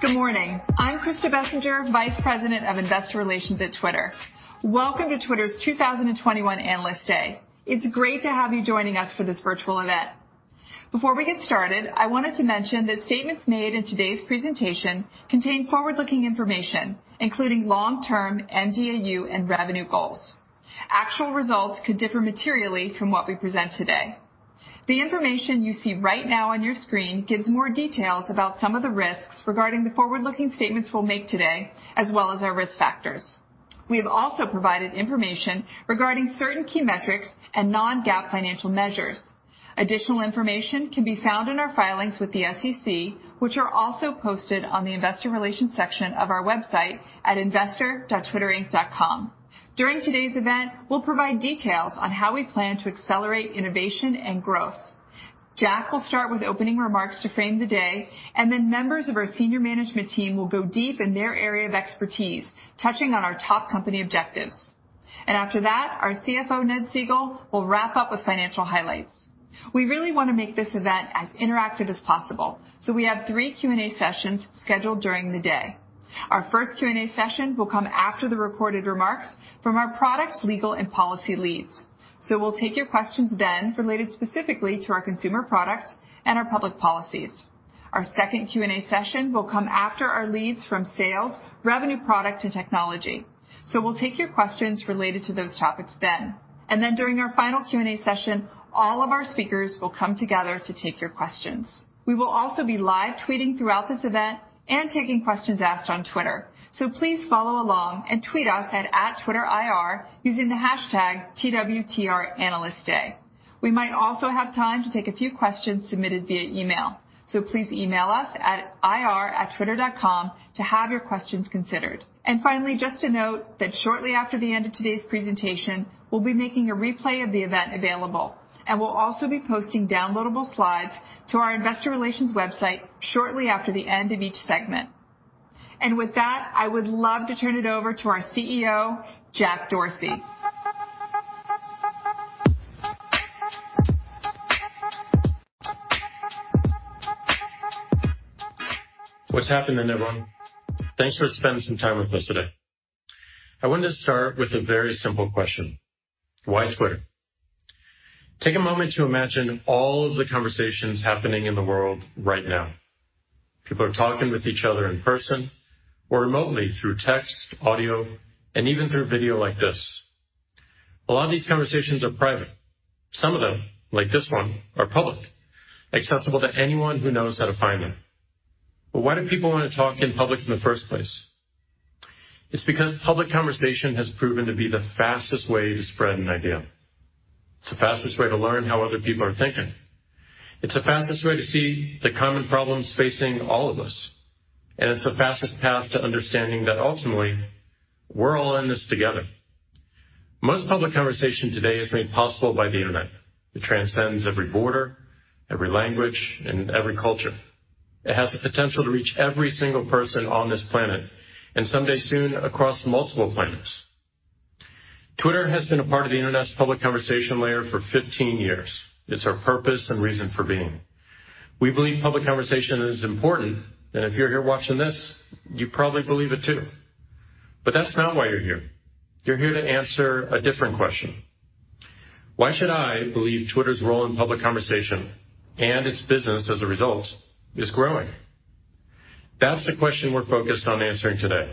Good morning. I'm Krista Bessinger, Vice President of Investor Relations at Twitter. Welcome to Twitter's 2021 Analyst Day. It's great to have you joining us for this virtual event. Before we get started, I wanted to mention that statements made in today's presentation contain forward-looking information, including long-term mDAU and revenue goals. Actual results could differ materially from what we present today. The information you see right now on your screen gives more details about some of the risks regarding the forward-looking statements we'll make today, as well as our risk factors. We have also provided information regarding certain key metrics and non-GAAP financial measures. Additional information can be found in our filings with the SEC, which are also posted on the investor relations section of our website at investor.twitterinc.com. During today's event, we'll provide details on how we plan to accelerate innovation and growth. Jack will start with opening remarks to frame the day, and then members of our senior management team will go deep in their area of expertise, touching on our top company objectives. After that, our CFO, Ned Segal, will wrap up with financial highlights. We really want to make this event as interactive as possible, so we have three Q&A sessions scheduled during the day. Our first Q&A session will come after the recorded remarks from our products, legal, and policy leads. We'll take your questions then related specifically to our consumer product and our public policies. Our second Q&A session will come after our leads from sales, revenue product, and technology. We'll take your questions related to those topics then. Then during our final Q&A session, all of our speakers will come together to take your questions. We will also be live tweeting throughout this event and taking questions asked on Twitter. Please follow along and tweet us at @TwitterIR, using the hashtag #TWTRAnalystDay. We might also have time to take a few questions submitted via email, so please email us at ir@twitter.com to have your questions considered. Finally, just to note that shortly after the end of today's presentation, we'll be making a replay of the event available, and we'll also be posting downloadable slides to our investor relations website shortly after the end of each segment. With that, I would love to turn it over to our CEO, Jack Dorsey. What's happening, everyone? Thanks for spending some time with us today. I wanted to start with a very simple question. Why Twitter? Take a moment to imagine all of the conversations happening in the world right now. People are talking with each other in person or remotely through text, audio, and even through video like this. A lot of these conversations are private. Some of them, like this one, are public, accessible to anyone who knows how to find them. Why do people want to talk in public in the first place? It's because public conversation has proven to be the fastest way to spread an idea. It's the fastest way to learn how other people are thinking. It's the fastest way to see the common problems facing all of us, and it's the fastest path to understanding that ultimately, we're all in this together. Most public conversation today is made possible by the internet. It transcends every border, every language, and every culture. It has the potential to reach every single person on this planet, and someday soon, across multiple planets. Twitter has been a part of the internet's public conversation layer for 15 years. It's our purpose and reason for being. We believe public conversation is important, and if you're here watching this, you probably believe it too. That's not why you're here. You're here to answer a different question. Why should I believe Twitter's role in public conversation and its business as a result is growing? That's the question we're focused on answering today.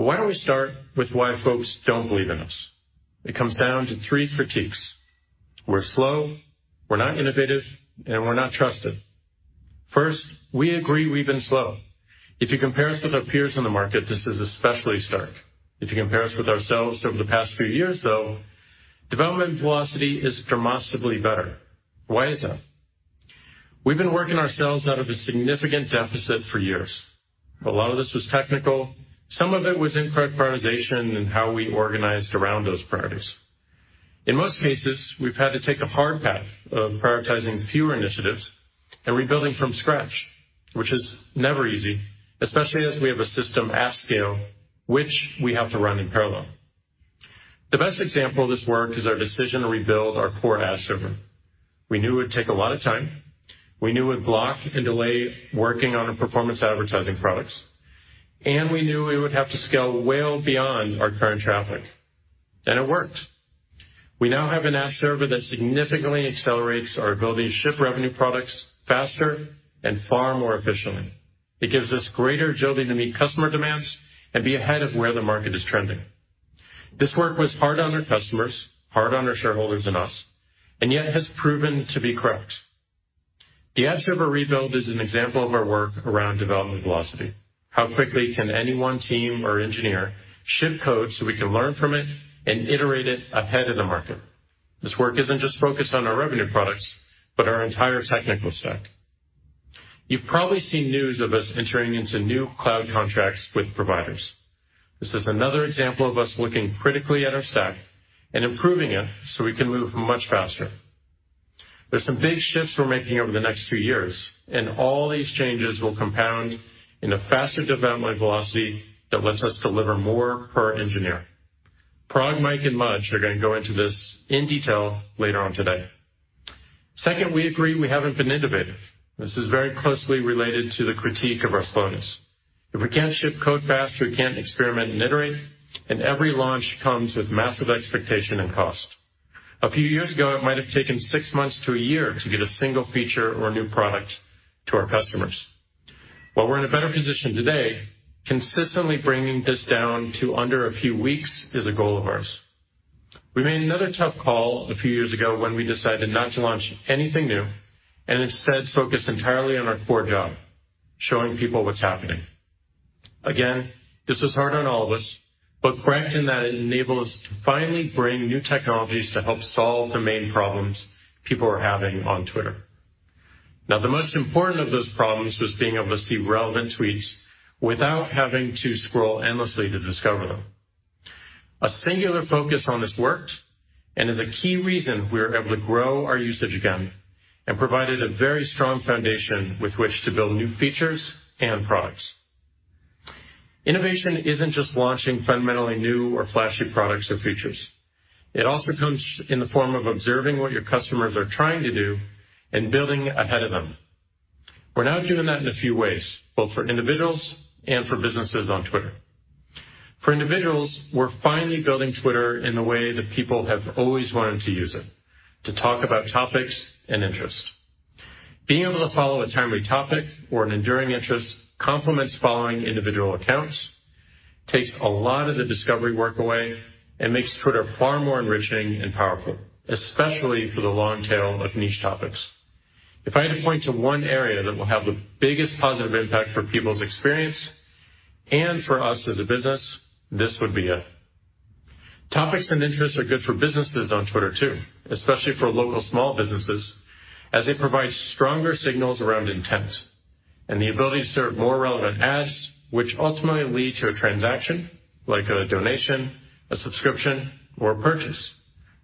Why don't we start with why folks don't believe in us? It comes down to three critiques. We're slow, we're not innovative, and we're not trusted. First, we agree we've been slow. If you compare us with our peers in the market, this is especially stark. If you compare us with ourselves over the past few years, though, development velocity is dramatically better. Why is that? We've been working ourselves out of a significant deficit for years. A lot of this was technical, some of it was in prioritization and how we organized around those priorities. In most cases, we've had to take a hard path of prioritizing fewer initiatives and rebuilding from scratch, which is never easy, especially as we have a system at scale, which we have to run in parallel. The best example of this work is our decision to rebuild our core ad server. We knew it would take a lot of time, we knew it would block and delay working on our performance advertising products, and we knew it would have to scale well beyond our current traffic. It worked. We now have an ad server that significantly accelerates our ability to ship revenue products faster and far more efficiently. It gives us greater agility to meet customer demands and be ahead of where the market is trending. This work was hard on our customers, hard on our shareholders and us, and yet has proven to be correct. The ad server rebuild is an example of our work around development velocity. How quickly can any one team or engineer ship code so we can learn from it and iterate it ahead of the market? This work isn't just focused on our revenue products, but our entire technical stack. You've probably seen news of us entering into new cloud contracts with providers. This is another example of us looking critically at our stack and improving it so we can move much faster. There's some big shifts we're making over the next few years, and all these changes will compound in a faster development velocity that lets us deliver more per engineer. Parag, Mike, and Mudge are going to go into this in detail later on today. Second, we agree we haven't been innovative. This is very closely related to the critique of our slowness. If we can't ship code fast, we can't experiment and iterate, and every launch comes with massive expectation and cost. A few years ago, it might have taken six months to a year to get a single feature or new product to our customers. While we're in a better position today, consistently bringing this down to under a few weeks is a goal of ours. We made another tough call a few years ago when we decided not to launch anything new, and instead, focus entirely on our core job, showing people what's happening. Again, this was hard on all of us, but correct in that it enabled us to finally bring new technologies to help solve the main problems people were having on Twitter. Now, the most important of those problems was being able to see relevant tweets without having to scroll endlessly to discover them. A singular focus on this worked and is a key reason we are able to grow our usage again and provided a very strong foundation with which to build new features and products. Innovation isn't just launching fundamentally new or flashy products or features. It also comes in the form of observing what your customers are trying to do and building ahead of them. We're now doing that in a few ways, both for individuals and for businesses on Twitter. For individuals, we're finally building Twitter in the way that people have always wanted to use it, to talk about topics and interests. Being able to follow a timely topic or an enduring interest complements following individual accounts, takes a lot of the discovery work away, and makes Twitter far more enriching and powerful, especially for the long tail of niche topics. If I had to point to one area that will have the biggest positive impact for people's experience and for us as a business, this would be it. Topics and interests are good for businesses on Twitter, too, especially for local small businesses, as they provide stronger signals around intent and the ability to serve more relevant ads, which ultimately lead to a transaction, like a donation, a subscription, or a purchase.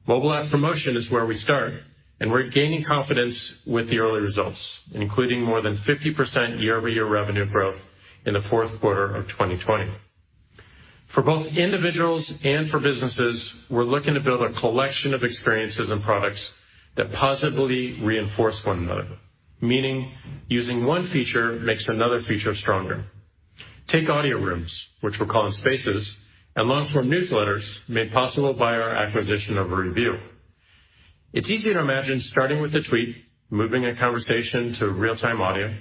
Mobile app promotion is where we start, and we're gaining confidence with the early results, including more than 50% year-over-year revenue growth in the fourth quarter of 2020. For both individuals and for businesses, we're looking to build a collection of experiences and products that positively reinforce one another, meaning using one feature makes another feature stronger. Take audio rooms, which we're calling Spaces, and long-form newsletters made possible by our acquisition of Revue. It's easy to imagine starting with a tweet, moving a conversation to real-time audio,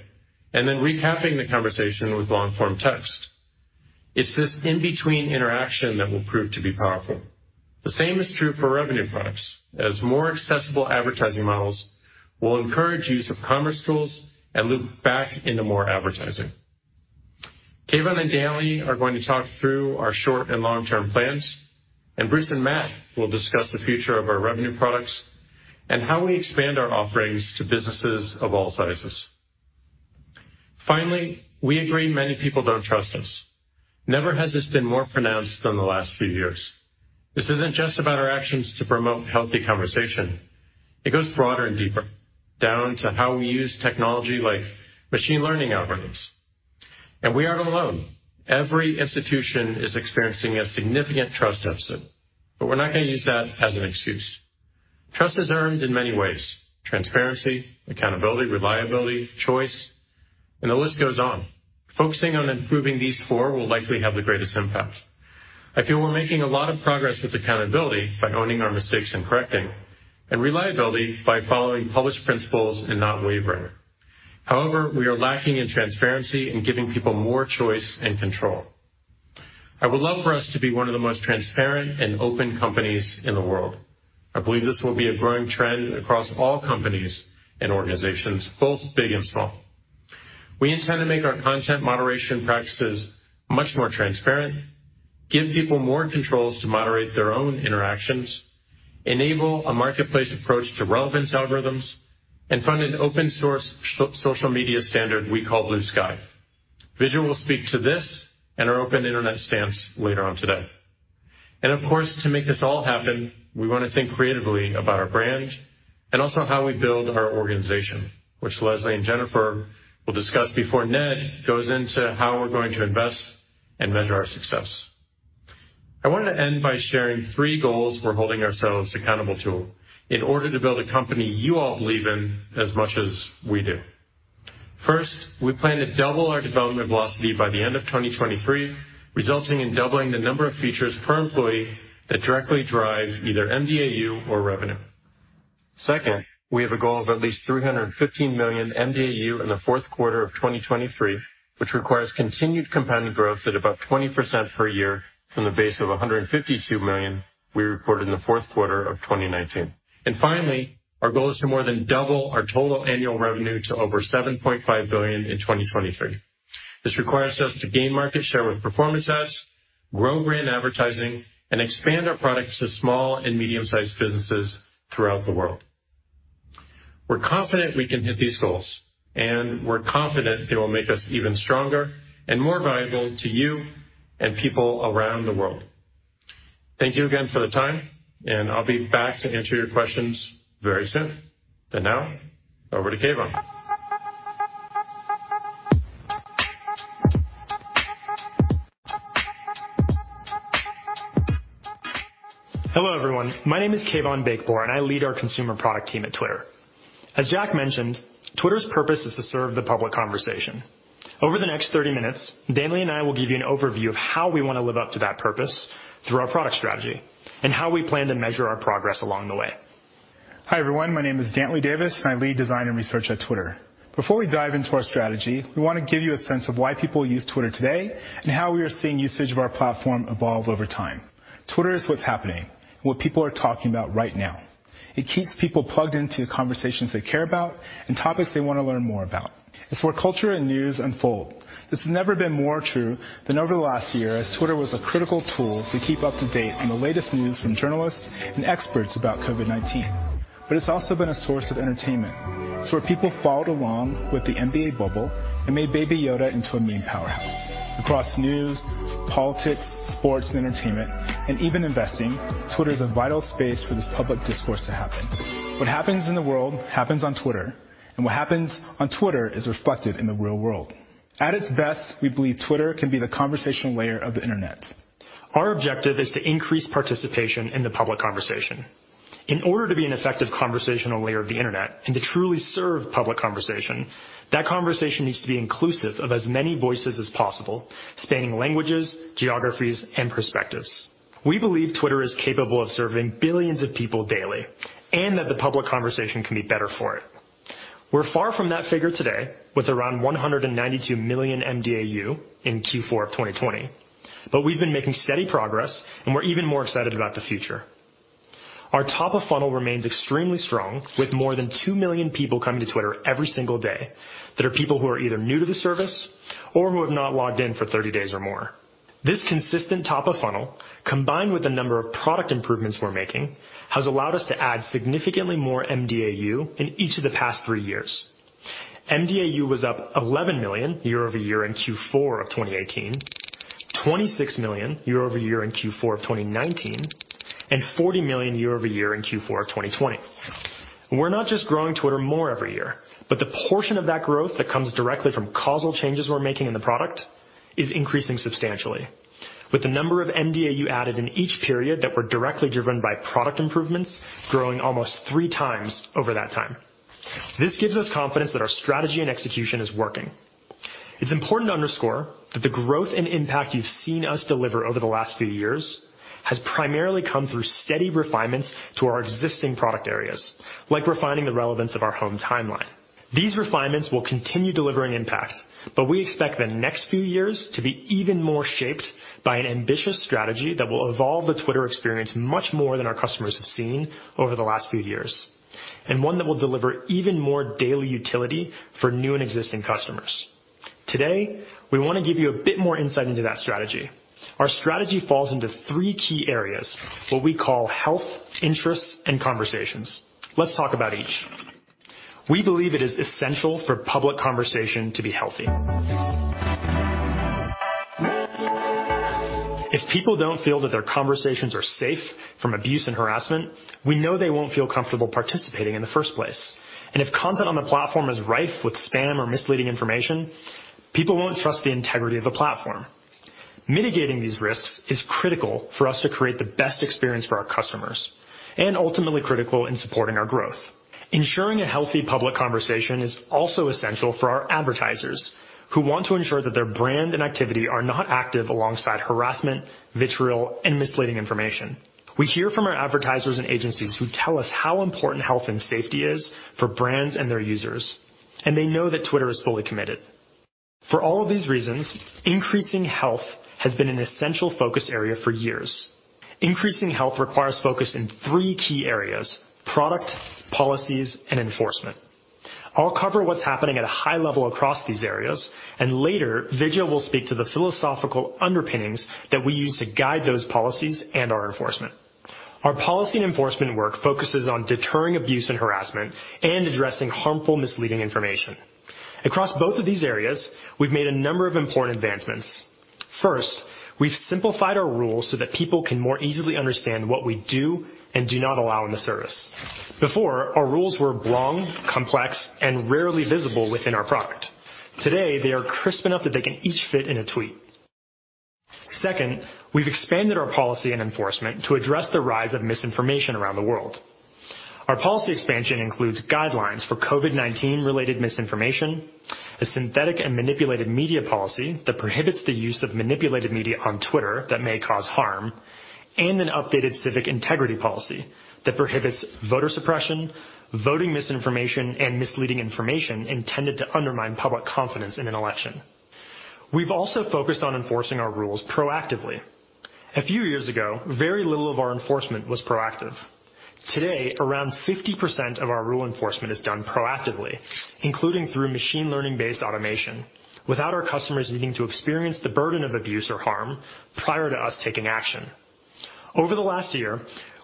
and then recapping the conversation with long-form text. It's this in-between interaction that will prove to be powerful. The same is true for revenue products, as more accessible advertising models will encourage use of commerce tools and loop back into more advertising. Kayvon and Dantley are going to talk through our short and long-term plans. Bruce and Matt will discuss the future of our revenue products and how we expand our offerings to businesses of all sizes. Finally, we agree many people don't trust us. Never has this been more pronounced than the last few years. This isn't just about our actions to promote healthy conversation. It goes broader and deeper, down to how we use technology like machine learning algorithms. We aren't alone. Every institution is experiencing a significant trust deficit. We're not going to use that as an excuse. Trust is earned in many ways, transparency, accountability, reliability, choice, and the list goes on. Focusing on improving these four will likely have the greatest impact. I feel we're making a lot of progress with accountability by owning our mistakes and correcting, and reliability by following published principles and not wavering. However, we are lacking in transparency and giving people more choice and control. I would love for us to be one of the most transparent and open companies in the world. I believe this will be a growing trend across all companies and organizations, both big and small. We intend to make our content moderation practices much more transparent, give people more controls to moderate their own interactions, enable a marketplace approach to relevance algorithms, and fund an open source social media standard we call Bluesky. Vijaya will speak to this and our open internet stance later on today. Of course, to make this all happen, we want to think creatively about our brand and also how we build our organization, which Leslie and Jennifer will discuss before Ned goes into how we're going to invest and measure our success. I want to end by sharing three goals we're holding ourselves accountable to in order to build a company you all believe in as much as we do. First, we plan to double our development velocity by the end of 2023, resulting in doubling the number of features per employee that directly drive either mDAU or revenue. Second, we have a goal of at least 315 million mDAU in the fourth quarter of 2023, which requires continued compounded growth at about 20% per year from the base of 152 million we reported in the fourth quarter of 2019. Finally, our goal is to more than double our total annual revenue to over $7.5 billion in 2023. This requires us to gain market share with performance ads, grow brand advertising, and expand our products to small and medium-sized businesses throughout the world. We're confident we can hit these goals, and we're confident they will make us even stronger and more valuable to you and people around the world. Thank you again for the time, and I'll be back to answer your questions very soon. Now, over to Kayvon. Hello, everyone. My name is Kayvon Beykpour, and I lead our consumer product team at Twitter. As Jack mentioned, Twitter's purpose is to serve the public conversation. Over the next 30 minutes, Dantley and I will give you an overview of how we want to live up to that purpose through our product strategy, and how we plan to measure our progress along the way. Hi, everyone. My name is Dantley Davis, and I lead design and research at Twitter. Before we dive into our strategy, we want to give you a sense of why people use Twitter today, and how we are seeing usage of our platform evolve over time. Twitter is what's happening, and what people are talking about right now. It keeps people plugged into conversations they care about, and topics they want to learn more about. It's where culture and news unfold. This has never been more true than over the last year, as Twitter was a critical tool to keep up to-date on the latest news from journalists and experts about COVID-19. It's also been a source of entertainment. It's where people followed along with the NBA Bubble, and made Baby Yoda into a meme powerhouse. Across news, politics, sports, and entertainment, and even investing, Twitter is a vital space for this public discourse to happen. What happens in the world happens on Twitter. What happens on Twitter is reflected in the real world. At its best, we believe Twitter can be the conversational layer of the internet. Our objective is to increase participation in the public conversation. In order to be an effective conversational layer of the internet, and to truly serve public conversation, that conversation needs to be inclusive of as many voices as possible, spanning languages, geographies, and perspectives. We believe Twitter is capable of serving billions of people daily, and that the public conversation can be better for it. We're far from that figure today, with around 192 million mDAU in Q4 of 2020. We've been making steady progress, and we're even more excited about the future. Our top of funnel remains extremely strong, with more than two million people coming to Twitter every single day, that are people who are either new to the service or who have not logged in for 30 days or more. This consistent top of funnel, combined with the number of product improvements we're making, has allowed us to add significantly more mDAU in each of the past three years. mDAU was up 11 million year-over-year in Q4 of 2018, 26 million year-over-year in Q4 of 2019, and 40 million year-over-year in Q4 of 2020. We're not just growing Twitter more every year, but the portion of that growth that comes directly from causal changes we're making in the product is increasing substantially. With the number of mDAU added in each period that were directly driven by product improvements growing almost three times over that time. This gives us confidence that our strategy and execution is working. It's important to underscore that the growth and impact you've seen us deliver over the last few years has primarily come through steady refinements to our existing product areas, like refining the relevance of our home timeline. These refinements will continue delivering impact, but we expect the next few years to be even more shaped by an ambitious strategy that will evolve the Twitter experience much more than our customers have seen over the last few years, and one that will deliver even more daily utility for new and existing customers. Today, we want to give you a bit more insight into that strategy. Our strategy falls into three key areas, what we call health, interests, and conversations. Let's talk about each. We believe it is essential for public conversation to be healthy. If people don't feel that their conversations are safe from abuse and harassment, we know they won't feel comfortable participating in the first place. If content on the platform is rife with spam or misleading information, people won't trust the integrity of the platform. Mitigating these risks is critical for us to create the best experience for our customers, and ultimately critical in supporting our growth. Ensuring a healthy public conversation is also essential for our advertisers, who want to ensure that their brand and activity are not active alongside harassment, vitriol, and misleading information. We hear from our advertisers and agencies who tell us how important health and safety is for brands and their users, and they know that Twitter is fully committed. For all of these reasons, increasing health has been an essential focus area for years. Increasing health requires focus in three key areas, product, policies, and enforcement. I'll cover what's happening at a high level across these areas, and later, Vijaya will speak to the philosophical underpinnings that we use to guide those policies and our enforcement. Our policy and enforcement work focuses on deterring abuse and harassment and addressing harmful, misleading information. Across both of these areas, we've made a number of important advancements. First, we've simplified our rules so that people can more easily understand what we do and do not allow on the service. Before, our rules were long, complex, and rarely visible within our product. Today, they are crisp enough that they can each fit in a tweet. Second, we've expanded our policy and enforcement to address the rise of misinformation around the world. Our policy expansion includes guidelines for COVID-19 related misinformation, a synthetic and manipulated media policy that prohibits the use of manipulated media on Twitter that may cause harm, and an updated civic integrity policy that prohibits voter suppression, voting misinformation, and misleading information intended to undermine public confidence in an election. We've also focused on enforcing our rules proactively. A few years ago, very little of our enforcement was proactive. Today, around 50% of our rule enforcement is done proactively, including through machine learning-based automation, without our customers needing to experience the burden of abuse or harm prior to us taking action. Over the last year,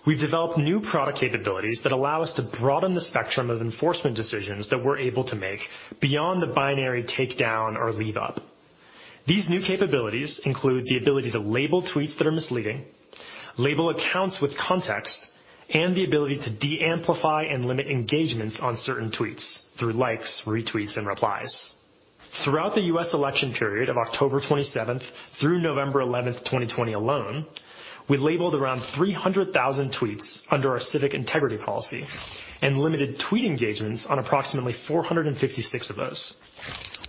we've developed new product capabilities that allow us to broaden the spectrum of enforcement decisions that we're able to make beyond the binary take down or leave up. These new capabilities include the ability to label tweets that are misleading, label accounts with context, and the ability to deamplify and limit engagements on certain tweets through likes, retweets, and replies. Throughout the U.S. election period of October 27th through November 11th, 2020 alone, we labeled around 300,000 tweets under our civic integrity policy and limited tweet engagements on approximately 456 of those.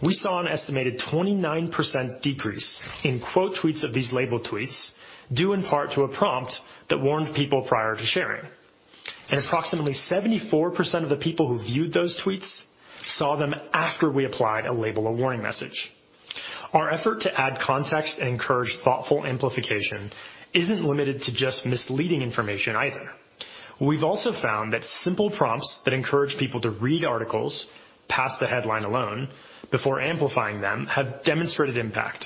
We saw an estimated 29% decrease in quote tweets of these labeled tweets, due in part to a prompt that warned people prior to sharing. And approximately 74% of the people who viewed those tweets saw them after we applied a label or warning message. Our effort to add context and encourage thoughtful amplification isn't limited to just misleading information either. We've also found that simple prompts that encourage people to read articles past the headline alone before amplifying them have demonstrated impact.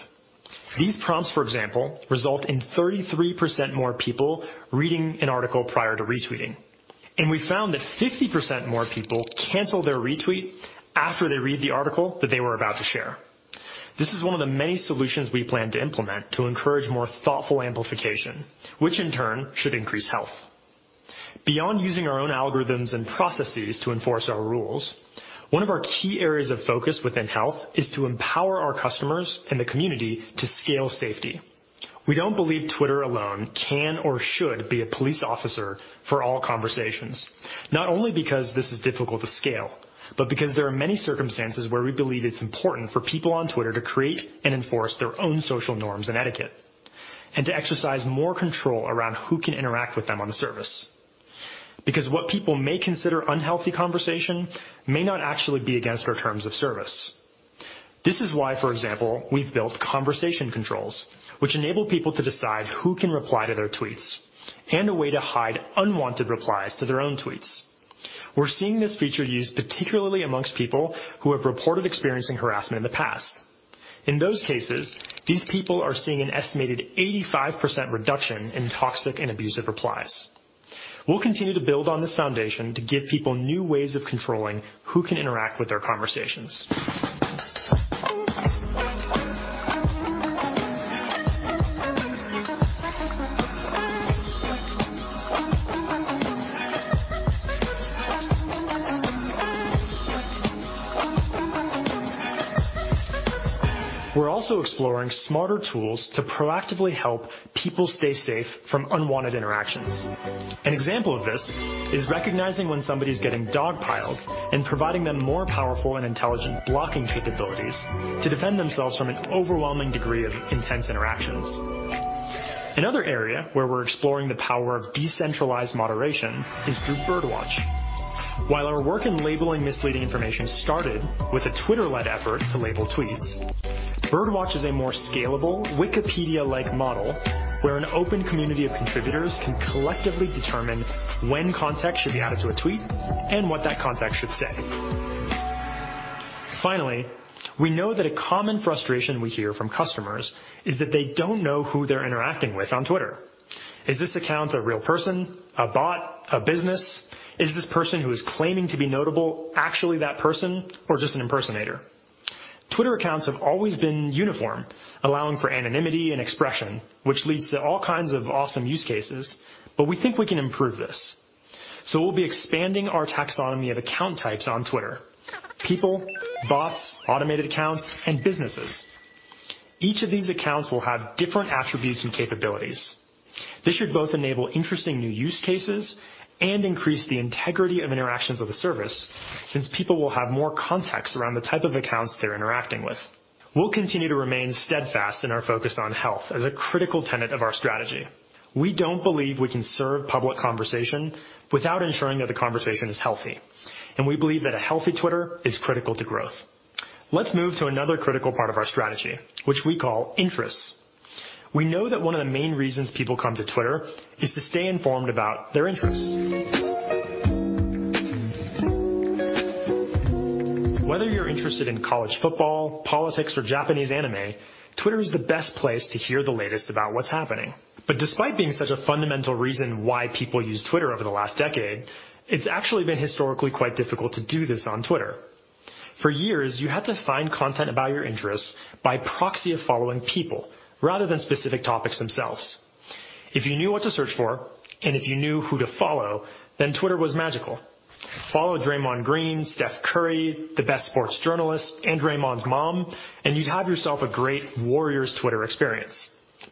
These prompts, for example, result in 33% more people reading an article prior to retweeting. We found that 50% more people cancel their retweet after they read the article that they were about to share. This is one of the many solutions we plan to implement to encourage more thoughtful amplification, which in turn should increase health. Beyond using our own algorithms and processes to enforce our rules, one of our key areas of focus within health is to empower our customers and the community to scale safety. We don't believe Twitter alone can or should be a police officer for all conversations, not only because this is difficult to scale, but because there are many circumstances where we believe it's important for people on Twitter to create and enforce their own social norms and etiquette, and to exercise more control around who can interact with them on the service. What people may consider unhealthy conversation may not actually be against our terms of service. This is why, for example, we've built conversation controls, which enable people to decide who can reply to their tweets, and a way to hide unwanted replies to their own tweets. We're seeing this feature used particularly amongst people who have reported experiencing harassment in the past. In those cases, these people are seeing an estimated 85% reduction in toxic and abusive replies. We'll continue to build on this foundation to give people new ways of controlling who can interact with their conversations. We're also exploring smarter tools to proactively help people stay safe from unwanted interactions. An example of this is recognizing when somebody's getting dogpiled and providing them more powerful and intelligent blocking capabilities to defend themselves from an overwhelming degree of intense interactions. Another area where we're exploring the power of decentralized moderation is through Birdwatch. While our work in labeling misleading information started with a Twitter-led effort to label tweets, Birdwatch is a more scalable, Wikipedia-like model where an open community of contributors can collectively determine when context should be added to a tweet and what that context should say. Finally, we know that a common frustration we hear from customers is that they don't know who they're interacting with on Twitter. Is this account a real person, a bot, a business? Is this person who is claiming to be notable actually that person or just an impersonator? Twitter accounts have always been uniform, allowing for anonymity and expression, which leads to all kinds of awesome use cases. We think we can improve this. We'll be expanding our taxonomy of account types on Twitter: people, bots, automated accounts, and businesses. Each of these accounts will have different attributes and capabilities. This should both enable interesting new use cases and increase the integrity of interactions with the service since people will have more context around the type of accounts they're interacting with. We'll continue to remain steadfast in our focus on health as a critical tenet of our strategy. We don't believe we can serve public conversation without ensuring that the conversation is healthy, and we believe that a healthy Twitter is critical to growth. Let's move to another critical part of our strategy, which we call interests. We know that one of the main reasons people come to Twitter is to stay informed about their interests. Whether you're interested in college football, politics, or Japanese anime, Twitter is the best place to hear the latest about what's happening. Despite being such a fundamental reason why people use Twitter over the last decade, it's actually been historically quite difficult to do this on Twitter. For years, you had to find content about your interests by proxy of following people rather than specific topics themselves. If you knew what to search for and if you knew who to follow, Twitter was magical. Follow Draymond Green, Steph Curry, the best sports journalists, and Draymond's mom, and you'd have yourself a great Warriors Twitter experience.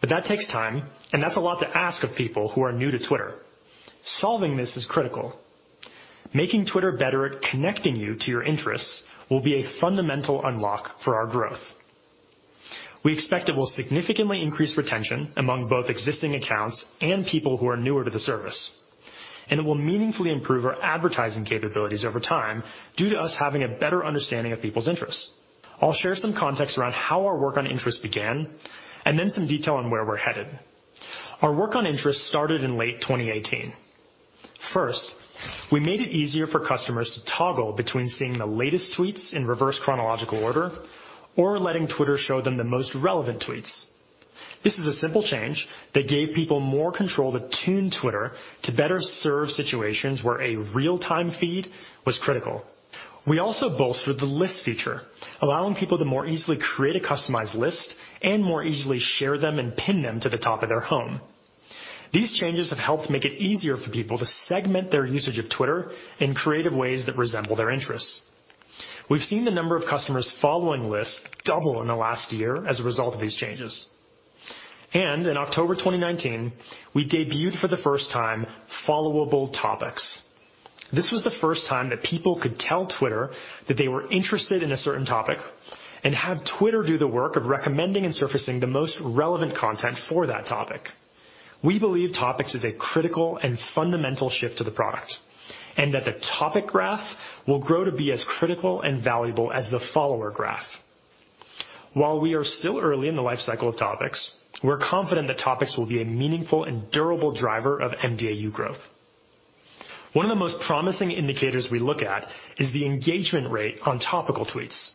That takes time, and that's a lot to ask of people who are new to Twitter. Solving this is critical. Making Twitter better at connecting you to your interests will be a fundamental unlock for our growth. We expect it will significantly increase retention among both existing accounts and people who are newer to the service. It will meaningfully improve our advertising capabilities over time due to us having a better understanding of people's interests. I'll share some context around how our work on interests began and then some detail on where we're headed. Our work on interests started in late 2018. First, we made it easier for customers to toggle between seeing the latest tweets in reverse chronological order or letting Twitter show them the most relevant tweets. This is a simple change that gave people more control to tune Twitter to better serve situations where a real-time feed was critical. We also bolstered the list feature, allowing people to more easily create a customized list and more easily share them and pin them to the top of their home. These changes have helped make it easier for people to segment their usage of Twitter in creative ways that resemble their interests. We've seen the number of customers following lists double in the last year as a result of these changes. In October 2019, we debuted for the first time followable topics. This was the first time that people could tell Twitter that they were interested in a certain topic and have Twitter do the work of recommending and surfacing the most relevant content for that topic. We believe topics is a critical and fundamental shift to the product, and that the topic graph will grow to be as critical and valuable as the follower graph. While we are still early in the life cycle of topics, we're confident that topics will be a meaningful and durable driver of mDAU growth. One of the most promising indicators we look at is the engagement rate on topical tweets.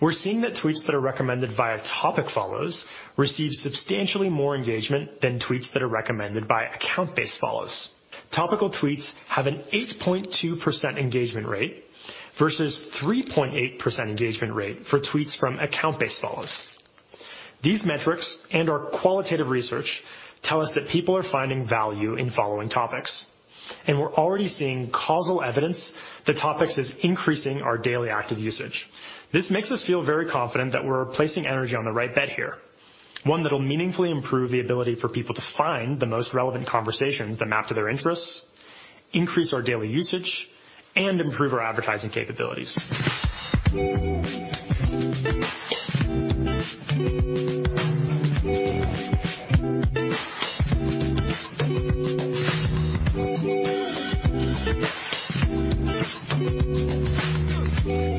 We're seeing that tweets that are recommended via topic follows receive substantially more engagement than tweets that are recommended by account-based follows. Topical tweets have an 8.2% engagement rate versus 3.8% engagement rate for tweets from account-based follows. These metrics and our qualitative research tell us that people are finding value in following topics, and we're already seeing causal evidence that topics is increasing our daily active usage. This makes us feel very confident that we're placing energy on the right bet here, one that'll meaningfully improve the ability for people to find the most relevant conversations that MAP to their interests, increase our daily usage, and improve our advertising capabilities.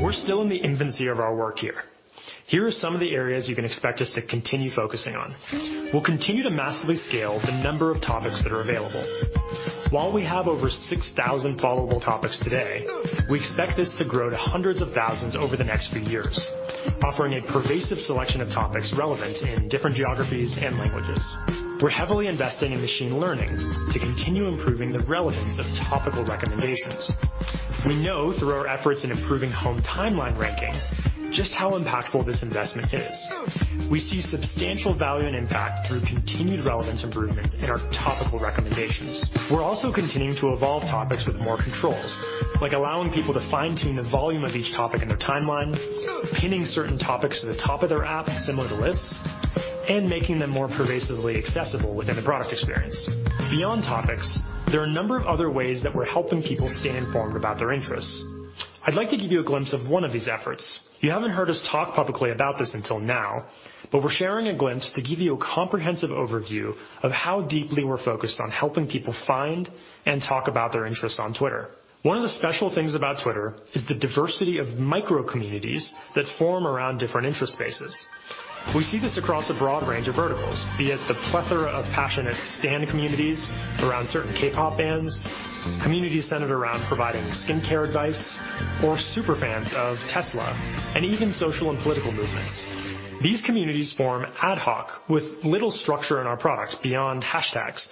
We're still in the infancy of our work here. Here are some of the areas you can expect us to continue focusing on. We'll continue to massively scale the number of topics that are available. While we have over 6,000 followable topics today, we expect this to grow to hundreds of thousands over the next few years, offering a pervasive selection of topics relevant in different geographies and languages. We're heavily investing in machine learning to continue improving the relevance of topical recommendations. We know through our efforts in improving home timeline ranking, just how impactful this investment is. We see substantial value and impact through continued relevance improvements in our topical recommendations. We're also continuing to evolve topics with more controls, like allowing people to fine-tune the volume of each topic in their timeline, pinning certain topics to the top of their app, similar to lists, and making them more pervasively accessible within the product experience. Beyond topics, there are a number of other ways that we're helping people stay informed about their interests. I'd like to give you a glimpse of one of these efforts. You haven't heard us talk publicly about this until now, but we're sharing a glimpse to give you a comprehensive overview of how deeply we're focused on helping people find and talk about their interests on Twitter. One of the special things about Twitter is the diversity of micro-communities that form around different interest spaces. We see this across a broad range of verticals, be it the plethora of passionate K-pop stan communities around certain K-pop bands, communities centered around providing skincare advice, or super fans of Tesla, and even social and political movements. These communities form ad hoc with little structure in our product beyond hashtags,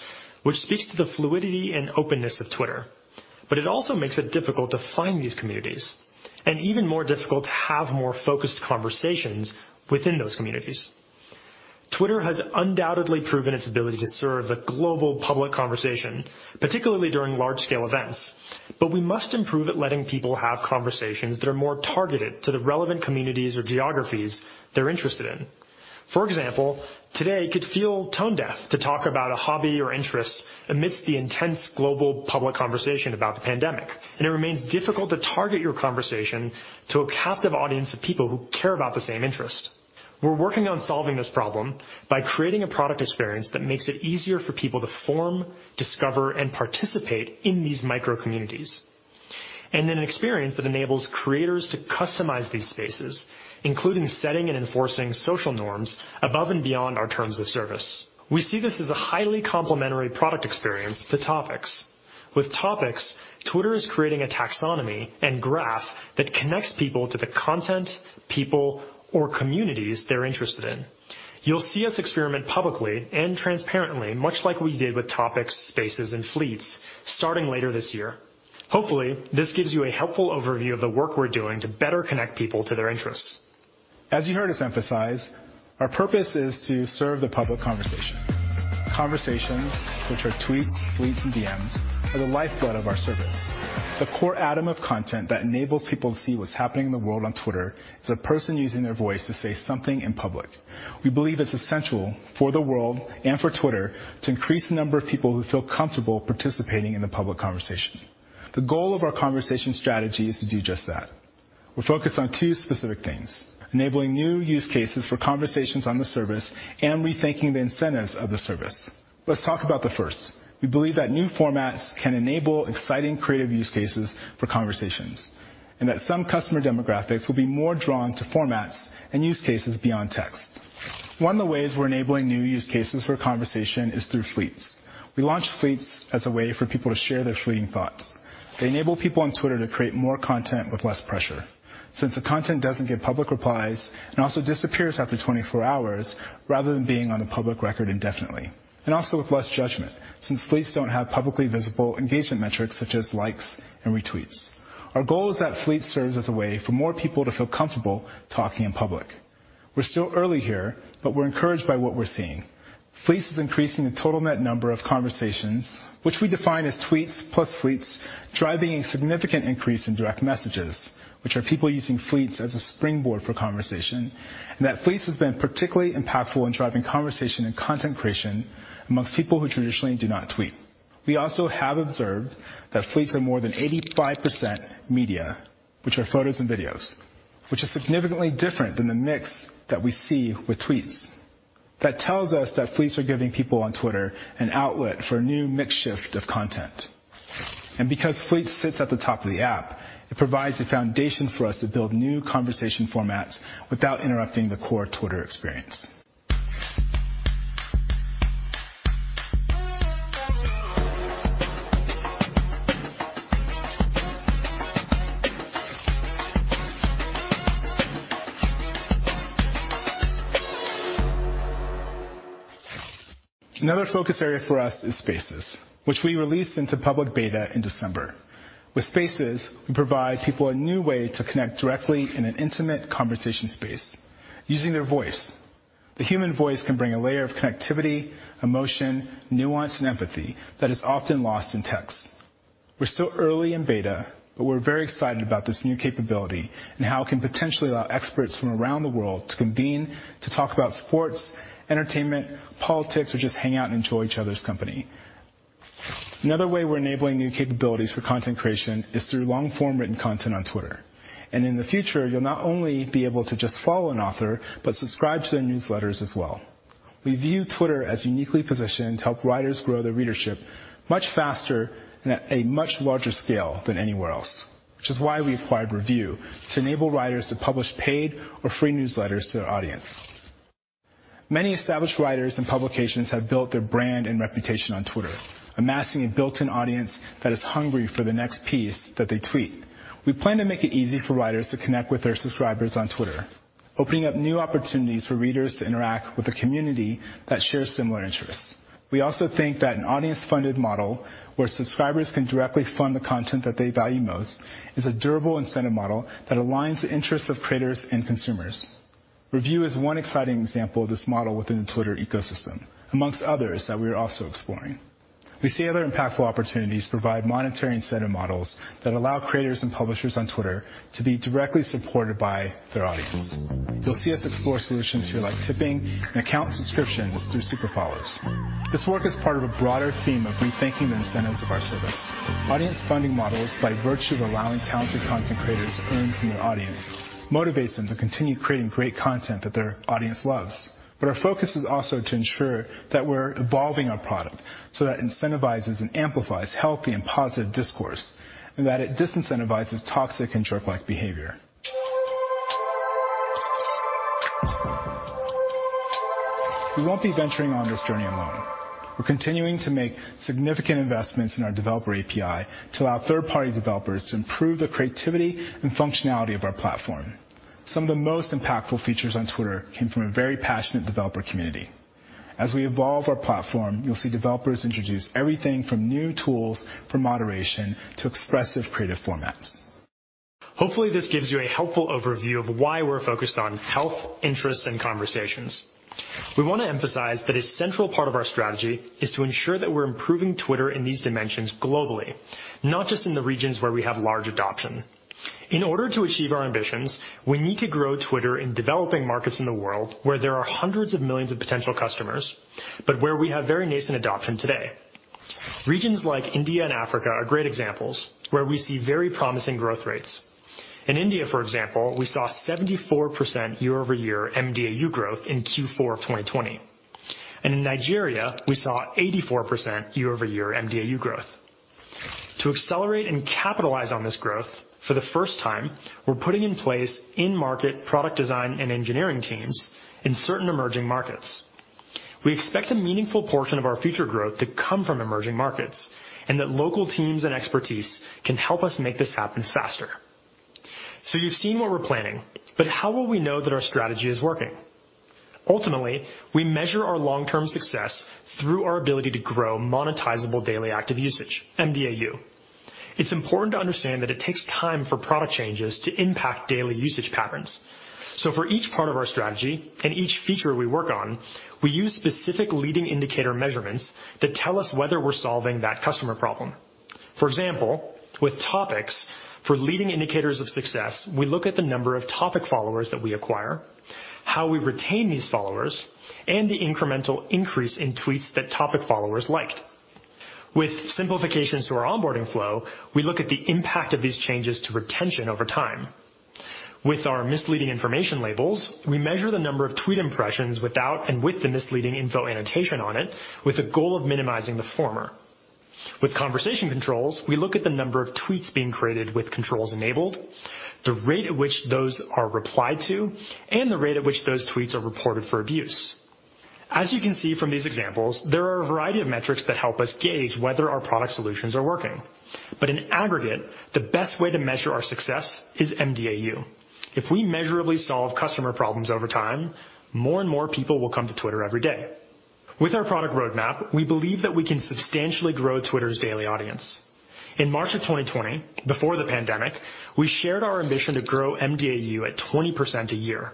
which speaks to the fluidity and openness of Twitter. It also makes it difficult to find these communities, and even more difficult to have more focused conversations within those communities. Twitter has undoubtedly proven its ability to serve the global public conversation, particularly during large-scale events. We must improve at letting people have conversations that are more targeted to the relevant communities or geographies they're interested in. For example, today, it could feel tone-deaf to talk about a hobby or interest amidst the intense global public conversation about the pandemic. It remains difficult to target your conversation to a captive audience of people who care about the same interest. We're working on solving this problem by creating a product experience that makes it easier for people to form, discover, and participate in these micro-communities. An experience that enables creators to customize these spaces, including setting and enforcing social norms above and beyond our terms of service. We see this as a highly complementary product experience to topics. With topics, Twitter is creating a taxonomy and graph that connects people to the content, people, or communities they're interested in. You'll see us experiment publicly and transparently, much like we did with topics, Spaces, and Fleets, starting later this year. Hopefully, this gives you a helpful overview of the work we're doing to better connect people to their interests. As you heard us emphasize, our purpose is to serve the public conversation. Conversations, which are tweets, Fleets, and DMs, are the lifeblood of our service. The core atom of content that enables people to see what's happening in the world on Twitter is a person using their voice to say something in public. We believe it's essential for the world and for Twitter to increase the number of people who feel comfortable participating in the public conversation. The goal of our conversation strategy is to do just that. We're focused on two specific things, enabling new use cases for conversations on the service and rethinking the incentives of the service. Let's talk about the first. We believe that new formats can enable exciting creative use cases for conversations, and that some customer demographics will be more drawn to formats and use cases beyond text. One of the ways we're enabling new use cases for conversation is through Fleets. We launched Fleets as a way for people to share their fleeting thoughts. They enable people on Twitter to create more content with less pressure. Since the content doesn't get public replies and also disappears after 24 hours, rather than being on a public record indefinitely. Also with less judgment, since Fleets don't have publicly visible engagement metrics such as likes and retweets. Our goal is that Fleets serves as a way for more people to feel comfortable talking in public. We're still early here, but we're encouraged by what we're seeing. Fleets is increasing the total net number of conversations, which we define as tweets plus Fleets, driving a significant increase in direct messages, which are people using Fleets as a springboard for conversation, and that Fleets has been particularly impactful in driving conversation and content creation amongst people who traditionally do not tweet. We also have observed that Fleets are more than 85% media, which are photos and videos, which is significantly different than the mix that we see with tweets. That tells us that Fleets are giving people on Twitter an outlet for a new mix shift of content. Because Fleets sits at the top of the app, it provides a foundation for us to build new conversation formats without interrupting the core Twitter experience. Another focus area for us is Spaces, which we released into public beta in December. With Spaces, we provide people a new way to connect directly in an intimate conversation space using their voice. The human voice can bring a layer of connectivity, emotion, nuance, and empathy that is often lost in text. We're still early in beta, but we're very excited about this new capability and how it can potentially allow experts from around the world to convene to talk about sports, entertainment, politics, or just hang out and enjoy each other's company. Another way we're enabling new capabilities for content creation is through long-form written content on Twitter. In the future, you'll not only be able to just follow an author, but subscribe to their newsletters as well. We view Twitter as uniquely positioned to help writers grow their readership much faster and at a much larger scale than anywhere else, which is why we acquired Revue to enable writers to publish paid or free newsletters to their audience. Many established writers and publications have built their brand and reputation on Twitter, amassing a built-in audience that is hungry for the next piece that they tweet. We plan to make it easy for writers to connect with their subscribers on Twitter, opening up new opportunities for readers to interact with a community that shares similar interests. We also think that an audience-funded model, where subscribers can directly fund the content that they value most, is a durable incentive model that aligns the interests of creators and consumers. Revue is one exciting example of this model within the Twitter ecosystem, amongst others that we are also exploring. We see other impactful opportunities to provide monetary incentive models that allow creators and publishers on Twitter to be directly supported by their audience. You'll see us explore solutions here like tipping and account subscriptions through Super Follows. This work is part of a broader theme of rethinking the incentives of our service. Audience funding models, by virtue of allowing talented content creators to earn from their audience, motivates them to continue creating great content that their audience loves. Our focus is also to ensure that we're evolving our product so that it incentivizes and amplifies healthy and positive discourse, and that it disincentivizes toxic and jerk-like behavior. We won't be venturing on this journey alone. We're continuing to make significant investments in our developer API to allow third-party developers to improve the creativity and functionality of our platform. Some of the most impactful features on Twitter came from a very passionate developer community. As we evolve our platform, you'll see developers introduce everything from new tools for moderation to expressive creative formats. Hopefully, this gives you a helpful overview of why we're focused on health, interests, and conversations. We want to emphasize that a central part of our strategy is to ensure that we're improving Twitter in these dimensions globally, not just in the regions where we have large adoption. In order to achieve our ambitions, we need to grow Twitter in developing markets in the world where there are hundreds of millions of potential customers, but where we have very nascent adoption today. Regions like India and Africa are great examples where we see very promising growth rates. In India, for example, we saw 74% year-over-year mDAU growth in Q4 of 2020. In Nigeria, we saw 84% year-over-year mDAU growth. To accelerate and capitalize on this growth, for the first time, we're putting in place in-market product design and engineering teams in certain emerging markets. We expect a meaningful portion of our future growth to come from emerging markets, that local teams and expertise can help us make this happen faster. You've seen what we're planning, how will we know that our strategy is working? Ultimately, we measure our long-term success through our ability to grow monetizable daily active usage, mDAU . It's important to understand that it takes time for product changes to impact daily usage patterns. For each part of our strategy and each feature we work on, we use specific leading indicator measurements that tell us whether we're solving that customer problem. For example, with topics, for leading indicators of success, we look at the number of topic followers that we acquire, how we retain these followers, and the incremental increase in tweets that topic followers liked. With simplifications to our onboarding flow, we look at the impact of these changes to retention over time. With our misleading information labels, we measure the number of tweet impressions without and with the misleading info annotation on it, with the goal of minimizing the former. With conversation controls, we look at the number of tweets being created with controls enabled, the rate at which those are replied to, and the rate at which those tweets are reported for abuse. As you can see from these examples, there are a variety of metrics that help us gauge whether our product solutions are working. In aggregate, the best way to measure our success is mDAU. If we measurably solve customer problems over time, more and more people will come to Twitter every day. With our product roadmap, we believe that we can substantially grow Twitter's daily audience. In March of 2020, before the pandemic, we shared our ambition to grow mDAU at 20% a year.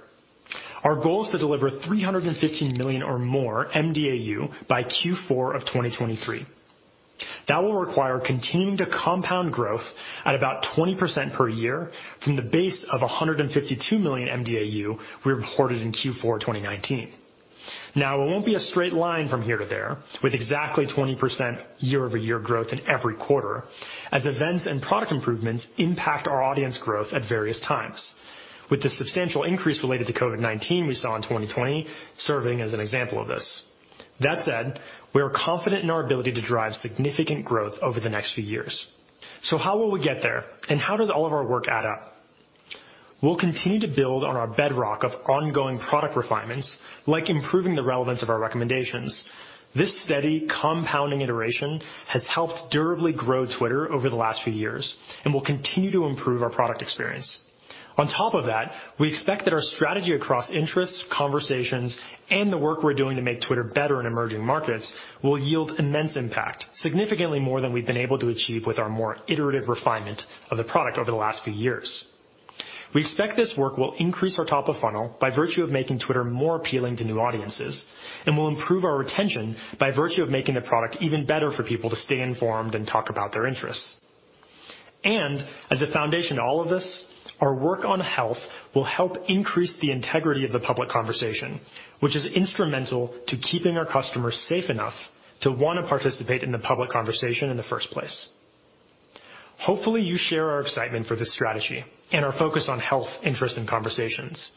Our goal is to deliver 315 million or more mDAU by Q4 of 2023. That will require continuing to compound growth at about 20% per year from the base of 152 million mDAU we reported in Q4 2019. It won't be a straight line from here to there, with exactly 20% year-over-year growth in every quarter, as events and product improvements impact our audience growth at various times, with the substantial increase related to COVID-19 we saw in 2020 serving as an example of this. That said, we are confident in our ability to drive significant growth over the next few years. How will we get there, and how does all of our work add up? We'll continue to build on our bedrock of ongoing product refinements, like improving the relevance of our recommendations. This steady, compounding iteration has helped durably grow Twitter over the last few years and will continue to improve our product experience. On top of that, we expect that our strategy across interests, conversations, and the work we're doing to make Twitter better in emerging markets will yield immense impact, significantly more than we've been able to achieve with our more iterative refinement of the product over the last few years. We expect this work will increase our top of funnel by virtue of making Twitter more appealing to new audiences and will improve our retention by virtue of making the product even better for people to stay informed and talk about their interests. As a foundation to all of this, our work on health will help increase the integrity of the public conversation, which is instrumental to keeping our customers safe enough to want to participate in the public conversation in the first place. Hopefully, you share our excitement for this strategy and our focus on health, interest, and conversations.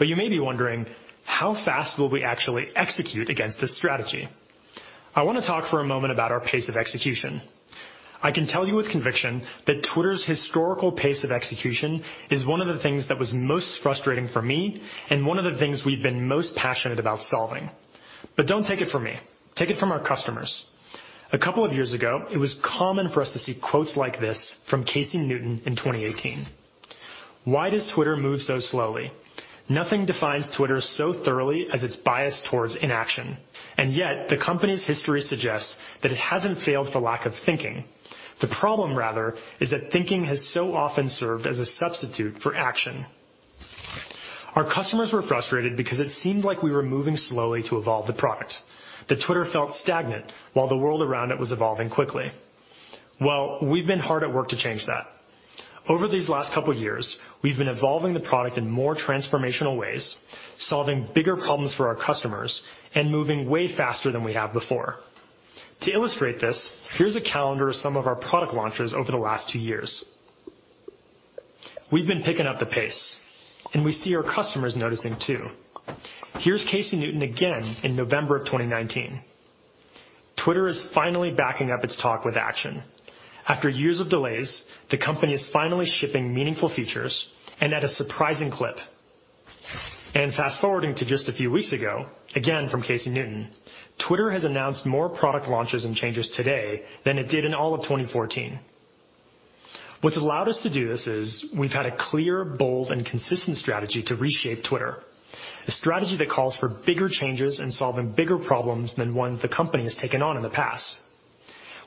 You may be wondering, "How fast will we actually execute against this strategy?" I want to talk for a moment about our pace of execution. I can tell you with conviction that Twitter's historical pace of execution is one of the things that was most frustrating for me and one of the things we've been most passionate about solving. Don't take it from me, take it from our customers. A couple of years ago, it was common for us to see quotes like this from Casey Newton in 2018. Why does Twitter move so slowly? Nothing defines Twitter so thoroughly as its bias towards inaction, and yet the company's history suggests that it hasn't failed for lack of thinking. The problem, rather, is that thinking has so often served as a substitute for action." Well, we've been hard at work to change that. Over these last couple years, we've been evolving the product in more transformational ways, solving bigger problems for our customers, and moving way faster than we have before. To illustrate this, here's a calendar of some of our product launches over the last two years. We've been picking up the pace, and we see our customers noticing, too. Here's Casey Newton again in November of 2019. Twitter is finally backing up its talk with action. After years of delays, the company is finally shipping meaningful features and at a surprising clip. Fast-forwarding to just a few weeks ago, again from Casey Newton, "Twitter has announced more product launches and changes today than it did in all of 2014." What's allowed us to do this is we've had a clear, bold, and consistent strategy to reshape Twitter, a strategy that calls for bigger changes and solving bigger problems than ones the company has taken on in the past.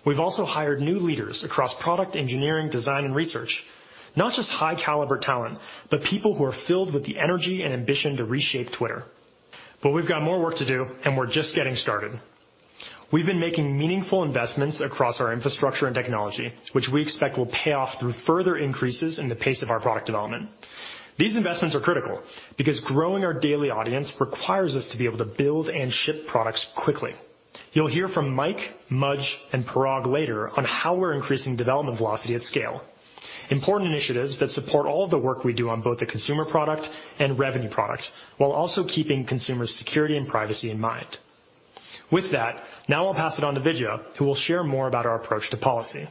We've also hired new leaders across product engineering, design, and research. Not just high-caliber talent, people who are filled with the energy and ambition to reshape Twitter. We've got more work to do, and we're just getting started. We've been making meaningful investments across our infrastructure and technology, which we expect will pay off through further increases in the pace of our product development. These investments are critical because growing our daily audience requires us to be able to build and ship products quickly. You'll hear from Mike, Mudge, and Parag later on how we're increasing development velocity at scale, important initiatives that support all of the work we do on both the consumer product and revenue product, while also keeping consumers' security and privacy in mind. With that, now I'll pass it on to Vijaya, who will share more about our approach to policy.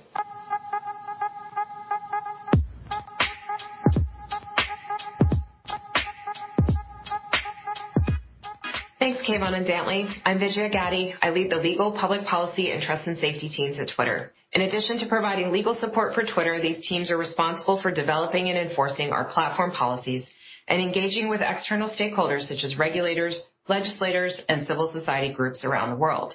Thanks, Kayvon and Dantley. I'm Vijaya Gadde. I lead the Legal, Public Policy, and Trust and Safety teams at Twitter. In addition to providing legal support for Twitter, these teams are responsible for developing and enforcing our platform policies and engaging with external stakeholders such as regulators, legislators, and civil society groups around the world.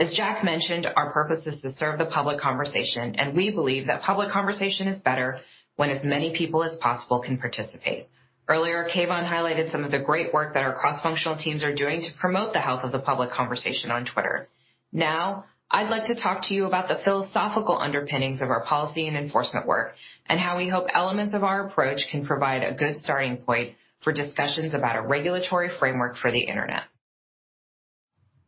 As Jack mentioned, our purpose is to serve the public conversation, and we believe that public conversation is better when as many people as possible can participate. Earlier, Kayvon highlighted some of the great work that our cross-functional teams are doing to promote the health of the public conversation on Twitter. Now, I'd like to talk to you about the philosophical underpinnings of our policy and enforcement work and how we hope elements of our approach can provide a good starting point for discussions about a regulatory framework for the internet.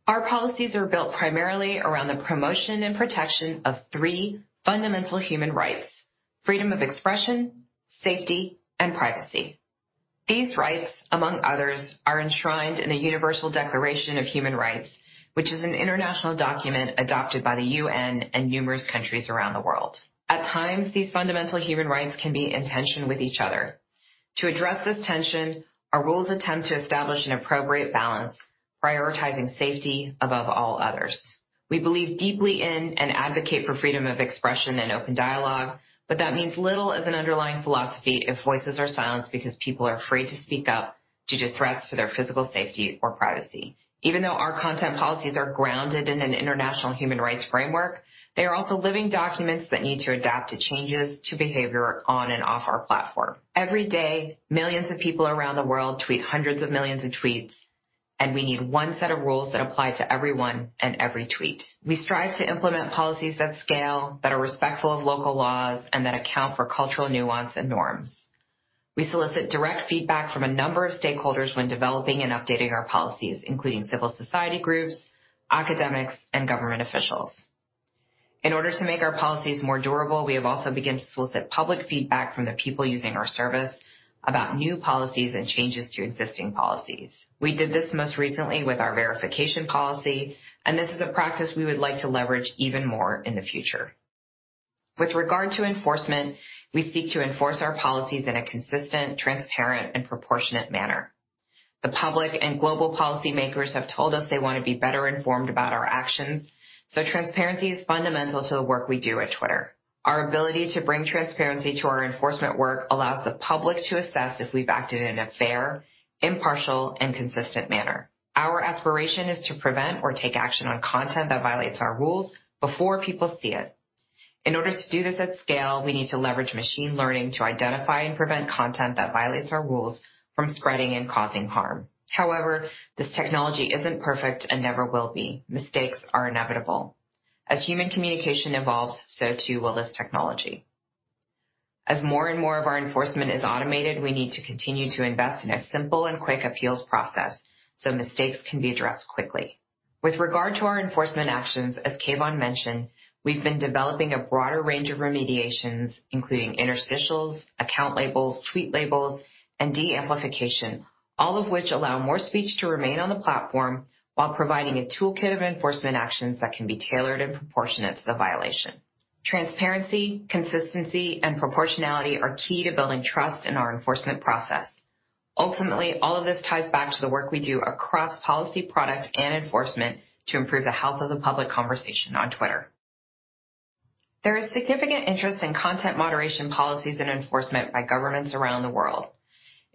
Our policies are built primarily around the promotion and protection of three fundamental human rights, freedom of expression, safety, and privacy. These rights, among others, are enshrined in the Universal Declaration of Human Rights, which is an international document adopted by the UN and numerous countries around the world. At times, these fundamental human rights can be in tension with each other. To address this tension, our rules attempt to establish an appropriate balance, prioritizing safety above all others. We believe deeply in and advocate for freedom of expression and open dialogue, but that means little as an underlying philosophy if voices are silenced because people are afraid to speak up due to threats to their physical safety or privacy. Even though our content policies are grounded in an international human rights framework, they are also living documents that need to adapt to changes to behavior on and off our platform. Every day, millions of people around the world tweet hundreds of millions of tweets. We need one set of rules that apply to everyone and every tweet. We strive to implement policies that scale, that are respectful of local laws, and that account for cultural nuance and norms. We solicit direct feedback from a number of stakeholders when developing and updating our policies, including civil society groups, academics, and government officials. In order to make our policies more durable, we have also begun to solicit public feedback from the people using our service about new policies and changes to existing policies. We did this most recently with our verification policy. This is a practice we would like to leverage even more in the future. With regard to enforcement, we seek to enforce our policies in a consistent, transparent, and proportionate manner. The public and global policymakers have told us they want to be better informed about our actions, so transparency is fundamental to the work we do at Twitter. Our ability to bring transparency to our enforcement work allows the public to assess if we've acted in a fair, impartial, and consistent manner. Our aspiration is to prevent or take action on content that violates our rules before people see it. In order to do this at scale, we need to leverage machine learning to identify and prevent content that violates our rules from spreading and causing harm. However, this technology isn't perfect and never will be. Mistakes are inevitable. As human communication evolves, so too will this technology. As more and more of our enforcement is automated, we need to continue to invest in a simple and quick appeals process so mistakes can be addressed quickly. With regard to our enforcement actions, as Kayvon mentioned, we've been developing a broader range of remediations, including interstitials, account labels, tweet labels, and de-amplification, all of which allow more speech to remain on the platform while providing a toolkit of enforcement actions that can be tailored and proportionate to the violation. Transparency, consistency, and proportionality are key to building trust in our enforcement process. Ultimately, all of this ties back to the work we do across policy, product, and enforcement to improve the health of the public conversation on Twitter. There is significant interest in content moderation policies and enforcement by governments around the world.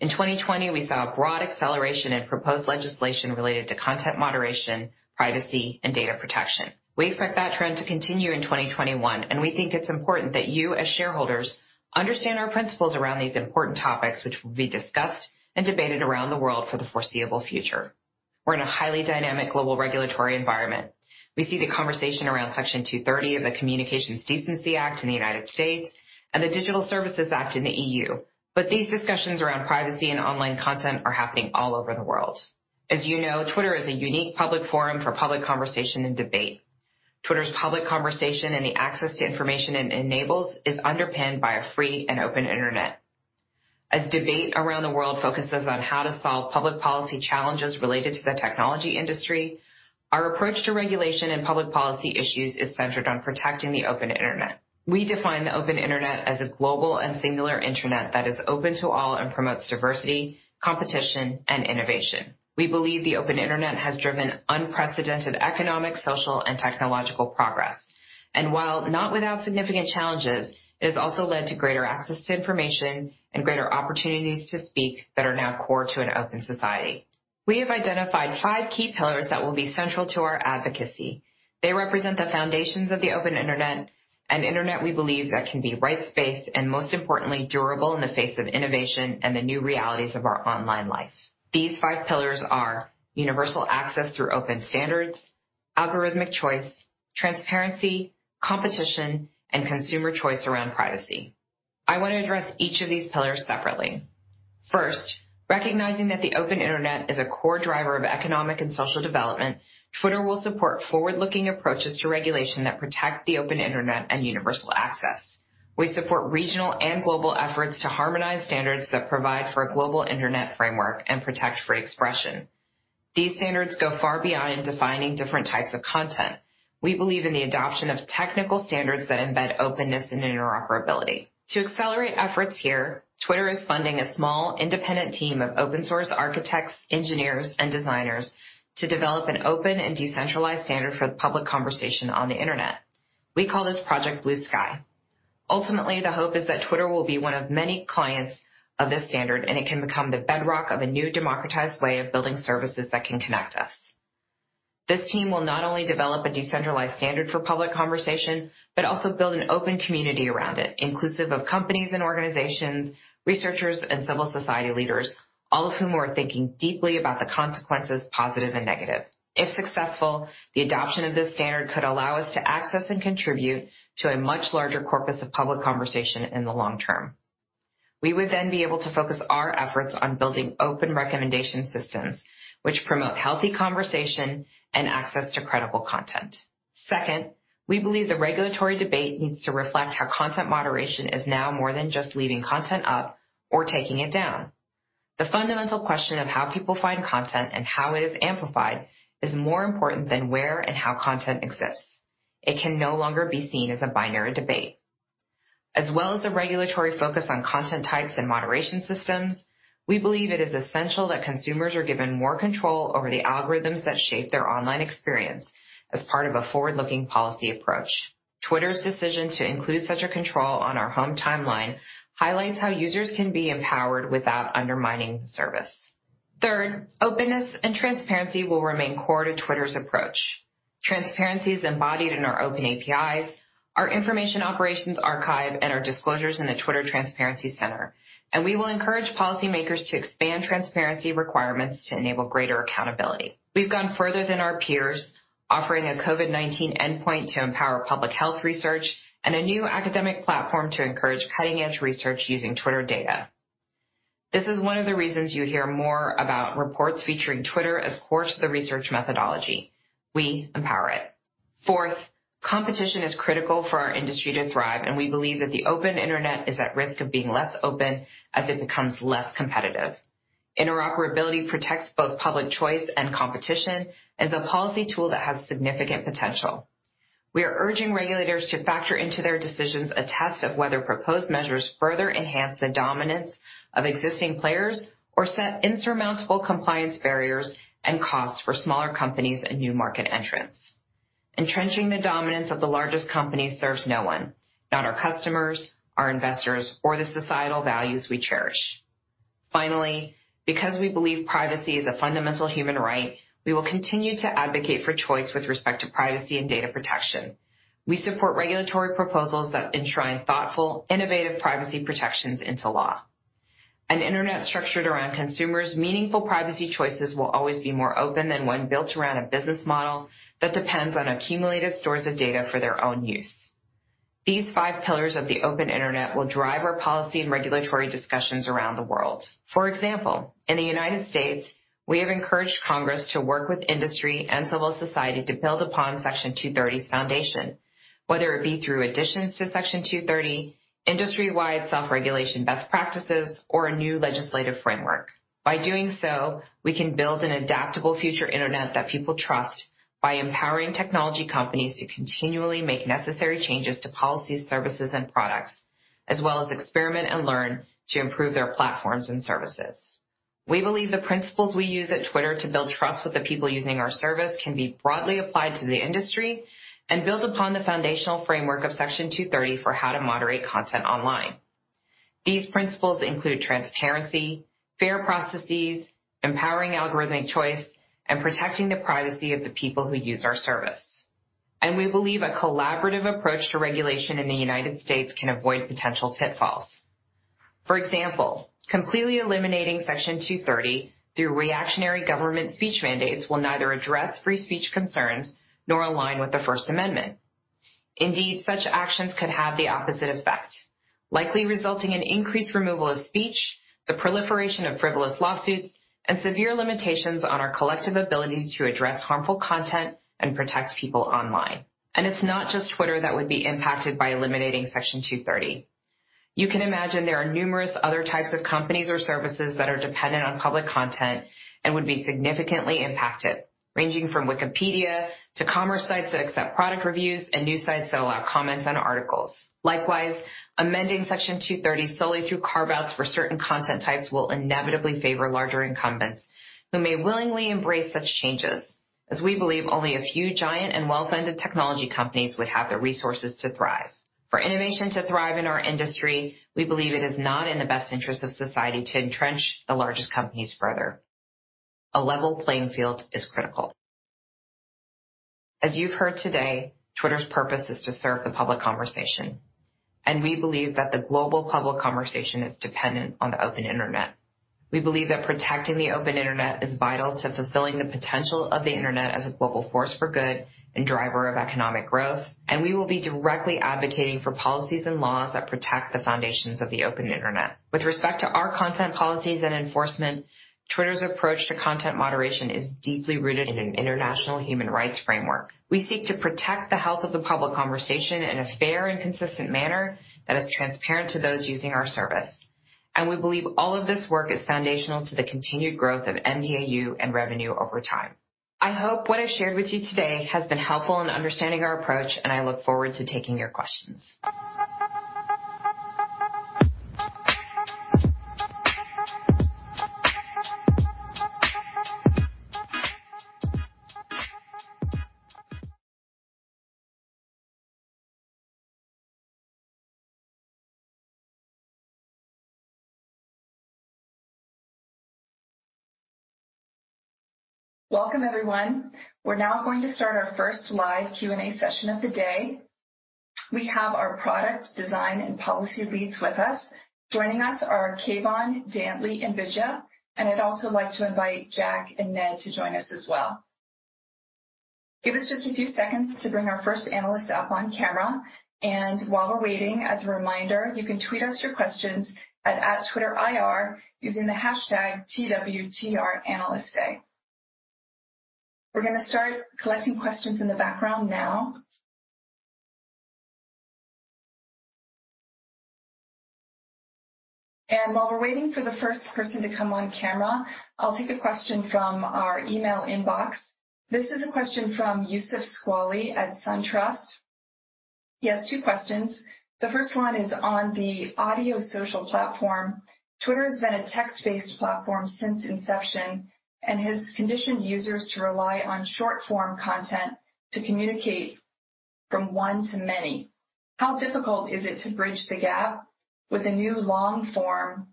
In 2020, we saw a broad acceleration in proposed legislation related to content moderation, privacy, and data protection. We expect that trend to continue in 2021, we think it's important that you, as shareholders, understand our principles around these important topics which will be discussed and debated around the world for the foreseeable future. We're in a highly dynamic global regulatory environment. We see the conversation around Section 230 of the Communications Decency Act in the U.S. and the Digital Services Act in the EU. These discussions around privacy and online content are happening all over the world. As you know, Twitter is a unique public forum for public conversation and debate. Twitter's public conversation and the access to information it enables is underpinned by a free and open internet. As debate around the world focuses on how to solve public policy challenges related to the technology industry, our approach to regulation and public policy issues is centered on protecting the open internet. We define the open internet as a global and singular internet that is open to all and promotes diversity, competition, and innovation. We believe the open internet has driven unprecedented economic, social, and technological progress. While not without significant challenges, it has also led to greater access to information and greater opportunities to speak that are now core to an open society. We have identified five key pillars that will be central to our advocacy. They represent the foundations of the open internet, an internet we believe that can be rights-based and, most importantly, durable in the face of innovation and the new realities of our online lives. These five pillars are universal access through open standards, algorithmic choice, transparency, competition, and consumer choice around privacy. I want to address each of these pillars separately. First, recognizing that the open internet is a core driver of economic and social development, Twitter will support forward-looking approaches to regulation that protect the open internet and universal access. We support regional and global efforts to harmonize standards that provide for a global internet framework and protect free expression. These standards go far beyond defining different types of content. We believe in the adoption of technical standards that embed openness and interoperability. To accelerate efforts here, Twitter is funding a small, independent team of open-source architects, engineers, and designers to develop an open and decentralized standard for the public conversation on the internet. We call this Project Bluesky. Ultimately, the hope is that Twitter will be one of many clients of this standard, and it can become the bedrock of a new democratized way of building services that can connect us. This team will not only develop a decentralized standard for public conversation, but also build an open community around it, inclusive of companies and organizations, researchers, and civil society leaders, all of whom are thinking deeply about the consequences, positive and negative. If successful, the adoption of this standard could allow us to access and contribute to a much larger corpus of public conversation in the long term. We would then be able to focus our efforts on building open recommendation systems, which promote healthy conversation and access to credible content. Second, we believe the regulatory debate needs to reflect how content moderation is now more than just leaving content up or taking it down. The fundamental question of how people find content and how it is amplified is more important than where and how content exists. It can no longer be seen as a binary debate. As well as the regulatory focus on content types and moderation systems, we believe it is essential that consumers are given more control over the algorithms that shape their online experience as part of a forward-looking policy approach. Twitter's decision to include such a control on our home timeline highlights how users can be empowered without undermining the service. Third, openness and transparency will remain core to Twitter's approach. Transparency is embodied in our open APIs, our information operations archive, and our disclosures in the Twitter Transparency Center, and we will encourage policymakers to expand transparency requirements to enable greater accountability. We've gone further than our peers, offering a COVID-19 endpoint to empower public health research and a new academic platform to encourage cutting-edge research using Twitter data. This is one of the reasons you hear more about reports featuring Twitter as core to the research methodology. We empower it. Fourth, competition is critical for our industry to thrive, and we believe that the open internet is at risk of being less open as it becomes less competitive. Interoperability protects both public choice and competition and is a policy tool that has significant potential. We are urging regulators to factor into their decisions a test of whether proposed measures further enhance the dominance of existing players or set insurmountable compliance barriers and costs for smaller companies and new market entrants. Entrenching the dominance of the largest company serves no one, not our customers, our investors, or the societal values we cherish. Finally, because we believe privacy is a fundamental human right, we will continue to advocate for choice with respect to privacy and data protection. We support regulatory proposals that enshrine thoughtful, innovative privacy protections into law. An internet structured around consumers' meaningful privacy choices will always be more open than one built around a business model that depends on accumulated stores of data for their own use. These five pillars of the open internet will drive our policy and regulatory discussions around the world. For example, in the United States, we have encouraged Congress to work with industry and civil society to build upon Section 230's foundation, whether it be through additions to Section 230, industry-wide self-regulation best practices, or a new legislative framework. By doing so, we can build an adaptable future internet that people trust by empowering technology companies to continually make necessary changes to policies, services, and products, as well as experiment and learn to improve their platforms and services. We believe the principles we use at Twitter to build trust with the people using our service can be broadly applied to the industry and build upon the foundational framework of Section 230 for how to moderate content online. These principles include transparency, fair processes, empowering algorithmic choice, and protecting the privacy of the people who use our service. We believe a collaborative approach to regulation in the United States can avoid potential pitfalls. For example, completely eliminating Section 230 through reactionary government speech mandates will neither address free speech concerns nor align with the First Amendment. Indeed, such actions could have the opposite effect, likely resulting in increased removal of speech, the proliferation of frivolous lawsuits, and severe limitations on our collective ability to address harmful content and protect people online. It's not just Twitter that would be impacted by eliminating Section 230. You can imagine there are numerous other types of companies or services that are dependent on public content and would be significantly impacted, ranging from Wikipedia to commerce sites that accept product reviews and news sites that allow comments on articles. Amending Section 230 solely through carve-outs for certain content types will inevitably favor larger incumbents who may willingly embrace such changes, as we believe only a few giant and well-funded technology companies would have the resources to thrive. For innovation to thrive in our industry, we believe it is not in the best interest of society to entrench the largest companies further. A level playing field is critical. As you've heard today, Twitter's purpose is to serve the public conversation, and we believe that the global public conversation is dependent on the open internet. We believe that protecting the open internet is vital to fulfilling the potential of the internet as a global force for good and driver of economic growth, and we will be directly advocating for policies and laws that protect the foundations of the open internet. With respect to our content policies and enforcement, Twitter's approach to content moderation is deeply rooted in an international human rights framework. We seek to protect the health of the public conversation in a fair and consistent manner that is transparent to those using our service. We believe all of this work is foundational to the continued growth of mDAU and revenue over time. I hope what I've shared with you today has been helpful in understanding our approach, and I look forward to taking your questions. Welcome, everyone. We're now going to start our first live Q&A session of the day. We have our product design and policy leads with us. Joining us are Kayvon, Dantley, and Vijaya, and I'd also like to invite Jack and Ned to join us as well. Give us just a few seconds to bring our first analyst up on camera, and while we're waiting, as a reminder, you can tweet us your questions at @TwitterIR using the hashtag #TWTRAnalystDay. We're going to start collecting questions in the background now. While we're waiting for the first person to come on camera, I'll take a question from our email inbox. This is a question from Youssef Squali at SunTrust. He has two questions. The first one is on the audio social platform. Twitter has been a text-based platform since inception, and has conditioned users to rely on short-form content to communicate from one to many. How difficult is it to bridge the gap with a new long-form,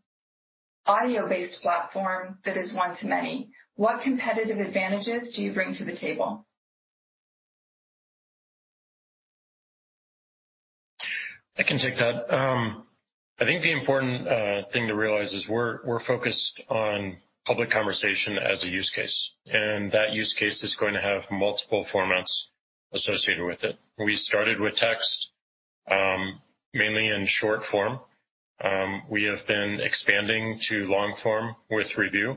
audio-based platform that is one to many? What competitive advantages do you bring to the table? I can take that. I think the important thing to realize is we're focused on public conversation as a use case, and that use case is going to have multiple formats associated with it. We started with text, mainly in short form. We have been expanding to long form with Revue.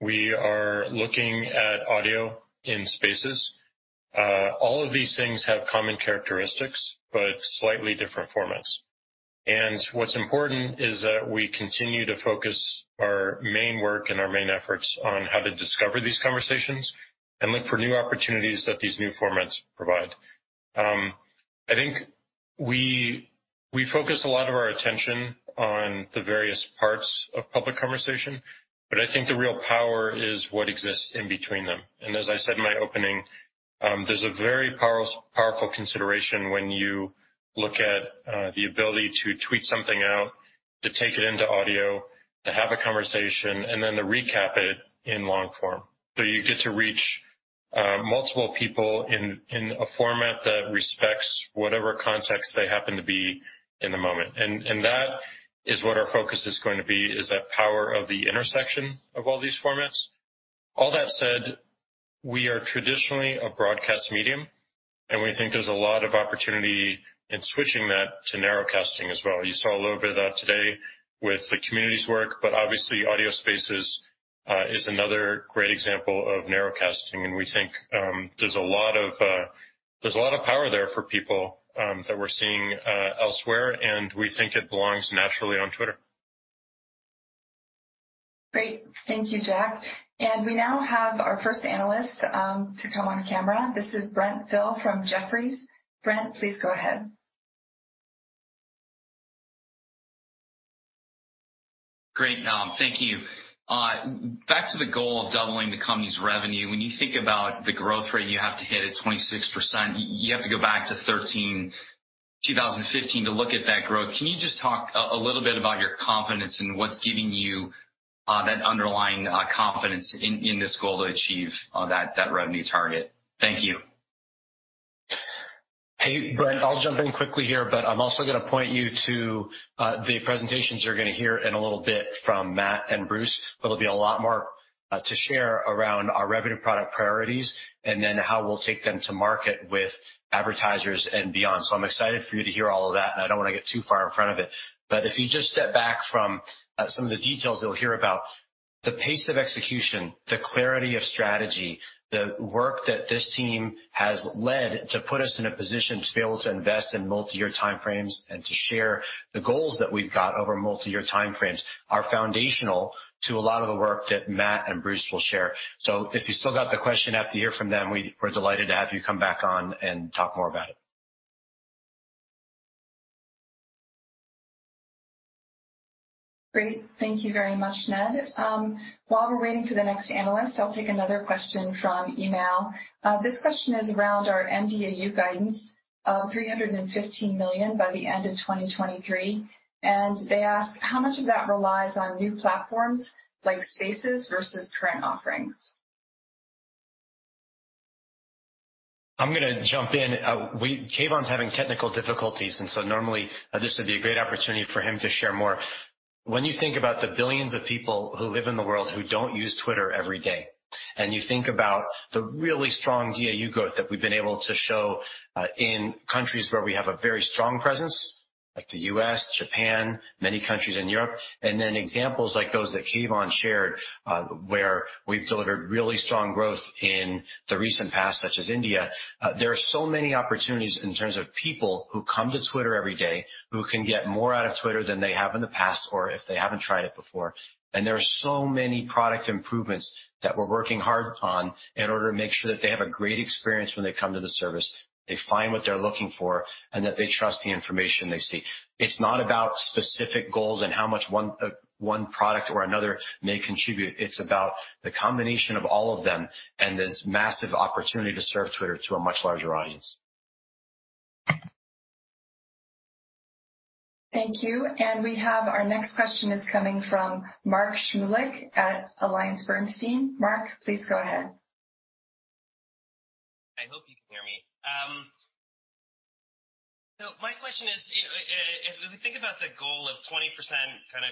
We are looking at audio in Spaces. All of these things have common characteristics, but slightly different formats. What's important is that we continue to focus our main work and our main efforts on how to discover these conversations and look for new opportunities that these new formats provide. I think we focus a lot of our attention on the various parts of public conversation, but I think the real power is what exists in between them. As I said in my opening, there's a very powerful consideration when you look at the ability to tweet something out, to take it into audio, to have a conversation, and then to recap it in long form. You get to reach multiple people in a format that respects whatever context they happen to be in the moment. That is what our focus is going to be, is that power of the intersection of all these formats. All that said, we are traditionally a broadcast medium, and we think there's a lot of opportunity in switching that to narrowcasting as well. You saw a little bit of that today with the community's work, but obviously, Spaces is another great example of narrowcasting. We think there's a lot of power there for people that we're seeing elsewhere, and we think it belongs naturally on Twitter. Great. Thank you, Jack. We now have our first analyst to come on camera. This is Brent Thill from Jefferies. Brent, please go ahead. Great. Thank you. Back to the goal of doubling the company's revenue. When you think about the growth rate you have to hit at 26%, you have to go back to 2015 to look at that growth. Can you just talk a little bit about your confidence and what's giving you that underlying confidence in this goal to achieve that revenue target? Thank you. Hey, Brent, I'll jump in quickly here. I'm also going to point you to the presentations you're going to hear in a little bit from Matt and Bruce. There'll be a lot more to share around our revenue product priorities and then how we'll take them to market with advertisers and beyond. I'm excited for you to hear all of that, and I don't want to get too far in front of it. If you just step back from some of the details you'll hear about the pace of execution, the clarity of strategy, the work that this team has led to put us in a position to be able to invest in multi-year time frames and to share the goals that we've got over multi-year time frames are foundational to a lot of the work that Matt and Bruce will share. If you still got the question after you hear from them, we're delighted to have you come back on and talk more about it. Great. Thank you very much, Ned. While we're waiting for the next analyst, I'll take another question from email. This question is around our mDAU guidance of 315 million by the end of 2023, and they ask, "How much of that relies on new platforms like Spaces versus current offerings? I'm going to jump in. Kayvon's having technical difficulties. Normally this would be a great opportunity for him to share more. When you think about the billions of people who live in the world who don't use Twitter every day, and you think about the really strong DAU growth that we've been able to show in countries where we have a very strong presence, like the U.S., Japan, many countries in Europe, and then examples like those that Kayvon shared, where we've delivered really strong growth in the recent past, such as India. There are so many opportunities in terms of people who come to Twitter every day who can get more out of Twitter than they have in the past or if they haven't tried it before. There are so many product improvements that we're working hard on in order to make sure that they have a great experience when they come to the service. They find what they're looking for, and that they trust the information they see. It's not about specific goals and how much one product or another may contribute. It's about the combination of all of them and this massive opportunity to serve Twitter to a much larger audience. Thank you. We have our next question is coming from Mark Shmulik at AllianceBernstein. Mark, please go ahead. I hope you can hear me. My question is, if we think about the goal of 20%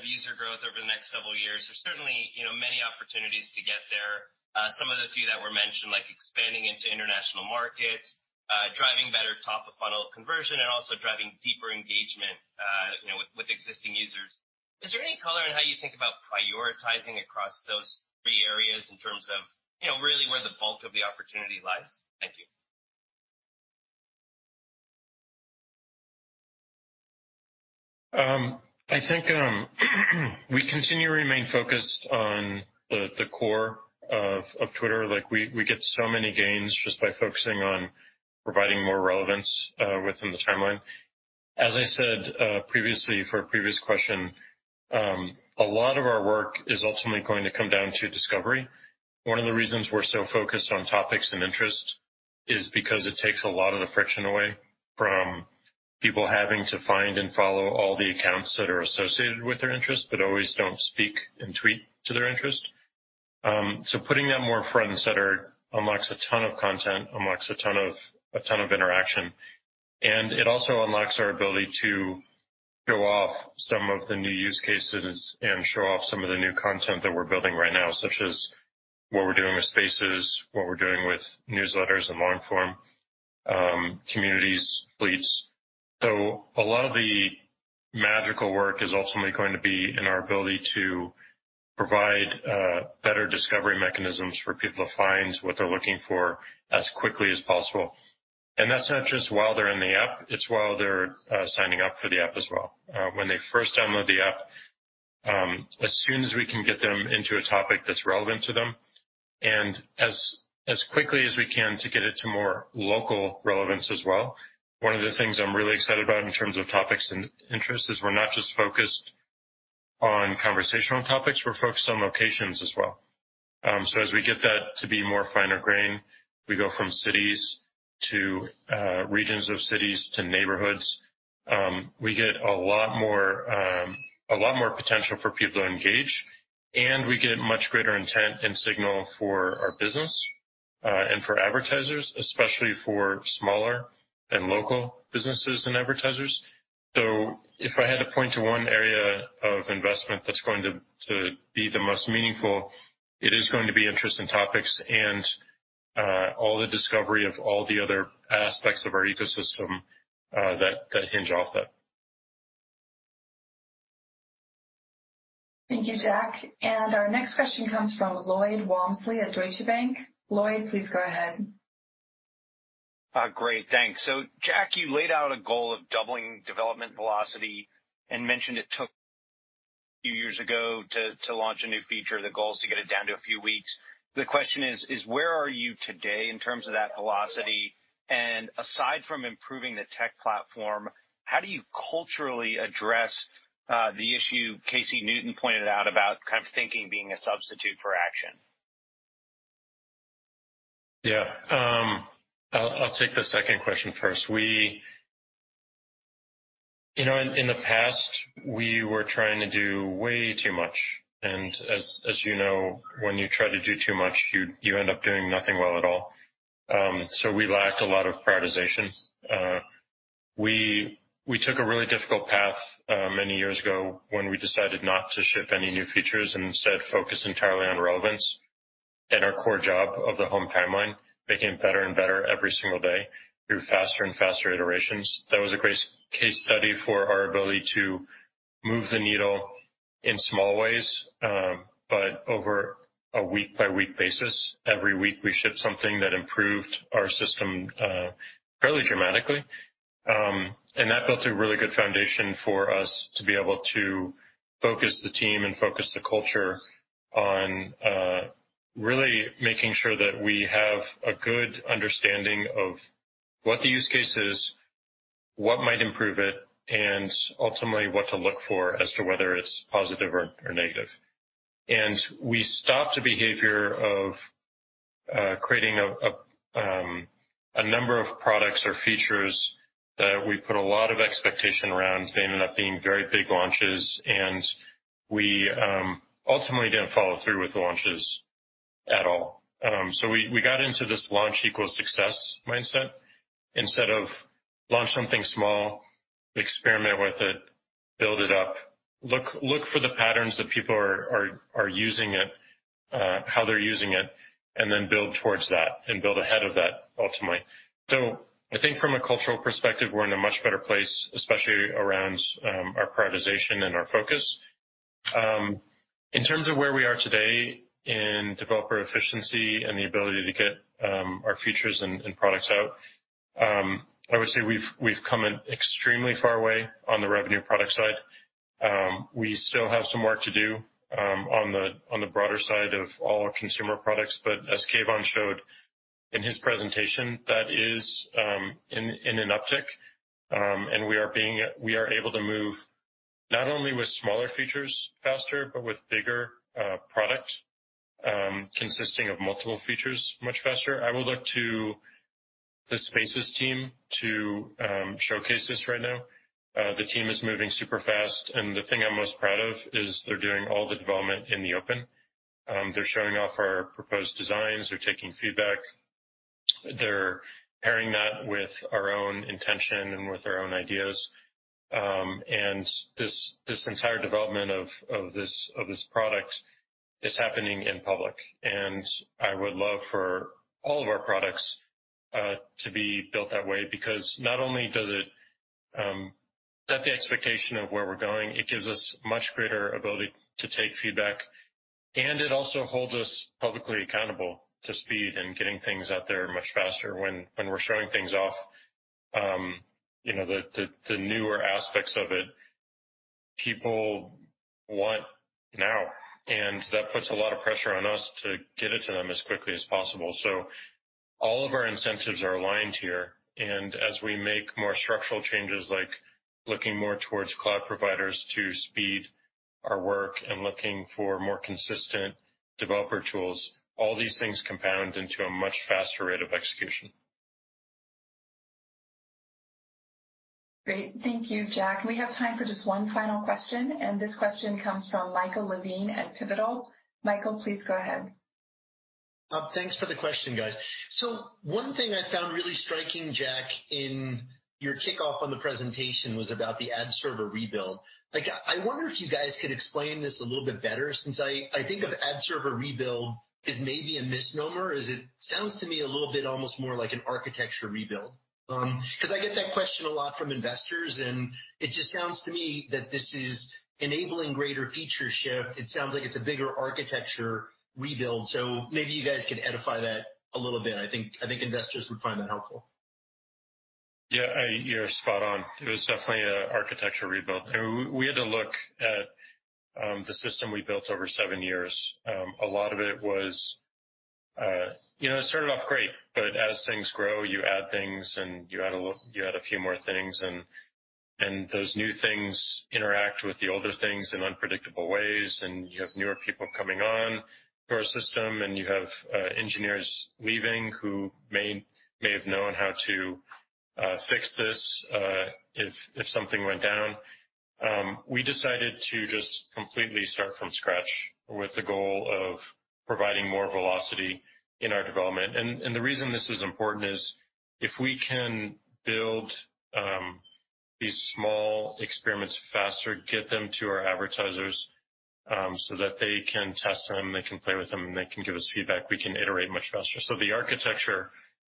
user growth over the next several years, there's certainly many opportunities to get there. Some of the few that were mentioned, like expanding into international markets, driving better top-of-funnel conversion, and also driving deeper engagement-using users. Is there any color on how you think about prioritizing across those three areas in terms of really where the bulk of the opportunity lies? Thank you. I think we continue to remain focused on the core of Twitter. We get so many gains just by focusing on providing more relevance, within the timeline. As I said previously, for a previous question, a lot of our work is ultimately going to come down to discovery. One of the reasons we're so focused on topics and interest is because it takes a lot of the friction away from people having to find and follow all the accounts that are associated with their interest, but always don't speak and tweet to their interest. Putting them more front and center unlocks a ton of content, unlocks a ton of interaction, and it also unlocks our ability to show off some of the new use cases and show off some of the new content that we're building right now, such as what we're doing with Spaces, what we're doing with newsletters and long-form, communities, Fleets. A lot of the magical work is ultimately going to be in our ability to provide better discovery mechanisms for people to find what they're looking for as quickly as possible. That's not just while they're in the app, it's while they're signing up for the app as well. When they first download the app, as soon as we can get them into a topic that's relevant to them and as quickly as we can to get it to more local relevance as well. One of the things I'm really excited about in terms of topics and interest is we're not just focused on conversational topics, we're focused on locations as well. As we get that to be more finer grain, we go from cities to regions of cities, to neighborhoods. We get a lot more potential for people to engage, and we get much greater intent and signal for our business, and for advertisers, especially for smaller and local businesses and advertisers. If I had to point to one area of investment that's going to be the most meaningful, it is going to be interest in topics and all the discovery of all the other aspects of our ecosystem, that hinge off that. Thank you, Jack. Our next question comes from Lloyd Walmsley at Deutsche Bank. Lloyd, please go ahead. Great, thanks. Jack, you laid out a goal of doubling development velocity and mentioned it took a few years ago to launch a new feature. The goal is to get it down to a few weeks. The question is, where are you today in terms of that velocity? Aside from improving the tech platform, how do you culturally address the issue Casey Newton pointed out about thinking being a substitute for action? Yeah. I'll take the second question first. In the past, we were trying to do way too much, and as you know, when you try to do too much, you end up doing nothing well at all. We lacked a lot of prioritization. We took a really difficult path many years ago when we decided not to ship any new features and instead focus entirely on relevance and our core job of the home timeline, making it better and better every single day through faster and faster iterations. That was a great case study for our ability to move the needle in small ways, but over a week-by-week basis. Every week we shipped something that improved our system fairly dramatically. That built a really good foundation for us to be able to focus the team and focus the culture on really making sure that we have a good understanding of what the use case is, what might improve it, and ultimately, what to look for as to whether it's positive or negative. We stopped a behavior of creating a number of products or features that we put a lot of expectation around. They ended up being very big launches, and we ultimately didn't follow through with the launches at all. We got into this launch equals success mindset instead of launch something small, experiment with it, build it up, look for the patterns that people are using it, how they're using it, and then build towards that and build ahead of that ultimately. I think from a cultural perspective, we're in a much better place, especially around our prioritization and our focus. In terms of where we are today in developer efficiency and the ability to get our features and products out, I would say we've come an extremely far way on the revenue product side. We still have some work to do on the broader side of all our consumer products, as Kayvon showed in his presentation, that is in an uptick. We are able to move not only with smaller features faster but with bigger products consisting of multiple features much faster. I would look to the Spaces team to showcase this right now. The team is moving super fast, and the thing I'm most proud of is they're doing all the development in the open. They're showing off our proposed designs. They're taking feedback. They're pairing that with our own intention and with our own ideas. This entire development of this product is happening in public. I would love for all of our products to be built that way, because not only does it set the expectation of where we're going, it gives us much greater ability to take feedback, and it also holds us publicly accountable to speed and getting things out there much faster when we're showing things off. The newer aspects of it, people want now. That puts a lot of pressure on us to get it to them as quickly as possible. All of our incentives are aligned here, and as we make more structural changes, like looking more towards cloud providers to speed our work and looking for more consistent developer tools, all these things compound into a much faster rate of execution. Great. Thank you, Jack. We have time for just one final question. This question comes from Michael Levine at Pivotal. Michael, please go ahead. Thanks for the question, guys. One thing I found really striking, Jack, in your kickoff on the presentation was about the ad server rebuild. I wonder if you guys could explain this a little bit better, since I think of ad server rebuild as maybe a misnomer. It sounds to me a little bit almost more like an architecture rebuild. I get that question a lot from investors, it just sounds to me that this is enabling greater feature shift. It sounds like it's a bigger architecture rebuild. Maybe you guys could edify that a little bit. I think investors would find that helpful. Yeah. You're spot on. It was definitely an architectural rebuild. We had to look at the system we built over seven years. It started off great. As things grow, you add things, and you add a few more things, and those new things interact with the older things in unpredictable ways, and you have newer people coming on to our system, and you have engineers leaving who may have known how to fix this if something went down. We decided to just completely start from scratch with the goal of providing more velocity in our development. The reason this is important is if we can build these small experiments faster, get them to our advertisers, so that they can test them, they can play with them, and they can give us feedback, we can iterate much faster. The architecture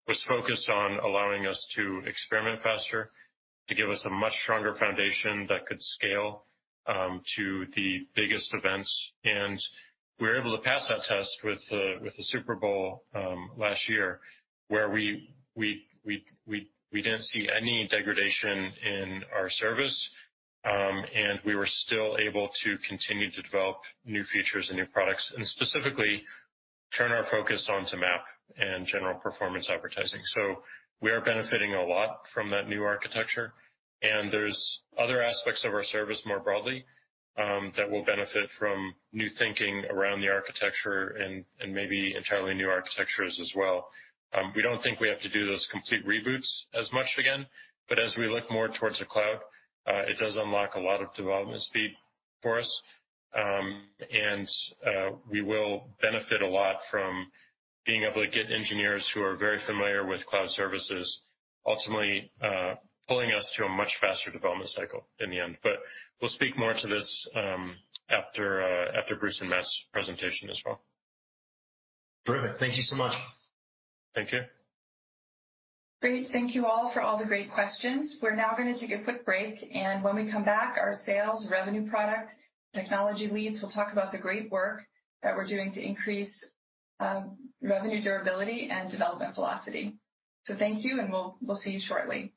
was focused on allowing us to experiment faster, to give us a much stronger foundation that could scale to the biggest events. We were able to pass that test with the Super Bowl last year, where we didn't see any degradation in our service, and we were still able to continue to develop new features and new products and specifically turn our focus onto MAP and general performance advertising. We are benefiting a lot from that new architecture, and there's other aspects of our service more broadly, that will benefit from new thinking around the architecture and maybe entirely new architectures as well. We don't think we have to do those complete reboots as much again, but as we look more towards the cloud, it does unlock a lot of development speed for us. We will benefit a lot from being able to get engineers who are very familiar with cloud services, ultimately pulling us to a much faster development cycle in the end. We will speak more to this after Bruce and Matt's presentation as well. Brilliant. Thank you so much. Thank you. Great. Thank you all for all the great questions. We're now going to take a quick break. When we come back, our Sales, Revenue Product, Technology leads will talk about the great work that we're doing to increase revenue durability and development velocity. Thank you. We'll see you shortly.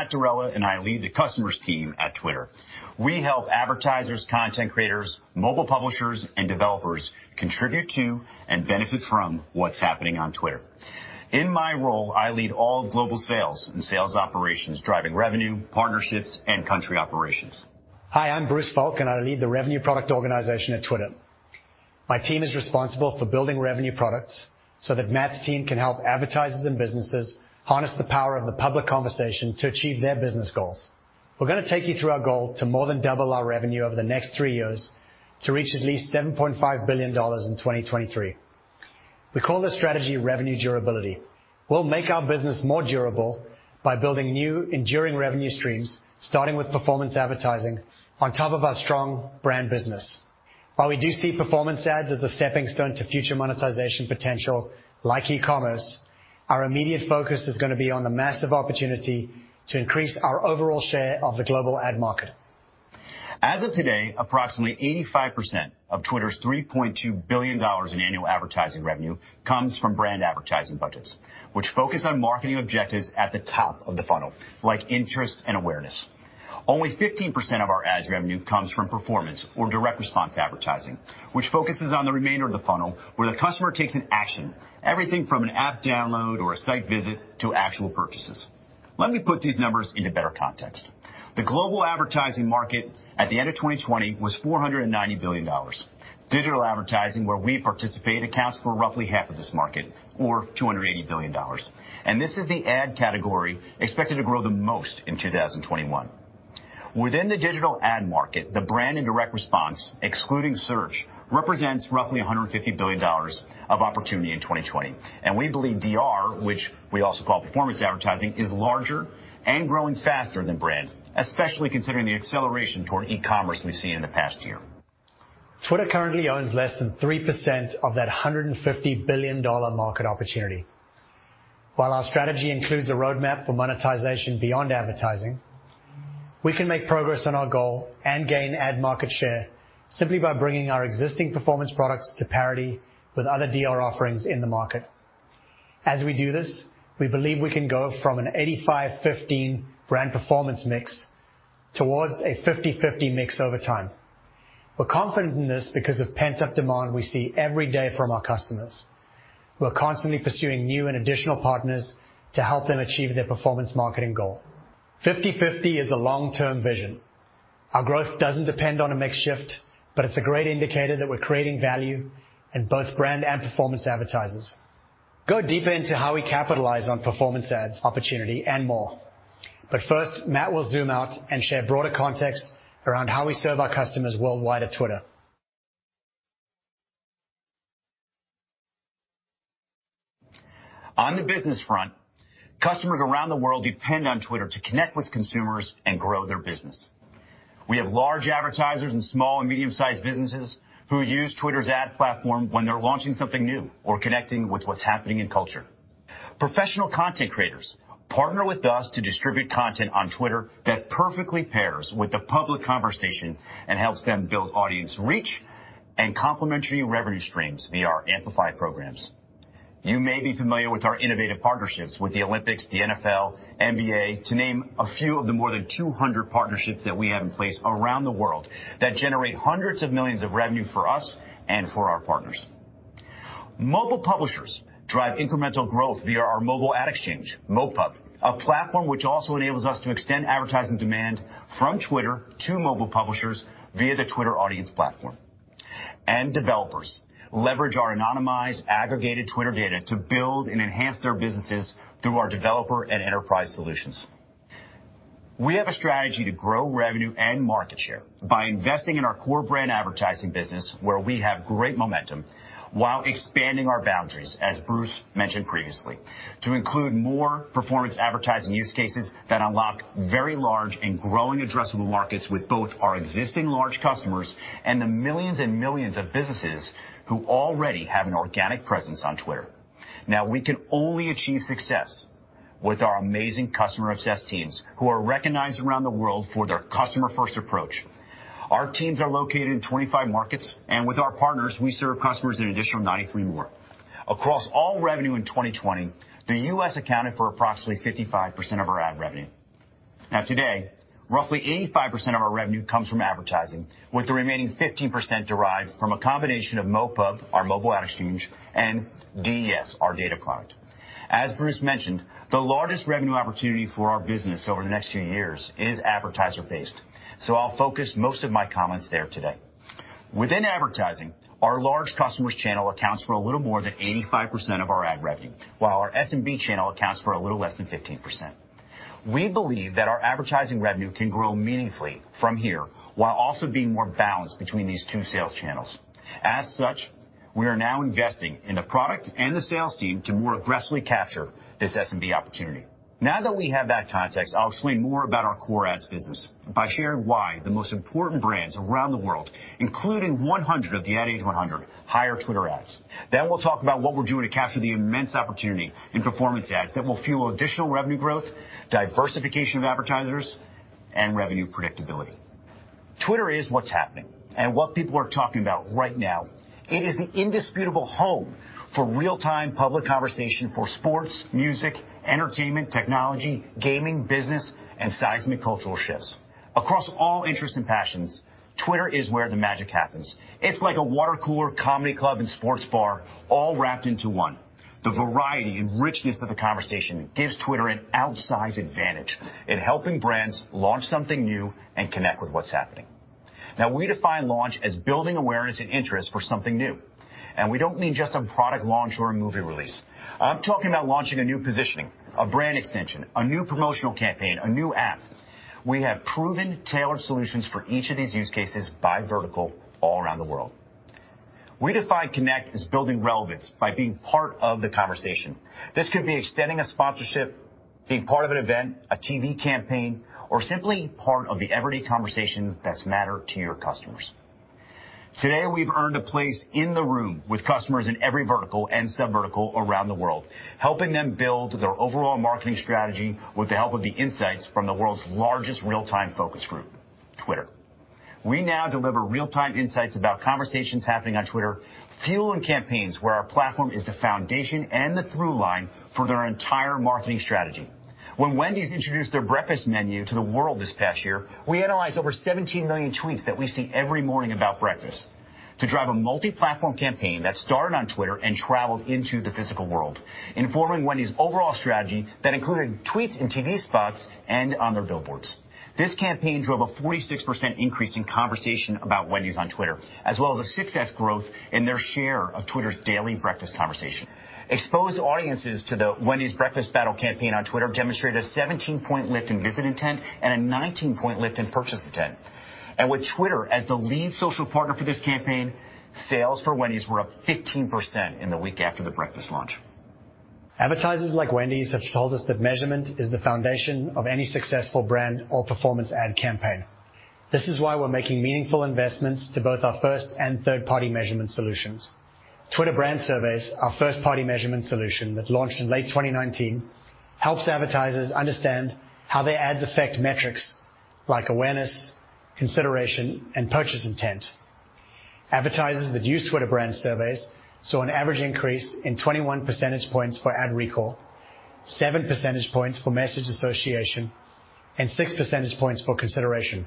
Hi, I'm Matt Derella. I lead the customers team at Twitter. We help advertisers, content creators, mobile publishers, and developers contribute to and benefit from what's happening on Twitter. In my role, I lead all global sales and sales operations, driving revenue, partnerships, and country operations. Hi, I'm Bruce Falck, and I lead the revenue product organization at Twitter. My team is responsible for building revenue products so that Matt's team can help advertisers and businesses harness the power of the public conversation to achieve their business goals. We're going to take you through our goal to more than double our revenue over the next three years to reach at least $7.5 billion in 2023. We call this strategy revenue durability. We'll make our business more durable by building new enduring revenue streams, starting with performance advertising on top of our strong brand business. While we do see performance ads as a steppingstone to future monetization potential like e-commerce, our immediate focus is going to be on the massive opportunity to increase our overall share of the global ad market. As of today, approximately 85% of Twitter's $3.2 billion in annual advertising revenue comes from brand advertising budgets, which focus on marketing objectives at the top of the funnel, like interest and awareness. Only 15% of our ads revenue comes from performance or direct response advertising, which focuses on the remainder of the funnel, where the customer takes an action, everything from an app download or a site visit to actual purchases. Let me put these numbers into better context. The global advertising market at the end of 2020 was $490 billion. Digital advertising, where we participate, accounts for roughly half of this market, or $280 billion, and this is the ad category expected to grow the most in 2021. Within the digital ad market, the brand and direct response, excluding search, represents roughly $150 billion of opportunity in 2020. We believe DR, which we also call performance advertising, is larger and growing faster than brand, especially considering the acceleration toward e-commerce we've seen in the past year. Twitter currently owns less than 3% of that $150 billion market opportunity. While our strategy includes a roadmap for monetization beyond advertising, we can make progress on our goal and gain ad market share simply by bringing our existing performance products to parity with other DR offerings in the market. As we do this, we believe we can go from an 85/15 brand performance mix towards a 50/50 mix over time. We're confident in this because of pent-up demand we see every day from our customers. We're constantly pursuing new and additional partners to help them achieve their performance marketing goal. 50/50 is a long-term vision. Our growth doesn't depend on a mix shift, but it's a great indicator that we're creating value in both brand and performance advertisers. Go deeper into how we capitalize on performance ads opportunity and more. First, Matt will zoom out and share broader context around how we serve our customers worldwide at Twitter. On the business front, customers around the world depend on Twitter to connect with consumers and grow their business. We have large advertisers and small and medium-sized businesses who use Twitter's ad platform when they're launching something new or connecting with what's happening in culture. Professional content creators partner with us to distribute content on Twitter that perfectly pairs with the public conversation and helps them build audience reach and complementary revenue streams via our Amplify programs. You may be familiar with our innovative partnerships with the Olympics, the NFL, NBA, to name a few of the more than 200 partnerships that we have in place around the world that generate hundreds of millions of revenue for us and for our partners. Mobile publishers drive incremental growth via our mobile ad exchange, MoPub, a platform which also enables us to extend advertising demand from Twitter to mobile publishers via the Twitter Audience Platform. Developers leverage our anonymized, aggregated Twitter data to build and enhance their businesses through our Developer Enterprise Solutions. We have a strategy to grow revenue and market share by investing in our core brand advertising business, where we have great momentum, while expanding our boundaries, as Bruce mentioned previously, to include more performance advertising use cases that unlock very large and growing addressable markets with both our existing large customers and the millions and millions of businesses who already have an organic presence on Twitter. We can only achieve success with our amazing customer-obsessed teams who are recognized around the world for their customer-first approach. Our teams are located in 25 markets, and with our partners, we serve customers in an additional 93 more. Across all revenue in 2020, the U.S. accounted for approximately 55% of our ad revenue. Today, roughly 85% of our revenue comes from advertising, with the remaining 15% derived from a combination of MoPub, our mobile ad exchange, and DES, our data product. As Bruce mentioned, the largest revenue opportunity for our business over the next few years is advertiser-based, I'll focus most of my comments there today. Within advertising, our large customers channel accounts for a little more than 85% of our ad revenue, while our SMB channel accounts for a little less than 15%. We believe that our advertising revenue can grow meaningfully from here while also being more balanced between these two sales channels. As such We are now investing in the product and the sales team to more aggressively capture this SMB opportunity. Now that we have that context, I'll explain more about our core ads business by sharing why the most important brands around the world, including 100 of the Ad Age 100, hire Twitter ads. We'll talk about what we're doing to capture the immense opportunity in performance ads that will fuel additional revenue growth, diversification of advertisers, and revenue predictability. Twitter is what's happening and what people are talking about right now. It is the indisputable home for real-time public conversation for sports, music, entertainment, technology, gaming, business, and seismic cultural shifts. Across all interests and passions, Twitter is where the magic happens. It's like a water cooler, comedy club, and sports bar all wrapped into one. The variety and richness of the conversation gives Twitter an outsized advantage in helping brands launch something new and connect with what's happening. Now, we define launch as building awareness and interest for something new, and we don't mean just a product launch or a movie release. I'm talking about launching a new positioning, a brand extension, a new promotional campaign, a new app. We have proven tailored solutions for each of these use cases by vertical all around the world. We define connect as building relevance by being part of the conversation. This could be extending a sponsorship, being part of an event, a TV campaign, or simply part of the everyday conversations that matter to your customers. Today, we've earned a place in the room with customers in every vertical and sub-vertical around the world, helping them build their overall marketing strategy with the help of the insights from the world's largest real-time focus group, Twitter. We now deliver real-time insights about conversations happening on Twitter, fueling campaigns where our platform is the foundation and the through line for their entire marketing strategy. When Wendy's introduced their breakfast menu to the world this past year, we analyzed over 17 million tweets that we see every morning about breakfast to drive a multi-platform campaign that started on Twitter and traveled into the physical world, informing Wendy's overall strategy that included tweets and TV spots and on their billboards. This campaign drove a 46% increase in conversation about Wendy's on Twitter, as well as a success growth in their share of Twitter's daily breakfast conversation. Exposed audiences to the Wendy's Breakfast Battle campaign on Twitter demonstrated a 17-point lift in visit intent and a 19-point lift in purchase intent. With Twitter as the lead social partner for this campaign, sales for Wendy's were up 15% in the week after the breakfast launch. Advertisers like Wendy's have told us that measurement is the foundation of any successful brand or performance ad campaign. This is why we're making meaningful investments to both our first and third-party measurement solutions. Twitter Brand Surveys, our first-party measurement solution that launched in late 2019, helps advertisers understand how their ads affect metrics like awareness, consideration, and purchase intent. Advertisers that use Twitter Brand Surveys saw an average increase in 21 percentage points for ad recall, seven percentage points for message association, and six percentage points for consideration.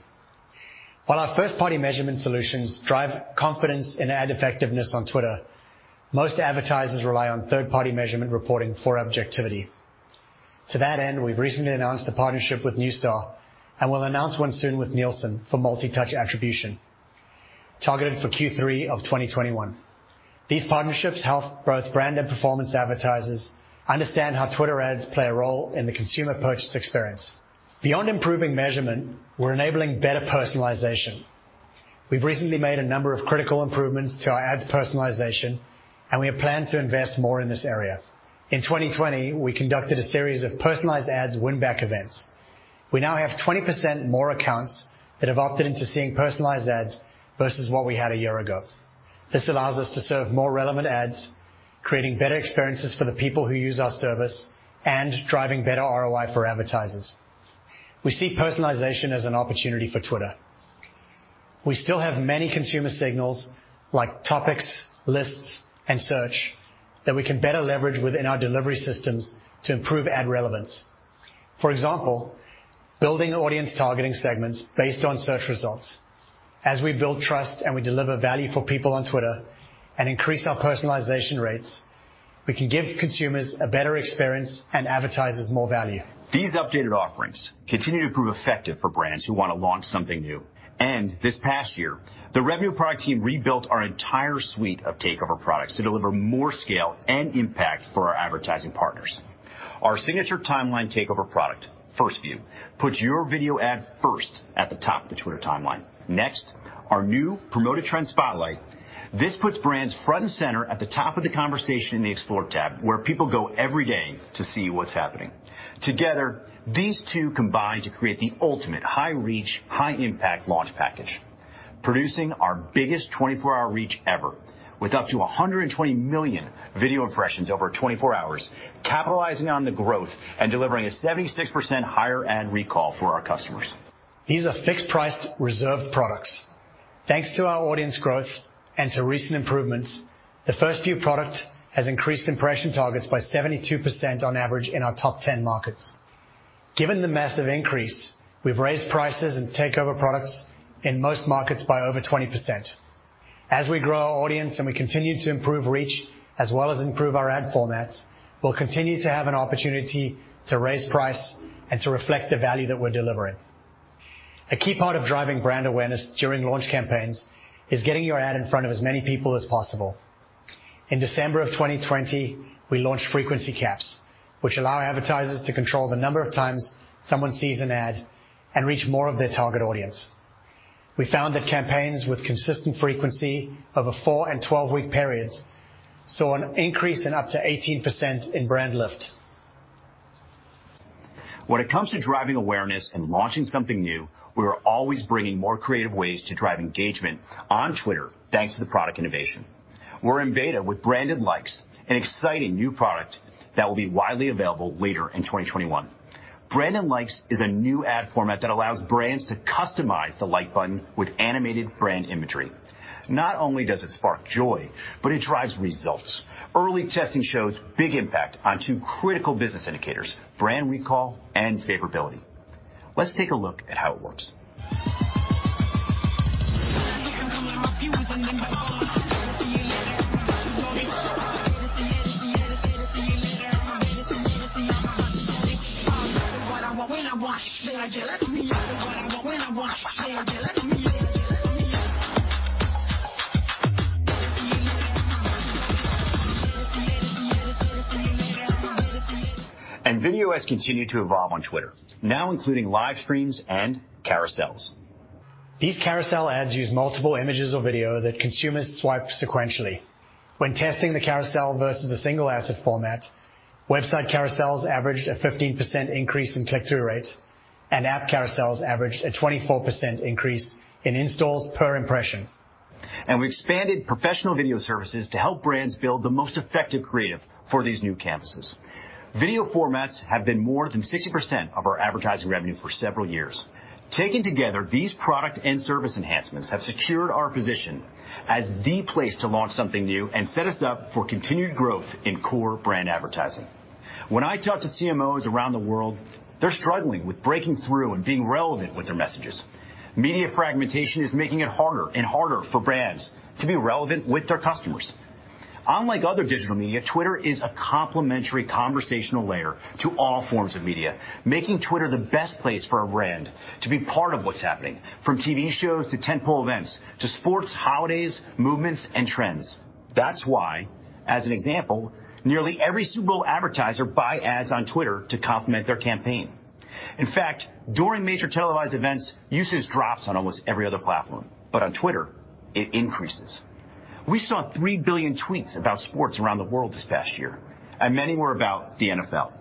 While our first-party measurement solutions drive confidence in ad effectiveness on Twitter, most advertisers rely on third-party measurement reporting for objectivity. To that end, we've recently announced a partnership with Neustar, and we'll announce one soon with Nielsen for multi-touch attribution targeted for Q3 of 2021. These partnerships help both brand and performance advertisers understand how Twitter ads play a role in the consumer purchase experience. Beyond improving measurement, we're enabling better personalization. We've recently made a number of critical improvements to our ads personalization, and we have planned to invest more in this area. In 2020, we conducted a series of personalized ads win-back events. We now have 20% more accounts that have opted into seeing personalized ads versus what we had a year ago. This allows us to serve more relevant ads, creating better experiences for the people who use our service, and driving better ROI for advertisers. We see personalization as an opportunity for Twitter. We still have many consumer signals, like topics, lists, and search, that we can better leverage within our delivery systems to improve ad relevance. For example, building audience targeting segments based on search results. As we build trust and we deliver value for people on Twitter and increase our personalization rates, we can give consumers a better experience and advertisers more value. These updated offerings continue to prove effective for brands who want to launch something new. This past year, the Revenue Product team rebuilt our entire suite of takeover products to deliver more scale and impact for our advertising partners. Our signature timeline takeover product, First View, puts your video ad first at the top of the Twitter timeline. Next, our new Promoted Trend Spotlight. This puts brands front and center at the top of the conversation in the Explore tab, where people go every day to see what's happening. Together, these two combine to create the ultimate high-reach, high-impact launch package, producing our biggest 24-hour reach ever, with up to 120 million video impressions over 24 hours, capitalizing on the growth and delivering a 76% higher ad recall for our customers. These are fixed-priced reserve products. Thanks to our audience growth and to recent improvements, the First View product has increased impression targets by 72% on average in our top 10 markets. Given the massive increase, we've raised prices in takeover products in most markets by over 20%. We grow our audience and we continue to improve reach, as well as improve our ad formats, we'll continue to have an opportunity to raise price and to reflect the value that we're delivering. A key part of driving brand awareness during launch campaigns is getting your ad in front of as many people as possible. In December of 2020, we launched frequency caps, which allow advertisers to control the number of times someone sees an ad and reach more of their target audience. We found that campaigns with consistent frequency of a four and 12-week periods saw an increase in up to 18% in brand lift. When it comes to driving awareness and launching something new, we are always bringing more creative ways to drive engagement on Twitter, thanks to the product innovation. We're in beta with Branded Likes, an exciting new product that will be widely available later in 2021. Branded Likes is a new ad format that allows brands to customize the Like button with animated brand imagery. Not only does it spark joy, but it drives results. Early testing shows big impact on two critical business indicators, brand recall and favorability. Let's take a look at how it works. Video has continued to evolve on Twitter, now including live streams and carousels. These Carousel Ads use multiple images or video that consumers swipe sequentially. When testing the Carousel versus a single asset format, website Carousels averaged a 15% increase in click-through rates, and app Carousels averaged a 24% increase in installs per impression. We've expanded professional video services to help brands build the most effective creative for these new canvases. Video formats have been more than 60% of our advertising revenue for several years. Taken together, these product and service enhancements have secured our position as the place to launch something new and set us up for continued growth in core brand advertising. When I talk to CMOs around the world, they're struggling with breaking through and being relevant with their messages. Media fragmentation is making it harder and harder for brands to be relevant with their customers. Unlike other digital media, Twitter is a complementary conversational layer to all forms of media, making Twitter the best place for a brand to be part of what's happening, from TV shows, to tentpole events, to sports, holidays, movements, and trends. That's why, as an example, nearly every Super Bowl advertiser buy ads on Twitter to complement their campaign. During major televised events, usage drops on almost every other platform, but on Twitter, it increases. We saw 3 billion tweets about sports around the world this past year, and many were about the NFL.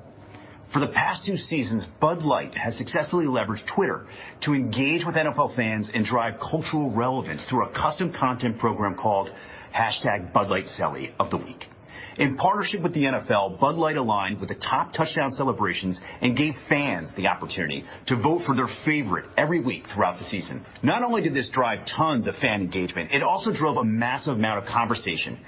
For the past two seasons, Bud Light has successfully leveraged Twitter to engage with NFL fans and drive cultural relevance through a custom content program called #BudLightCellyOfTheWeek. In partnership with the NFL, Bud Light aligned with the top touchdown celebrations and gave fans the opportunity to vote for their favorite every week throughout the season. Not only did this drive tons of fan engagement, it also drove a massive amount of conversation.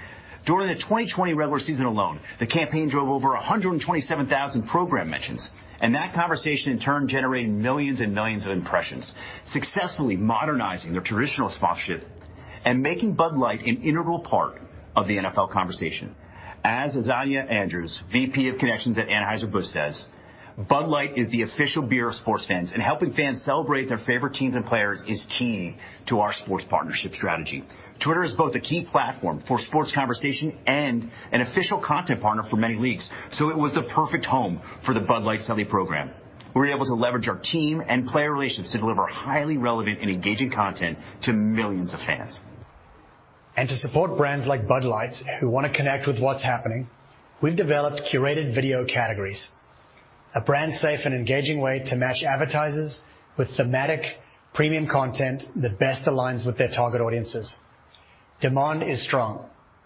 During the 2020 regular season alone, the campaign drove over 127,000 program mentions. That conversation, in turn, generated millions and millions of impressions, successfully modernizing their traditional sponsorship and making Bud Light an integral part of the NFL conversation. As Azania Andrews, VP of Connections at Anheuser-Busch, says, "Bud Light is the official beer of sports fans, and helping fans celebrate their favorite teams and players is key to our sports partnership strategy. Twitter is both a key platform for sports conversation and an official content partner for many leagues. It was the perfect home for the Bud Light Celly program. We were able to leverage our team and player relations to deliver highly relevant and engaging content to millions of fans. To support brands like Bud Light who want to connect with what's happening, we've developed curated video categories, a brand-safe and engaging way to match advertisers with thematic premium content that best aligns with their target audiences. Demand is strong.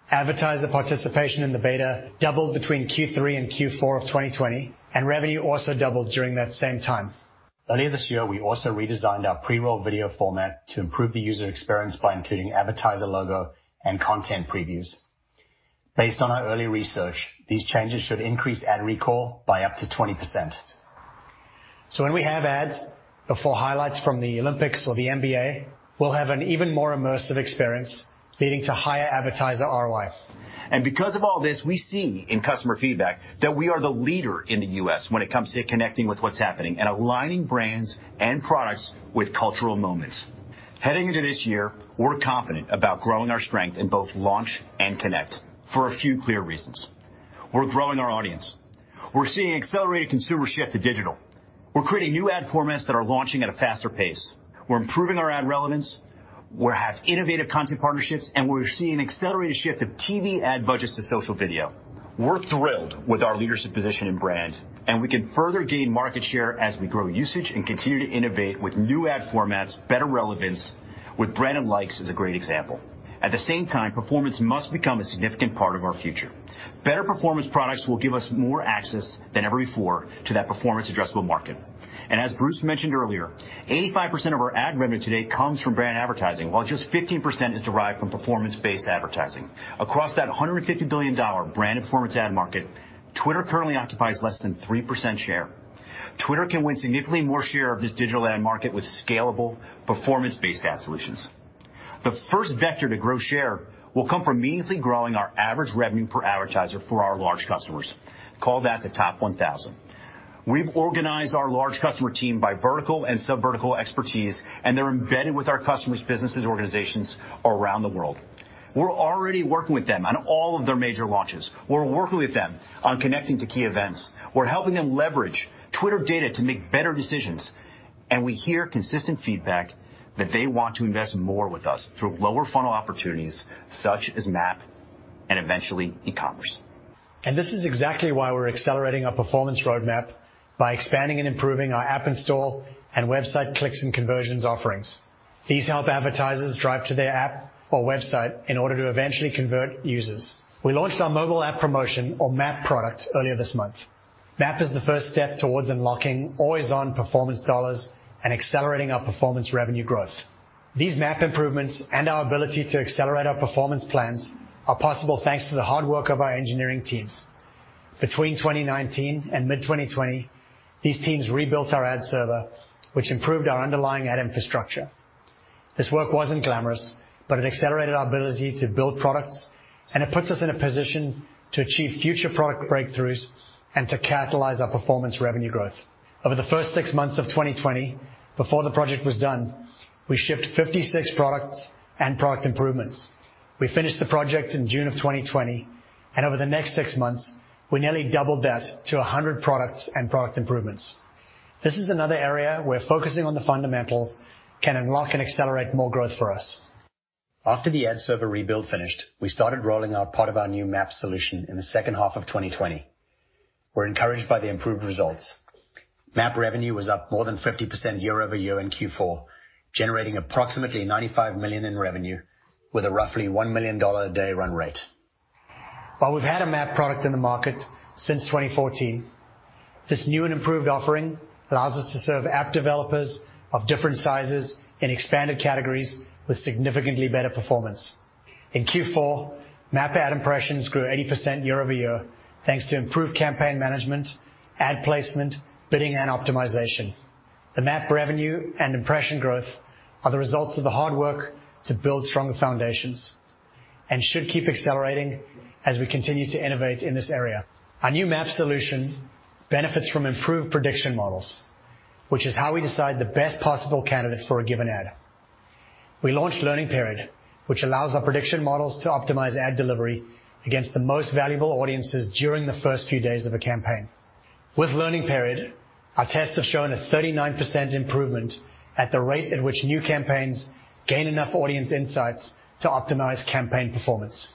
Advertiser participation in the beta doubled between Q3 and Q4 of 2020, and revenue also doubled during that same time. Earlier this year, we also redesigned our pre-roll video format to improve the user experience by including advertiser logo and content previews. Based on our early research, these changes should increase ad recall by up to 20%. When we have ads before highlights from the Olympics or the NBA, we'll have an even more immersive experience, leading to higher advertiser ROI. Because of all this, we see in customer feedback that we are the leader in the U.S. when it comes to connecting with what's happening and aligning brands and products with cultural moments. Heading into this year, we're confident about growing our strength in both launch and connect for a few clear reasons. We're growing our audience. We're seeing accelerated consumer shift to digital. We're creating new ad formats that are launching at a faster pace. We're improving our ad relevance. We have innovative content partnerships, and we're seeing accelerated shift of TV ad budgets to social video. We're thrilled with our leadership position in brand, and we can further gain market share as we grow usage and continue to innovate with new ad formats, better relevance, with Branded Likes as a great example. At the same time, performance must become a significant part of our future. Better performance products will give us more access than ever before to that performance addressable market. As Bruce mentioned earlier, 85% of our ad revenue today comes from brand advertising, while just 15% is derived from performance-based advertising. Across that $150 billion brand and performance ad market, Twitter currently occupies less than 3% share. Twitter can win significantly more share of this digital ad market with scalable, performance-based ad solutions. The first vector to grow share will come from meaningfully growing our average revenue per advertiser for our large customers, call that the top 1,000. We've organized our large customer team by vertical and sub-vertical expertise, and they're embedded with our customers' businesses and organizations around the world. We're already working with them on all of their major launches. We're working with them on connecting to key events. We're helping them leverage Twitter data to make better decisions, and we hear consistent feedback that they want to invest more with us through lower funnel opportunities such as MAP and eventually e-commerce. This is exactly why we're accelerating our performance roadmap by expanding and improving our app install and website clicks and conversions offerings. These help advertisers drive to their app or website in order to eventually convert users. We launched our mobile app promotion, or MAP product, earlier this month. MAP is the first step towards unlocking always-on performance $ and accelerating our performance revenue growth. These MAP improvements and our ability to accelerate our performance plans are possible thanks to the hard work of our engineering teams. Between 2019 and mid-2020, these teams rebuilt our ad server, which improved our underlying ad infrastructure. This work wasn't glamorous, but it accelerated our ability to build products, and it puts us in a position to achieve future product breakthroughs and to catalyze our performance revenue growth. Over the first 6 months of 2020, before the project was done, we shipped 56 products and product improvements. We finished the project in June of 2020, and over the next 6 months, we nearly doubled that to 100 products and product improvements. This is another area where focusing on the fundamentals can unlock and accelerate more growth for us. After the ad server rebuild finished, we started rolling out part of our new MAP solution in the second half of 2020. We're encouraged by the improved results. MAP revenue was up more than 50% year-over-year in Q4, generating approximately $95 million in revenue with a roughly $1 million a day run rate. While we've had a MAP product in the market since 2014, this new and improved offering allows us to serve app developers of different sizes in expanded categories with significantly better performance. In Q4, MAP ad impressions grew 80% year-over-year thanks to improved campaign management, ad placement, bidding, and optimization. The MAP revenue and impression growth are the results of the hard work to build stronger foundations and should keep accelerating as we continue to innovate in this area. Our new MAP solution benefits from improved prediction models, which is how we decide the best possible candidates for a given ad. We launched Learning Period, which allows our prediction models to optimize ad delivery against the most valuable audiences during the first few days of a campaign. With Learning Period, our tests have shown a 39% improvement at the rate at which new campaigns gain enough audience insights to optimize campaign performance.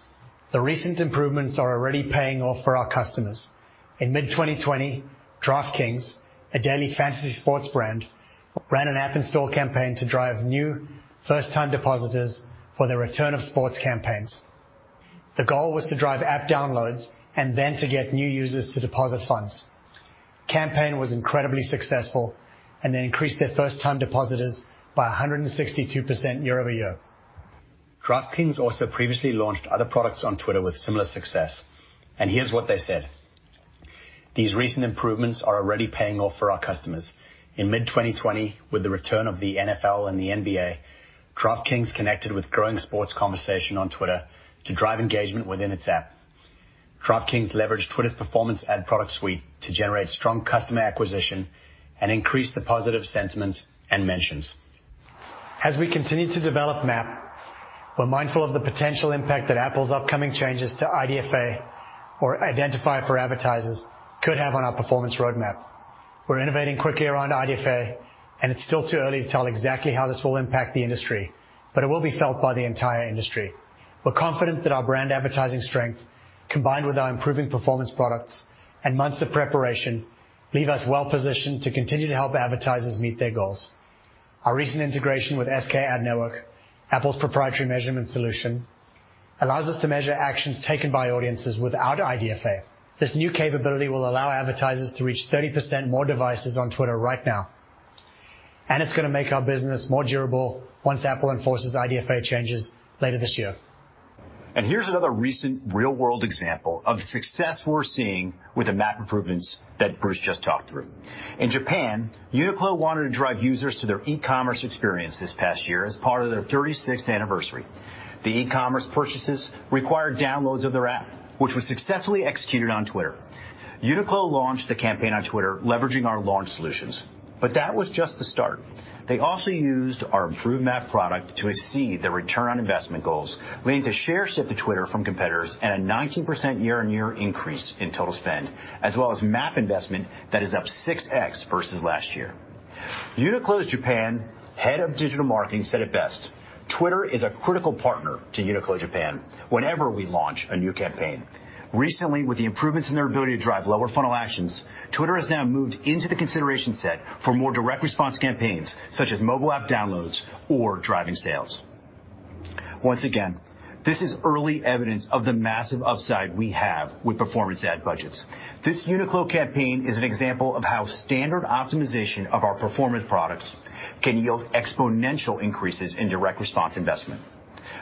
The recent improvements are already paying off for our customers. In mid-2020, DraftKings, a daily fantasy sports brand, ran an app install campaign to drive new first-time depositors for the return of sports campaigns. The goal was to drive app downloads and then to get new users to deposit funds. Campaign was incredibly successful. They increased their first-time depositors by 162% year-over-year. DraftKings also previously launched other products on Twitter with similar success. Here's what they said. "These recent improvements are already paying off for our customers. In mid-2020, with the return of the NFL and the NBA, DraftKings connected with growing sports conversation on Twitter to drive engagement within its app. DraftKings leveraged Twitter's performance ad product suite to generate strong customer acquisition and increase the positive sentiment and mentions. As we continue to develop MAP, we're mindful of the potential impact that Apple's upcoming changes to IDFA, or Identifier for Advertisers, could have on our performance roadmap. We're innovating quickly around IDFA, and it's still too early to tell exactly how this will impact the industry, but it will be felt by the entire industry. We're confident that our brand advertising strength, combined with our improving performance products and months of preparation, leave us well-positioned to continue to help advertisers meet their goals. Our recent integration with SKAdNetwork, Apple's proprietary measurement solution, allows us to measure actions taken by audiences without IDFA. This new capability will allow advertisers to reach 30% more devices on Twitter right now, and it's going to make our business more durable once Apple enforces IDFA changes later this year. Here's another recent real-world example of the success we're seeing with the MAP improvements that Bruce just talked through. In Japan, Uniqlo wanted to drive users to their e-commerce experience this past year as part of their 36th anniversary. The e-commerce purchases required downloads of their app, which was successfully executed on Twitter. Uniqlo launched the campaign on Twitter leveraging our launch solutions. That was just the start. They also used our improved MAP product to exceed their return on investment goals, leading to share shift to Twitter from competitors and a 19% year-on-year increase in total spend, as well as MAP investment that is up 6x versus last year. Uniqlo's Japan head of digital marketing said it best, "Twitter is a critical partner to Uniqlo Japan whenever we launch a new campaign. Recently, with the improvements in their ability to drive lower funnel actions, Twitter has now moved into the consideration set for more direct response campaigns, such as mobile app downloads or driving sales. Once again, this is early evidence of the massive upside we have with performance ad budgets. This Uniqlo campaign is an example of how standard optimization of our performance products can yield exponential increases in direct response investment.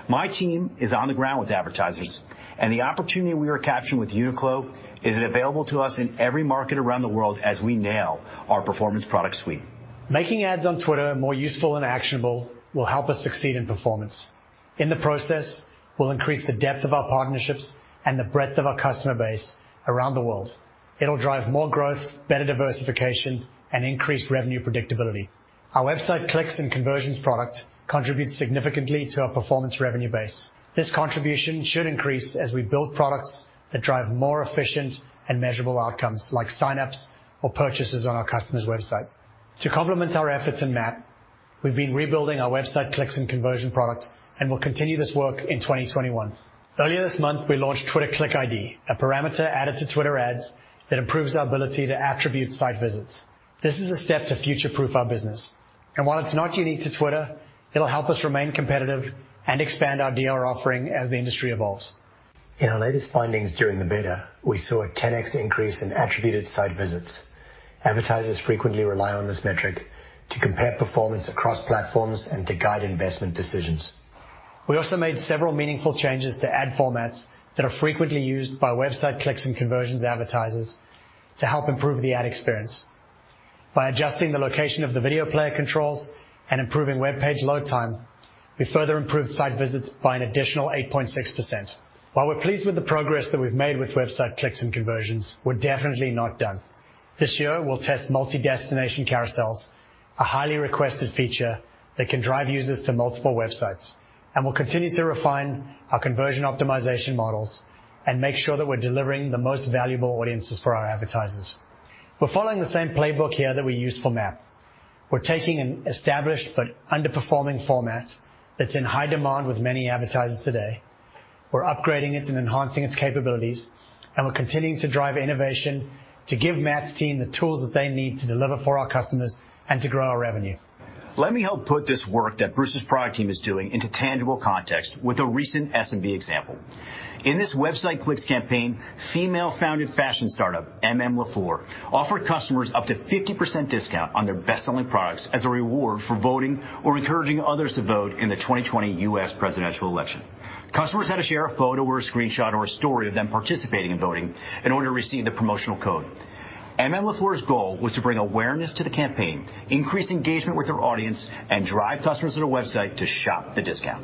My team is on the ground with advertisers, and the opportunity we are capturing with Uniqlo is available to us in every market around the world as we nail our performance product suite. Making ads on Twitter more useful and actionable will help us succeed in performance. In the process, we'll increase the depth of our partnerships and the breadth of our customer base around the world. It'll drive more growth, better diversification, and increased revenue predictability. Our website clicks and conversions product contributes significantly to our performance revenue base. This contribution should increase as we build products that drive more efficient and measurable outcomes, like sign-ups or purchases on our customer's website. To complement our efforts in MAP, we've been rebuilding our website clicks and conversion product, and we'll continue this work in 2021. Earlier this month, we launched Twitter Click ID, a parameter added to Twitter ads that improves our ability to attribute site visits. This is a step to future-proof our business, and while it's not unique to Twitter, it'll help us remain competitive and expand our DR offering as the industry evolves. In our latest findings during the beta, we saw a 10x increase in attributed site visits. Advertisers frequently rely on this metric to compare performance across platforms and to guide investment decisions. We also made several meaningful changes to ad formats that are frequently used by website clicks and conversions advertisers to help improve the ad experience. By adjusting the location of the video player controls and improving webpage load time, we further improved site visits by an additional 8.6%. While we're pleased with the progress that we've made with website clicks and conversions, we're definitely not done. This year, we'll test multi-destination carousels, a highly requested feature that can drive users to multiple websites, and we'll continue to refine our conversion optimization models and make sure that we're delivering the most valuable audiences for our advertisers. We're following the same playbook here that we used for MAP. We're taking an established but underperforming format that's in high demand with many advertisers today, we're upgrading it and enhancing its capabilities, and we're continuing to drive innovation to give Matt's team the tools that they need to deliver for our customers and to grow our revenue. Let me help put this work that Bruce's product team is doing into tangible context with a recent SMB example. In this website clicks campaign, female-founded fashion startup, M.M.LaFleur, offered customers up to 50% discount on their best-selling products as a reward for voting or encouraging others to vote in the 2020 U.S. presidential election. Customers had to share a photo or a screenshot or a story of them participating in voting in order to receive the promotional code. M.M.LaFleur's goal was to bring awareness to the campaign, increase engagement with their audience, and drive customers to their website to shop the discount.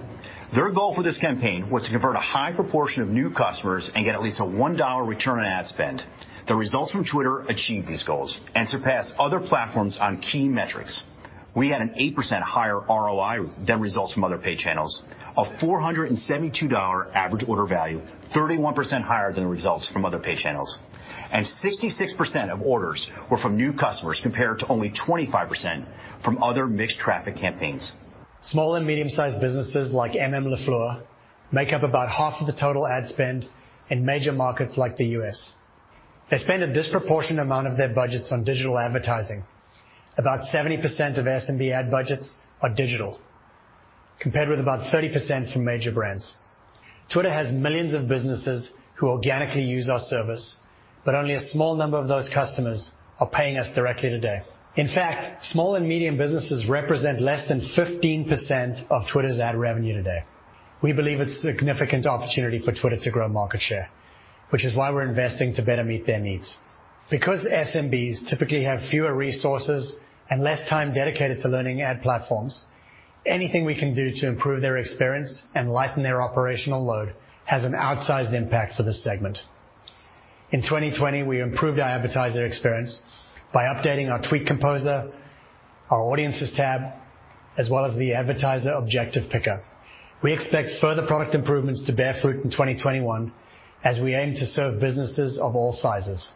Their goal for this campaign was to convert a high proportion of new customers and get at least a $1 return on ad spend. The results from Twitter achieved these goals and surpassed other platforms on key metrics. We had an 8% higher ROI than results from other pay channels, a $472 average order value, 31% higher than results from other pay channels, and 66% of orders were from new customers, compared to only 25% from other mixed traffic campaigns. Small and medium-sized businesses like M.M.LaFleur make up about half of the total ad spend in major markets like the U.S. They spend a disproportionate amount of their budgets on digital advertising. About 70% of SMB ad budgets are digital, compared with about 30% from major brands. Twitter has millions of businesses who organically use our service, but only a small number of those customers are paying us directly today. In fact, small and medium businesses represent less than 15% of Twitter's ad revenue today. We believe it's a significant opportunity for Twitter to grow market share, which is why we're investing to better meet their needs. Because SMBs typically have fewer resources and less time dedicated to learning ad platforms, anything we can do to improve their experience and lighten their operational load has an outsized impact for this segment. In 2020, we improved our advertiser experience by updating our Tweet Composer, our audiences tab, as well as the advertiser objective picker. We expect further product improvements to bear fruit in 2021 as we aim to serve businesses of all sizes.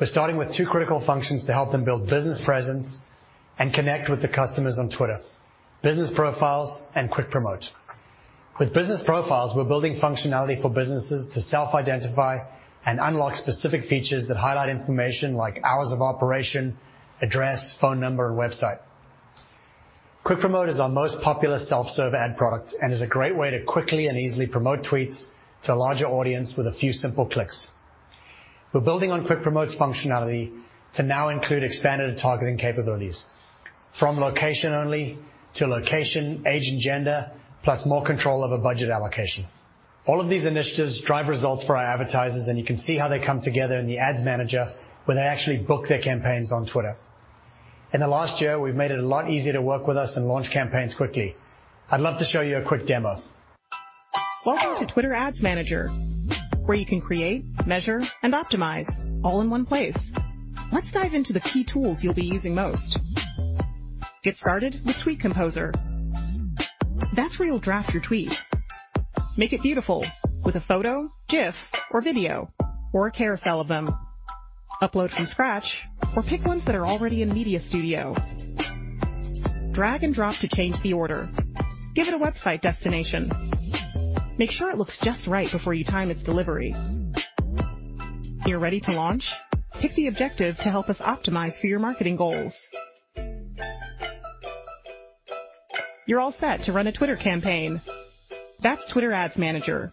We're starting with two critical functions to help them build business presence and connect with the customers on Twitter, business profiles and Quick Promote. With business profiles, we're building functionality for businesses to self-identify and unlock specific features that highlight information like hours of operation, address, phone number, and website. Quick Promote is our most popular self-serve ad product and is a great way to quickly and easily promote tweets to a larger audience with a few simple clicks. We're building on Quick Promote's functionality to now include expanded targeting capabilities, from location only to location, age, and gender, plus more control over budget allocation. All of these initiatives drive results for our advertisers, and you can see how they come together in the Ads Manager, where they actually book their campaigns on Twitter. In the last year, we've made it a lot easier to work with us and launch campaigns quickly. I'd love to show you a quick demo. Welcome to Twitter Ads Manager, where you can create, measure, and optimize all in one place. Let's dive into the key tools you'll be using most. Get started with Tweet Composer. That's where you'll draft your tweet. Make it beautiful with a photo, GIF, or video, or a carousel of them. Upload from scratch or pick ones that are already in Media Studio. Drag and drop to change the order. Give it a website destination. Make sure it looks just right before you time its delivery. You're ready to launch? Pick the objective to help us optimize for your marketing goals. You're all set to run a Twitter campaign. That's Twitter Ads Manager.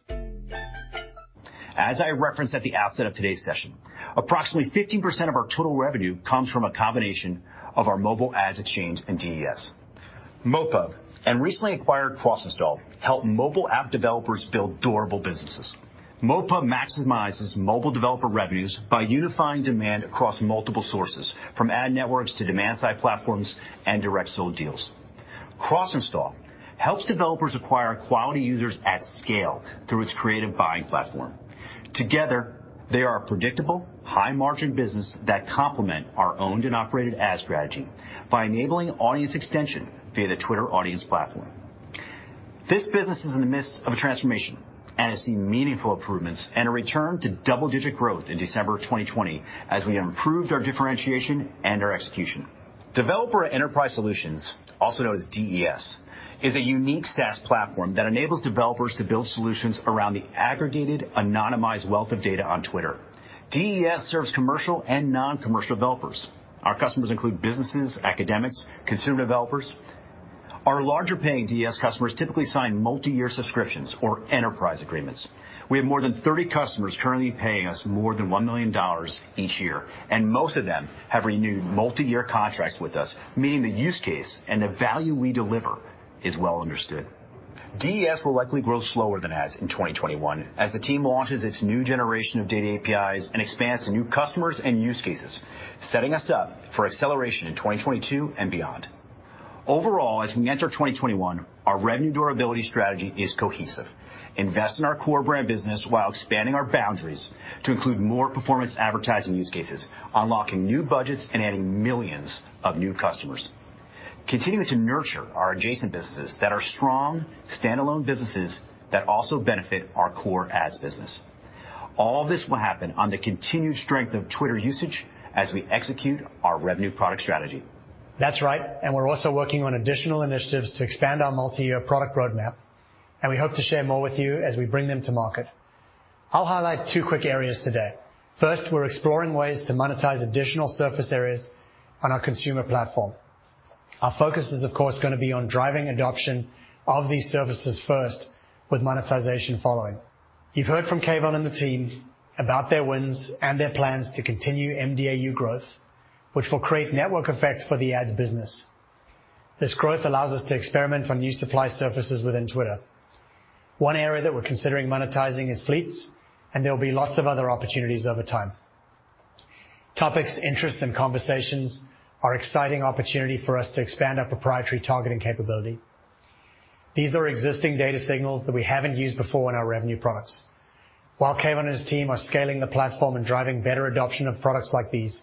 As I referenced at the outset of today's session, approximately 15% of our total revenue comes from a combination of our mobile ads exchange and DES. MoPub and recently acquired CrossInstall help mobile app developers build durable businesses. MoPub maximizes mobile developer revenues by unifying demand across multiple sources, from ad networks to demand-side platforms and direct sold deals. CrossInstall helps developers acquire quality users at scale through its creative buying platform. Together, they are a predictable, high-margin business that complement our owned and operated ad strategy by enabling audience extension via the Twitter Audience Platform. This business is in the midst of a transformation and has seen meaningful improvements and a return to double-digit growth in December 2020, as we improved our differentiation and our execution. Developer Enterprise Solutions, also known as DES, is a unique SaaS platform that enables developers to build solutions around the aggregated, anonymized wealth of data on Twitter. DES serves commercial and non-commercial developers. Our customers include businesses, academics, consumer developers. Our larger-paying DES customers typically sign multi-year subscriptions or enterprise agreements. We have more than 30 customers currently paying us more than $1 million each year, and most of them have renewed multi-year contracts with us, meaning the use case and the value we deliver is well understood. DES will likely grow slower than ads in 2021 as the team launches its new generation of data APIs and expands to new customers and use cases, setting us up for acceleration in 2022 and beyond. Overall, as we enter 2021, our revenue durability strategy is cohesive. Invest in our core brand business while expanding our boundaries to include more performance advertising use cases, unlocking new budgets and adding millions of new customers. Continuing to nurture our adjacent businesses that are strong, standalone businesses that also benefit our core ads business. All this will happen on the continued strength of Twitter usage as we execute our revenue product strategy. That's right. We're also working on additional initiatives to expand our multi-year product roadmap, and we hope to share more with you as we bring them to market. I'll highlight two quick areas today. First, we're exploring ways to monetize additional surface areas on our consumer platform. Our focus is, of course, going to be on driving adoption of these services first, with monetization following. You've heard from Kayvon and the team about their wins and their plans to continue mDAU growth, which will create network effects for the ads business. This growth allows us to experiment on new supply surfaces within Twitter. One area that we're considering monetizing is Fleets. There'll be lots of other opportunities over time. Topics, interest, and conversations are exciting opportunity for us to expand our proprietary targeting capability. These are existing data signals that we haven't used before in our revenue products. While Kayvon and his team are scaling the platform and driving better adoption of products like these,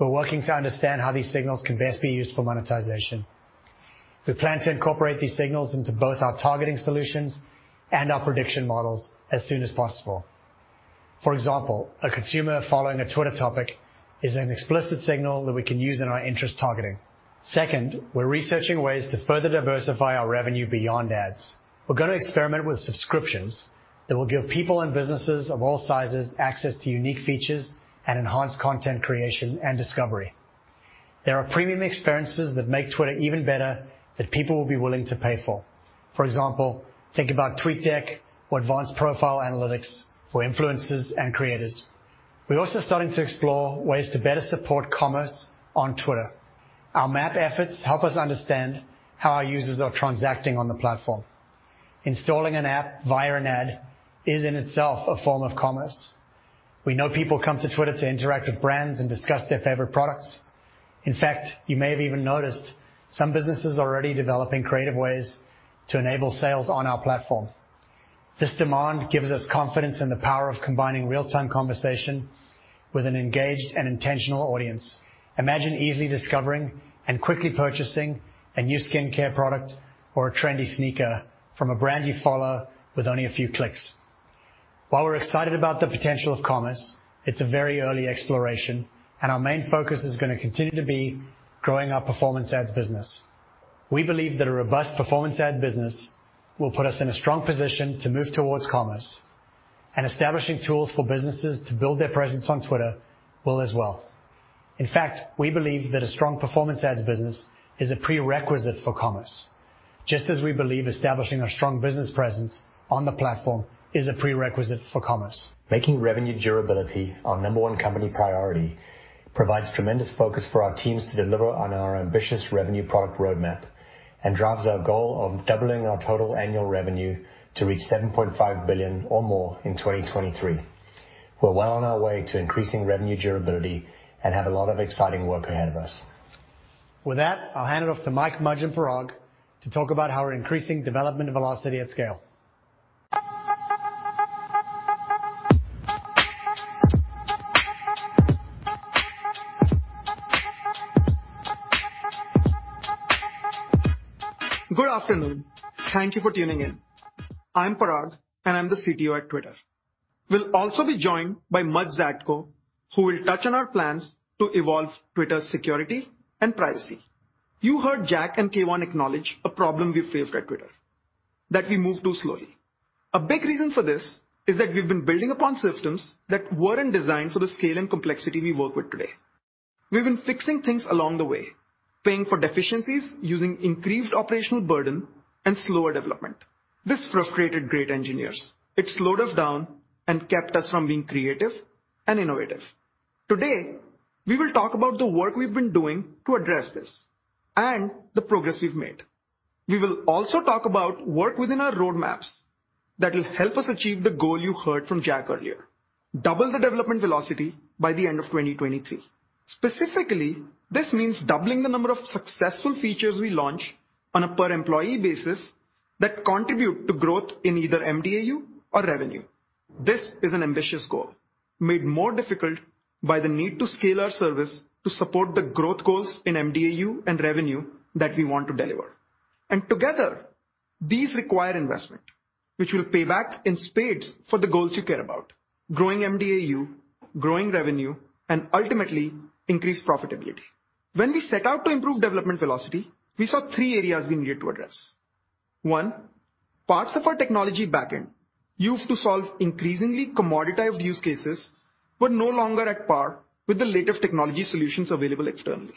we're working to understand how these signals can best be used for monetization. We plan to incorporate these signals into both our targeting solutions and our prediction models as soon as possible. For example, a consumer following a Twitter topic is an explicit signal that we can use in our interest targeting. Second, we're researching ways to further diversify our revenue beyond ads. We're going to experiment with subscriptions that will give people and businesses of all sizes access to unique features and enhanced content creation and discovery. There are premium experiences that make Twitter even better that people will be willing to pay for. For example, think about TweetDeck or advanced profile analytics for influencers and creators. We're also starting to explore ways to better support commerce on Twitter. Our MAP efforts help us understand how our users are transacting on the platform. Installing an app via an ad is in itself a form of commerce. We know people come to Twitter to interact with brands and discuss their favorite products. In fact, you may have even noticed some businesses are already developing creative ways to enable sales on our platform. This demand gives us confidence in the power of combining real-time conversation with an engaged and intentional audience. Imagine easily discovering and quickly purchasing a new skincare product or a trendy sneaker from a brand you follow with only a few clicks. While we're excited about the potential of commerce, it's a very early exploration, and our main focus is going to continue to be growing our performance ads business. We believe that a robust performance ad business will put us in a strong position to move towards commerce, and establishing tools for businesses to build their presence on Twitter will as well. In fact, we believe that a strong performance ads business is a prerequisite for commerce, just as we believe establishing a strong business presence on the platform is a prerequisite for commerce. Making revenue durability our number 1 company priority provides tremendous focus for our teams to deliver on our ambitious revenue product roadmap and drives our goal of doubling our total annual revenue to reach $7.5 billion or more in 2023. We're well on our way to increasing revenue durability and have a lot of exciting work ahead of us. With that, I'll hand it off to Mike, Mudge and Parag to talk about how we're increasing development velocity at scale. Good afternoon. Thank you for tuning in. I'm Parag, and I'm the CTO at Twitter. We'll also be joined by Mudge Zatko, who will touch on our plans to evolve Twitter's security and privacy. You heard Jack and Kayvon acknowledge a problem we faced at Twitter, that we move too slowly. A big reason for this is that we've been building upon systems that weren't designed for the scale and complexity we work with today. We've been fixing things along the way, paying for deficiencies, using increased operational burden and slower development. This frustrated great engineers. It slowed us down and kept us from being creative and innovative. Today, we will talk about the work we've been doing to address this and the progress we've made. We will also talk about work within our roadmaps that will help us achieve the goal you heard from Jack earlier, double the development velocity by the end of 2023. Specifically, this means doubling the number of successful features we launch on a per employee basis that contribute to growth in either mDAU or revenue. This is an ambitious goal made more difficult by the need to scale our service to support the growth goals in mDAU and revenue that we want to deliver. Together, these require investment, which will pay back in spades for the goals you care about, growing mDAU, growing revenue, and ultimately increased profitability. When we set out to improve development velocity, we saw three areas we needed to address. One, parts of our technology backend, used to solve increasingly commoditized use cases, were no longer at par with the latest technology solutions available externally.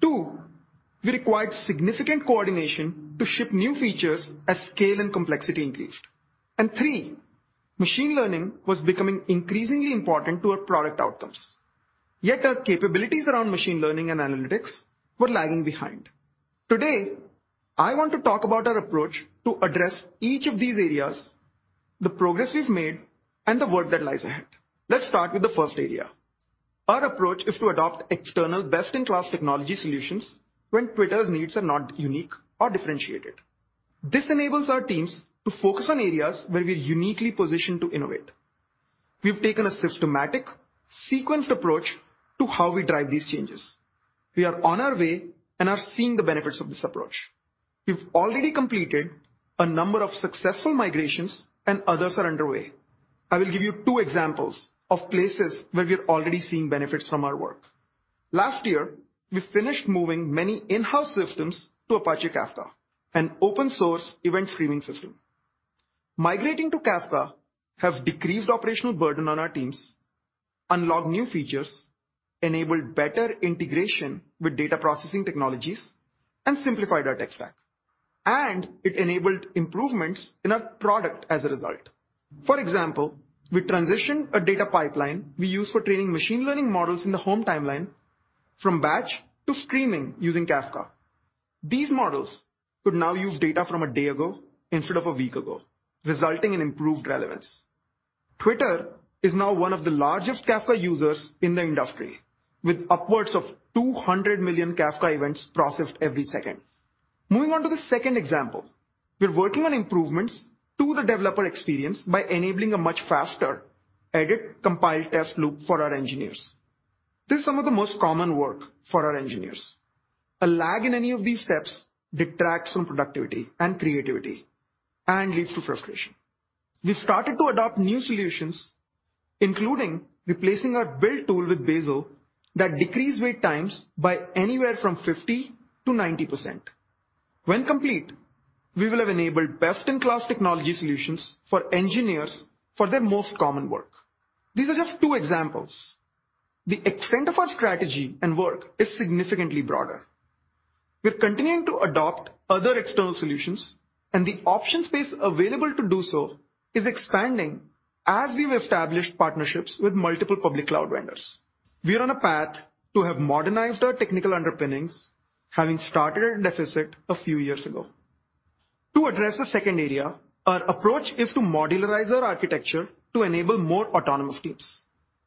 Two, we required significant coordination to ship new features as scale and complexity increased. Three, machine learning was becoming increasingly important to our product outcomes, yet our capabilities around machine learning and analytics were lagging behind. Today, I want to talk about our approach to address each of these areas, the progress we've made, and the work that lies ahead. Let's start with the first area. Our approach is to adopt external best-in-class technology solutions when Twitter's needs are not unique or differentiated. This enables our teams to focus on areas where we're uniquely positioned to innovate. We've taken a systematic, sequenced approach to how we drive these changes. We are on our way and are seeing the benefits of this approach. We've already completed a number of successful migrations and others are underway. I will give you two examples of places where we are already seeing benefits from our work. Last year, we finished moving many in-house systems to Apache Kafka, an open source event streaming system. Migrating to Kafka has decreased operational burden on our teams, unlocked new features, enabled better integration with data processing technologies, and simplified our tech stack, and it enabled improvements in our product as a result. For example, we transitioned a data pipeline we use for training machine learning models in the home timeline from batch to streaming using Kafka. These models could now use data from a day ago instead of a week ago, resulting in improved relevance. Twitter is now one of the largest Kafka users in the industry, with upwards of 200 million Kafka events processed every second. Moving on to the second example. We're working on improvements to the developer experience by enabling a much faster edit, compile, test loop for our engineers. This is some of the most common work for our engineers. A lag in any of these steps detracts from productivity and creativity and leads to frustration. We started to adopt new solutions, including replacing our build tool with Bazel, that decrease wait times by anywhere from 50%-90%. When complete, we will have enabled best-in-class technology solutions for engineers for their most common work. These are just two examples. The extent of our strategy and work is significantly broader. We're continuing to adopt other external solutions, and the option space available to do so is expanding as we've established partnerships with multiple public cloud vendors. We are on a path to have modernized our technical underpinnings, having started at a deficit a few years ago. To address the second area, our approach is to modularize our architecture to enable more autonomous teams.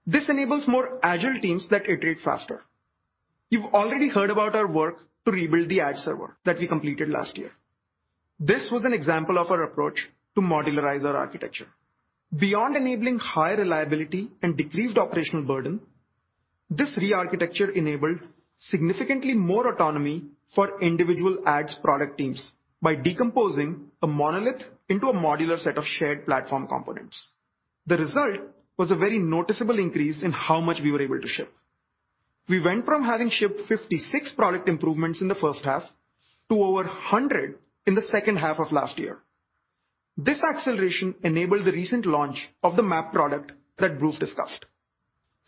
This enables more agile teams that iterate faster. You've already heard about our work to rebuild the ad server that we completed last year. This was an example of our approach to modularize our architecture. Beyond enabling higher reliability and decreased operational burden, this re-architecture enabled significantly more autonomy for individual ads product teams by decomposing a monolith into a modular set of shared platform components. The result was a very noticeable increase in how much we were able to ship. We went from having shipped 56 product improvements in the first half to over 100 in the second half of last year. This acceleration enabled the recent launch of the map product that Bruce discussed.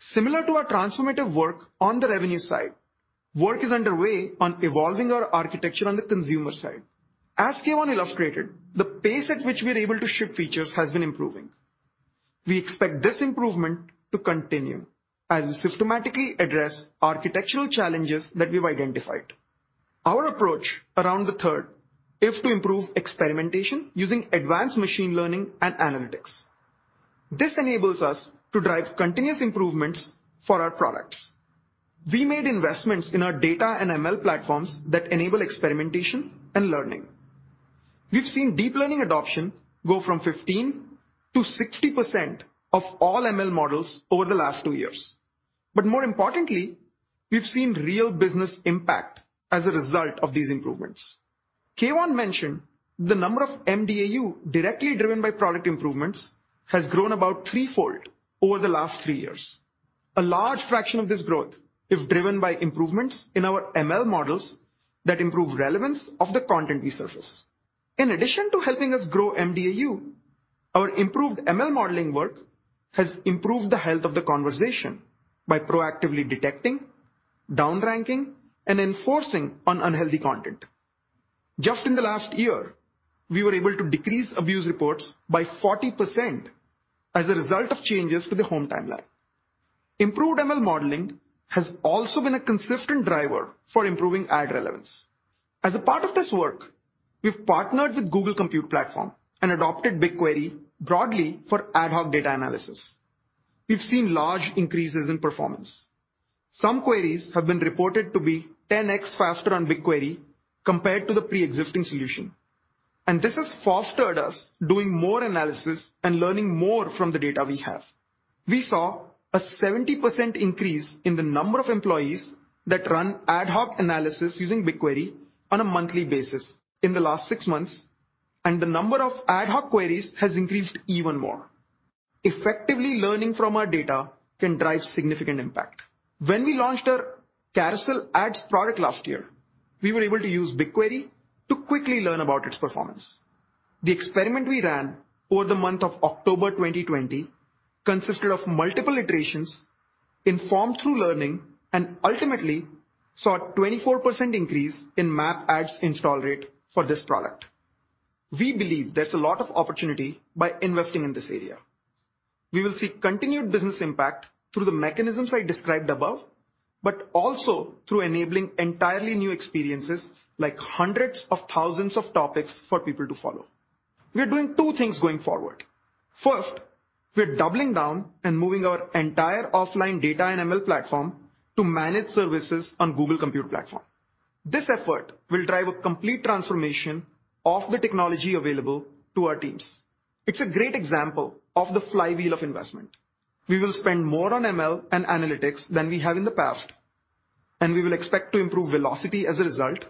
Similar to our transformative work on the revenue side, work is underway on evolving our architecture on the consumer side. As Kayvon illustrated, the pace at which we are able to ship features has been improving. We expect this improvement to continue as we systematically address architectural challenges that we've identified. Our approach around the third is to improve experimentation using advanced machine learning and analytics. This enables us to drive continuous improvements for our products. We made investments in our data and ML platforms that enable experimentation and learning. We've seen deep learning adoption go from 15%-60% of all ML models over the last two years. More importantly, we've seen real business impact as a result of these improvements. Kayvon mentioned the number of mDAU directly driven by product improvements has grown about threefold over the last three years. A large fraction of this growth is driven by improvements in our ML models that improve relevance of the content we surface. In addition to helping us grow mDAU, our improved ML modeling work has improved the health of the conversation by proactively detecting, downranking, and enforcing on unhealthy content. Just in the last year, we were able to decrease abuse reports by 40% as a result of changes to the home timeline. Improved ML modeling has also been a consistent driver for improving ad relevance. As a part of this work, we've partnered with Google Cloud Platform and adopted BigQuery broadly for ad hoc data analysis. We've seen large increases in performance. Some queries have been reported to be 10x faster on BigQuery compared to the preexisting solution, and this has fostered us doing more analysis and learning more from the data we have. We saw a 70% increase in the number of employees that run ad hoc analysis using BigQuery on a monthly basis in the last six months, and the number of ad hoc queries has increased even more. Effectively learning from our data can drive significant impact. When we launched our Carousel Ads product last year, we were able to use BigQuery to quickly learn about its performance. The experiment we ran over the month of October 2020 consisted of multiple iterations, informed through learning, and ultimately, saw a 24% increase in MAP ads install rate for this product. We believe there's a lot of opportunity by investing in this area. We will see continued business impact through the mechanisms I described above, but also through enabling entirely new experiences, like hundreds of thousands of topics for people to follow. We are doing two things going forward. First, we're doubling down and moving our entire offline data and ML platform to managed services on Google Cloud Platform. This effort will drive a complete transformation of the technology available to our teams. It's a great example of the flywheel of investment. We will spend more on ML and analytics than we have in the past, and we will expect to improve velocity as a result,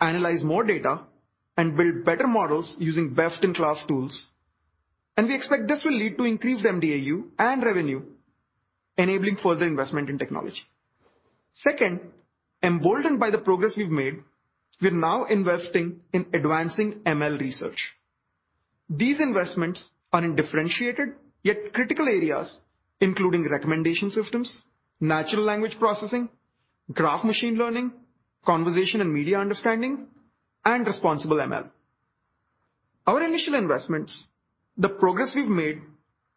analyze more data, and build better models using best-in-class tools, and we expect this will lead to increased mDAU and revenue, enabling further investment in technology. Second, emboldened by the progress we've made, we're now investing in advancing ML research. These investments are in differentiated yet critical areas, including recommendation systems, natural language processing, graph machine learning, conversation and media understanding, and responsible ML. Our initial investments, the progress we've made,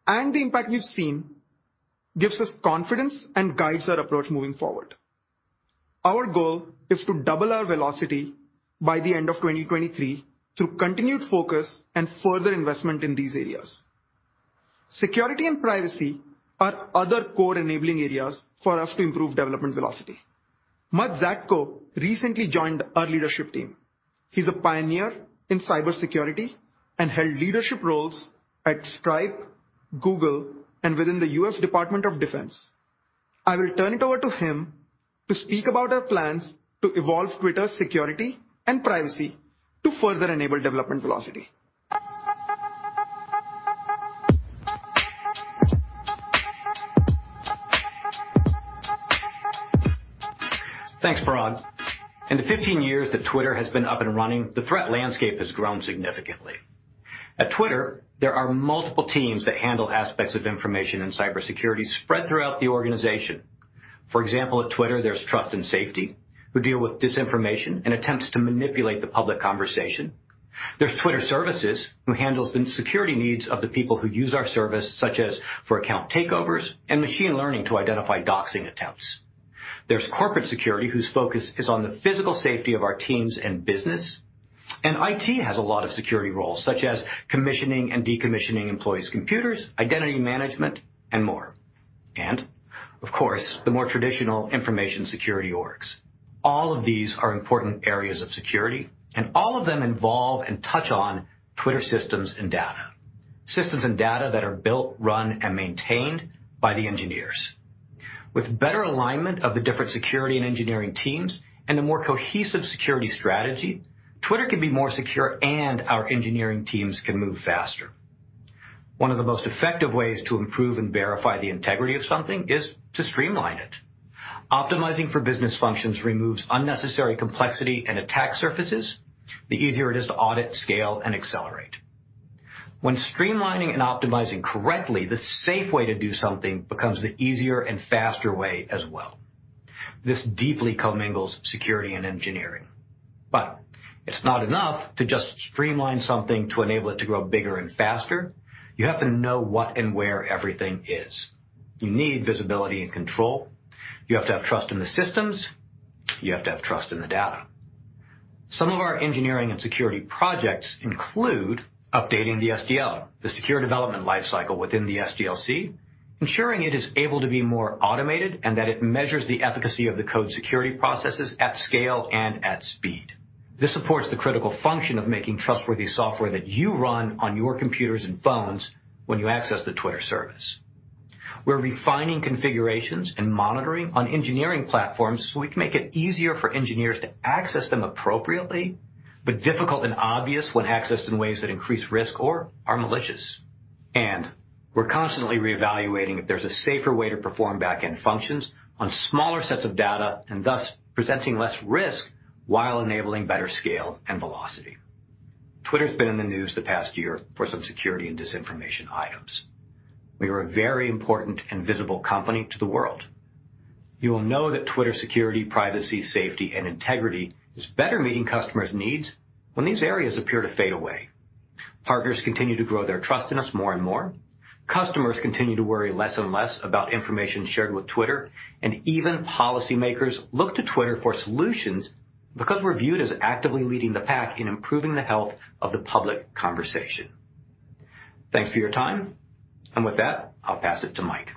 and the impact we've seen, gives us confidence and guides our approach moving forward. Our goal is to double our velocity by the end of 2023 through continued focus and further investment in these areas. Security and privacy are other core enabling areas for us to improve development velocity. Mudge Zatko recently joined our leadership team. He's a pioneer in cybersecurity and held leadership roles at Stripe, Google, and within the U.S. Department of Defense. I will turn it over to him to speak about our plans to evolve Twitter's security and privacy to further enable development velocity. Thanks, Parag. In the 15 years that Twitter has been up and running, the threat landscape has grown significantly. At Twitter, there are multiple teams that handle aspects of information and cybersecurity spread throughout the organization. For example, at Twitter, there's Trust and Safety, who deal with disinformation and attempts to manipulate the public conversation. There's Twitter Services, who handles the security needs of the people who use our service, such as for account takeovers and machine learning to identify doxing attempts. There's Corporate Security, whose focus is on the physical safety of our teams and business. IT has a lot of security roles, such as commissioning and decommissioning employees' computers, identity management, and more. Of course, the more traditional information security orgs. All of these are important areas of security, and all of them involve and touch on Twitter systems and data. Systems and data that are built, run, and maintained by the engineers. With better alignment of the different security and engineering teams and a more cohesive security strategy, Twitter can be more secure, and our engineering teams can move faster. One of the most effective ways to improve and verify the integrity of something is to streamline it. Optimizing for business functions removes unnecessary complexity and attack surfaces, the easier it is to audit, scale, and accelerate. When streamlining and optimizing correctly, the safe way to do something becomes the easier and faster way as well. This deeply commingles security and engineering. It's not enough to just streamline something to enable it to grow bigger and faster. You have to know what and where everything is. You need visibility and control. You have to have trust in the systems. You have to have trust in the data. Some of our engineering and security projects include updating the SDL, the Security Development Lifecycle within the SDLC, ensuring it is able to be more automated and that it measures the efficacy of the code security processes at scale and at speed. This supports the critical function of making trustworthy software that you run on your computers and phones when you access the Twitter service. We're refining configurations and monitoring on engineering platforms so we can make it easier for engineers to access them appropriately, but difficult and obvious when accessed in ways that increase risk or are malicious. We're constantly reevaluating if there's a safer way to perform back-end functions on smaller sets of data, and thus, presenting less risk while enabling better scale and velocity. Twitter's been in the news the past year for some security and disinformation items. We are a very important and visible company to the world. You will know that Twitter security, privacy, safety, and integrity is better meeting customers' needs when these areas appear to fade away. Partners continue to grow their trust in us more and more, customers continue to worry less and less about information shared with Twitter, and even policymakers look to Twitter for solutions because we're viewed as actively leading the pack in improving the health of the public conversation. Thanks for your time. With that, I'll pass it to Mike.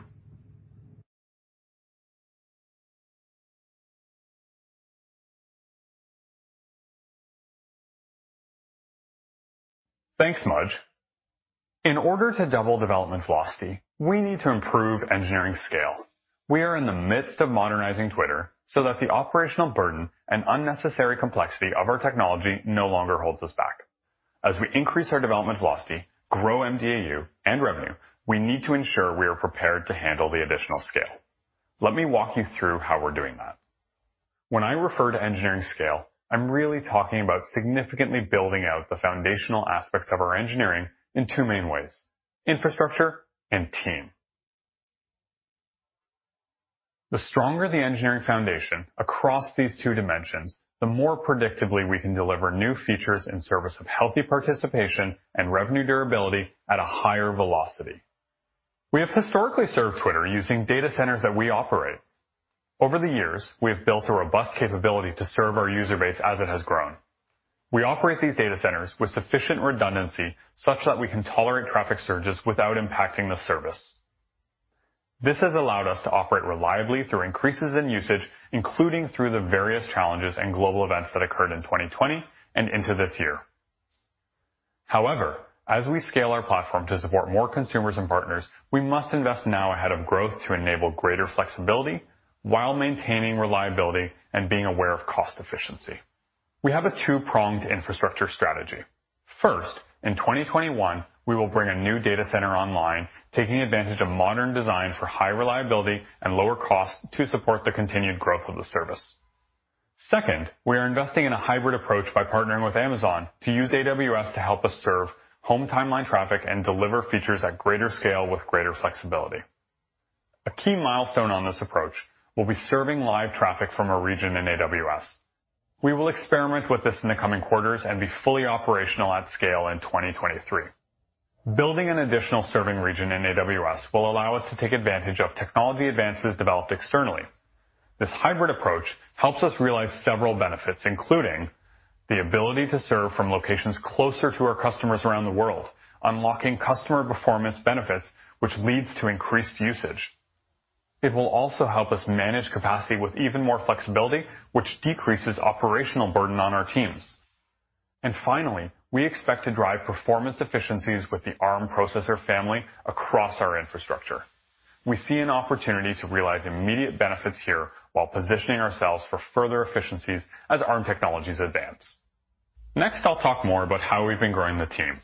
Thanks, Mudge. In order to double development velocity, we need to improve engineering scale. We are in the midst of modernizing Twitter so that the operational burden and unnecessary complexity of our technology no longer holds us back. As we increase our development velocity, grow mDAU and revenue, we need to ensure we are prepared to handle the additional scale. Let me walk you through how we're doing that. When I refer to engineering scale, I'm really talking about significantly building out the foundational aspects of our engineering in two main ways, infrastructure and team. The stronger the engineering foundation across these two dimensions, the more predictably we can deliver new features in service of healthy participation and revenue durability at a higher velocity. We have historically served Twitter using data centers that we operate. Over the years, we have built a robust capability to serve our user base as it has grown. We operate these data centers with sufficient redundancy such that we can tolerate traffic surges without impacting the service. This has allowed us to operate reliably through increases in usage, including through the various challenges and global events that occurred in 2020 and into this year. However, as we scale our platform to support more consumers and partners, we must invest now ahead of growth to enable greater flexibility while maintaining reliability and being aware of cost efficiency. We have a two-pronged infrastructure strategy. First, in 2021, we will bring a new data center online, taking advantage of modern design for high reliability and lower costs to support the continued growth of the service. Second, we are investing in a hybrid approach by partnering with Amazon to use AWS to help us serve home timeline traffic and deliver features at greater scale with greater flexibility. A key milestone on this approach will be serving live traffic from a region in AWS. We will experiment with this in the coming quarters and be fully operational at scale in 2023. Building an additional serving region in AWS will allow us to take advantage of technology advances developed externally. This hybrid approach helps us realize several benefits, including the ability to serve from locations closer to our customers around the world, unlocking customer performance benefits, which leads to increased usage. It will also help us manage capacity with even more flexibility, which decreases operational burden on our teams. Finally, we expect to drive performance efficiencies with the Arm processor family across our infrastructure. We see an opportunity to realize immediate benefits here while positioning ourselves for further efficiencies as Arm technologies advance. Next, I'll talk more about how we've been growing the team.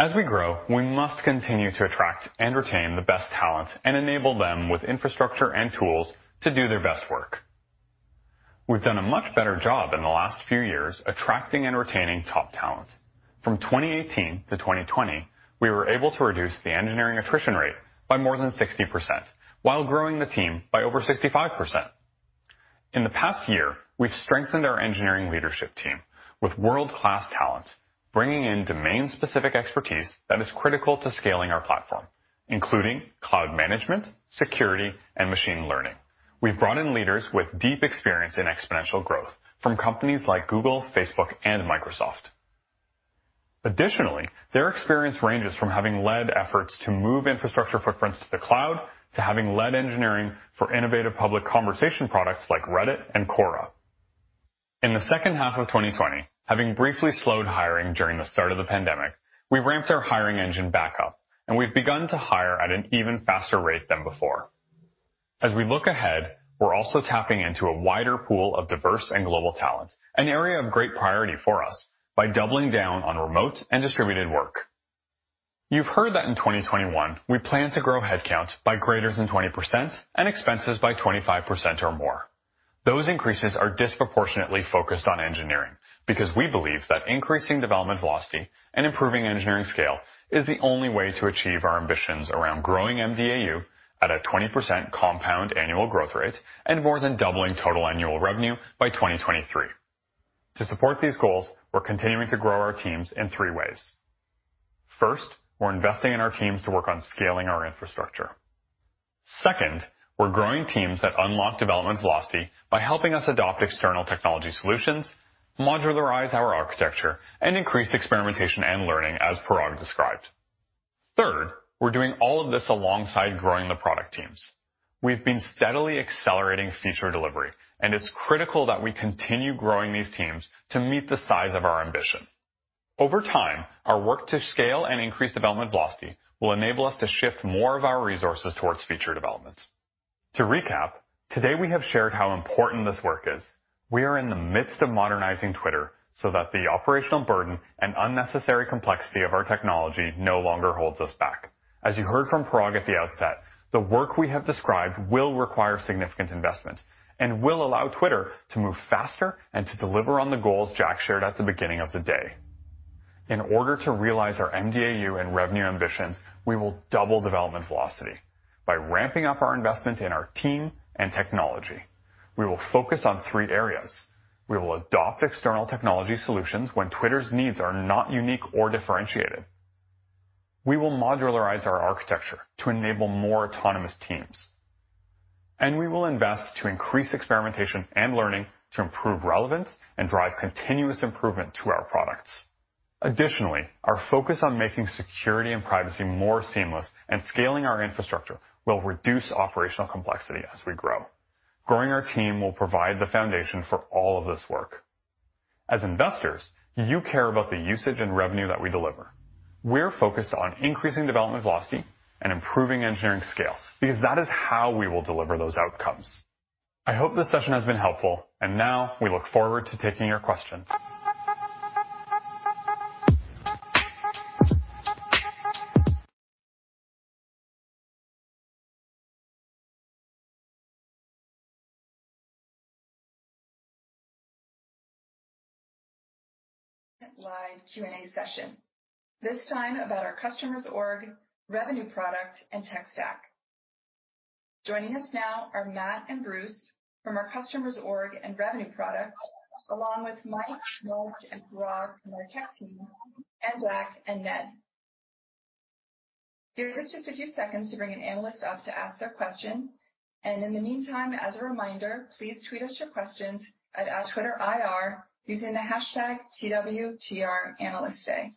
As we grow, we must continue to attract and retain the best talent and enable them with infrastructure and tools to do their best work. We've done a much better job in the last few years attracting and retaining top talent. From 2018 to 2020, we were able to reduce the engineering attrition rate by more than 60% while growing the team by over 65%. In the past year, we've strengthened our engineering leadership team with world-class talent, bringing in domain-specific expertise that is critical to scaling our platform, including cloud management, security, and machine learning. We've brought in leaders with deep experience in exponential growth from companies like Google, Facebook, and Microsoft. Additionally, their experience ranges from having led efforts to move infrastructure footprints to the cloud, to having led engineering for innovative public conversation products like Reddit and Quora. In the second half of 2020, having briefly slowed hiring during the start of the pandemic, we ramped our hiring engine back up, and we've begun to hire at an even faster rate than before. As we look ahead, we're also tapping into a wider pool of diverse and global talent, an area of great priority for us, by doubling down on remote and distributed work. You've heard that in 2021, we plan to grow headcount by greater than 20% and expenses by 25% or more. Those increases are disproportionately focused on engineering because we believe that increasing development velocity and improving engineering scale is the only way to achieve our ambitions around growing mDAU at a 20% compound annual growth rate and more than doubling total annual revenue by 2023. To support these goals, we're continuing to grow our teams in three ways. First, we're investing in our teams to work on scaling our infrastructure. Second, we're growing teams that unlock development velocity by helping us adopt external technology solutions, modularize our architecture, and increase experimentation and learning, as Parag described. Third, we're doing all of this alongside growing the product teams. We've been steadily accelerating feature delivery, and it's critical that we continue growing these teams to meet the size of our ambition. Over time, our work to scale and increase development velocity will enable us to shift more of our resources towards feature development. To recap, today we have shared how important this work is. We are in the midst of modernizing Twitter so that the operational burden and unnecessary complexity of our technology no longer holds us back. As you heard from Parag at the outset, the work we have described will require significant investment and will allow Twitter to move faster and to deliver on the goals Jack shared at the beginning of the day. In order to realize our mDAU and revenue ambitions, we will double development velocity by ramping up our investment in our team and technology. We will focus on three areas. We will adopt external technology solutions when Twitter's needs are not unique or differentiated. We will modularize our architecture to enable more autonomous teams, and we will invest to increase experimentation and learning to improve relevance and drive continuous improvement to our products. Additionally, our focus on making security and privacy more seamless and scaling our infrastructure will reduce operational complexity as we grow. Growing our team will provide the foundation for all of this work. As investors, you care about the usage and revenue that we deliver. We're focused on increasing development velocity and improving engineering scale because that is how we will deliver those outcomes. I hope this session has been helpful, and now we look forward to taking your questions. Live Q&A session, this time about our customers org, revenue product, and tech stack. Joining us now are Matt and Bruce from our customers org and revenue product, along with Mike, Mudge, and Parag from our tech team, and Jack and Ned. Give us just a few seconds to bring an analyst up to ask their question. In the meantime, as a reminder, please tweet us your questions at @TwitterIR using the hashtag #TWTRAnalystDay.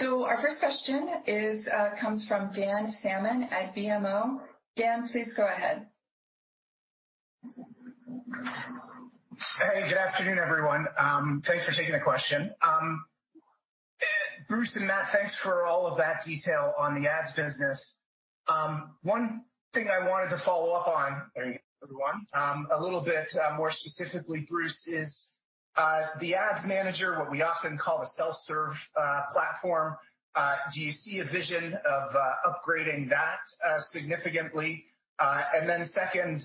Our first question comes from Dan Salmon at BMO. Dan, please go ahead. Hey, good afternoon, everyone. Thanks for taking the question. Bruce and Matt, thanks for all of that detail on the ads business. One thing I wanted to follow up on, a little bit more specifically, Bruce, is the Ads Manager, what we often call the self-serve platform, do you see a vision of upgrading that significantly? Second,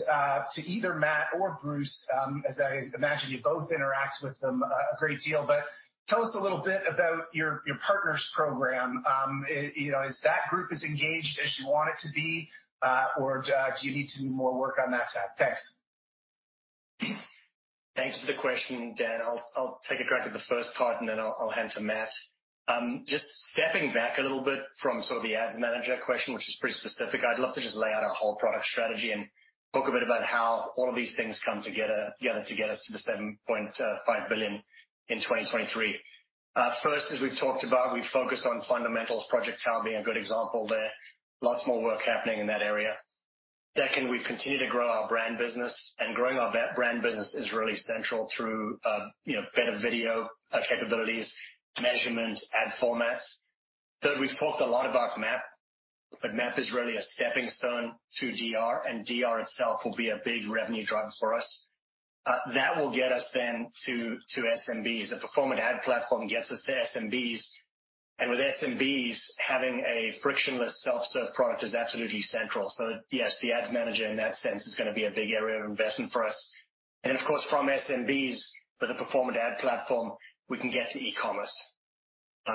to either Matt or Bruce, as I imagine you both interact with them a great deal, but tell us a little bit about your partners program. Is that group as engaged as you want it to be, or do you need to do more work on that side? Thanks. Thanks for the question, Dan. I'll take a crack at the first part, and then I'll hand to Matt. Just stepping back a little bit from the Ads Manager question, which is pretty specific, I'd love to just lay out our whole product strategy and talk a bit about how all of these things come together to get us to the $7.5 billion in 2023. First, as we've talked about, we focused on fundamentals, Project Teal being a good example there. Lots more work happening in that area. Second, we've continued to grow our brand business, and growing our brand business is really central through better video capabilities, measurement, ad formats. Third, we've talked a lot about MAP, but MAP is really a stepping stone to DR, and DR itself will be a big revenue driver for us. That will get us then to SMBs. A performant ad platform gets us to SMBs, and with SMBs, having a frictionless self-serve product is absolutely central. Yes, the Ads Manager in that sense is going to be a big area of investment for us. Of course, from SMBs, with a performant ad platform, we can get to e-commerce. A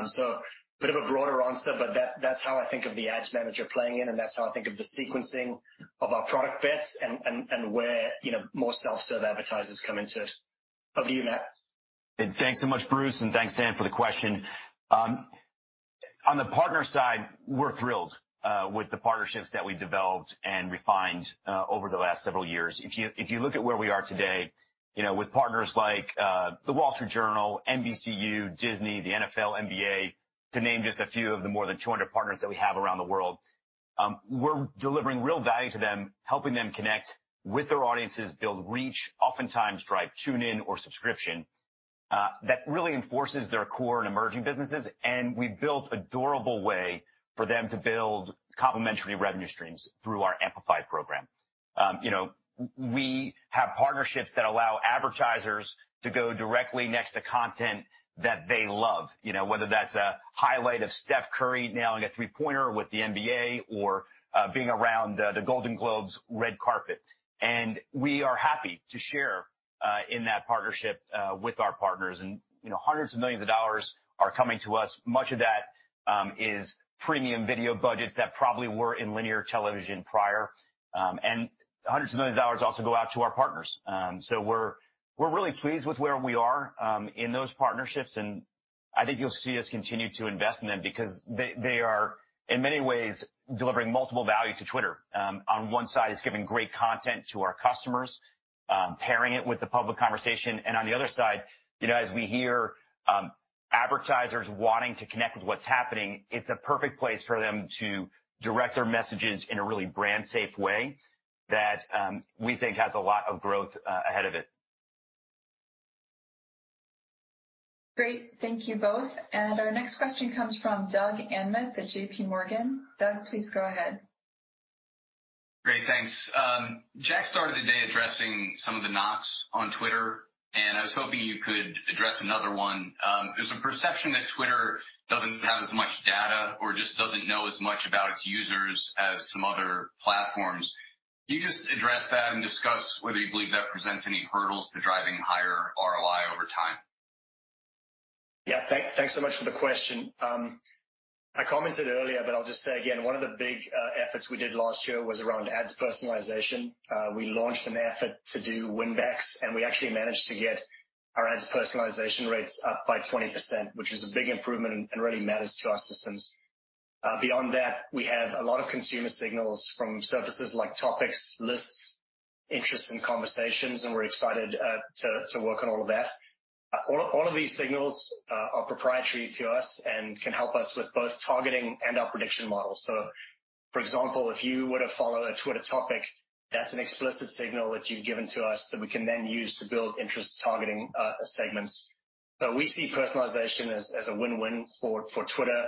bit of a broader answer, but that's how I think of the Ads Manager playing in, and that's how I think of the sequencing of our product bets and where more self-serve advertisers come into it. Over to you, Matt. Thanks so much, Bruce, and thanks, Dan, for the question. On the partner side, we're thrilled with the partnerships that we've developed and refined over the last several years. If you look at where we are today, with partners like The Wall Street Journal, NBCUniversal, The Walt Disney Company, the NFL, NBA, to name just a few of the more than 200 partners that we have around the world, we're delivering real value to them, helping them connect with their audiences, build reach, oftentimes drive tune-in or subscription. That really enforces their core and emerging businesses, and we built a durable way for them to build complementary revenue streams through our Twitter Amplify program. We have partnerships that allow advertisers to go directly next to content that they love, whether that's a highlight of Steph Curry nailing a three-pointer with the NBA or being around the Golden Globe Awards red carpet. We are happy to share in that partnership with our partners, and $hundreds of millions are coming to us. Much of that is premium video budgets that probably were in linear television prior, and $hundreds of millions also go out to our partners. We're really pleased with where we are in those partnerships, and I think you'll see us continue to invest in them because they are, in many ways, delivering multiple value to Twitter. On one side, it's giving great content to our customers, pairing it with the public conversation. On the other side, as we hear advertisers wanting to connect with what's happening, it's a perfect place for them to direct their messages in a really brand-safe way that we think has a lot of growth ahead of it. Great. Thank you both. Our next question comes from Doug Anmuth at JPMorgan. Doug, please go ahead. Great. Thanks. Jack started the day addressing some of the knocks on Twitter I was hoping you could address another one. There's a perception that Twitter doesn't have as much data or just doesn't know as much about its users as some other platforms. Can you just address that and discuss whether you believe that presents any hurdles to driving higher ROI over time? Yeah. Thanks so much for the question. I commented earlier, but I'll just say again, one of the big efforts we did last year was around ads personalization. We launched an effort to do win backs, and we actually managed to get our ads personalization rates up by 20%, which is a big improvement and really matters to our systems. Beyond that, we have a lot of consumer signals from services like topics, lists, interests, and conversations, and we're excited to work on all of that. All of these signals are proprietary to us and can help us with both targeting and our prediction models. For example, if you were to follow a Twitter topic, that's an explicit signal that you've given to us that we can then use to build interest targeting segments. We see personalization as a win-win for Twitter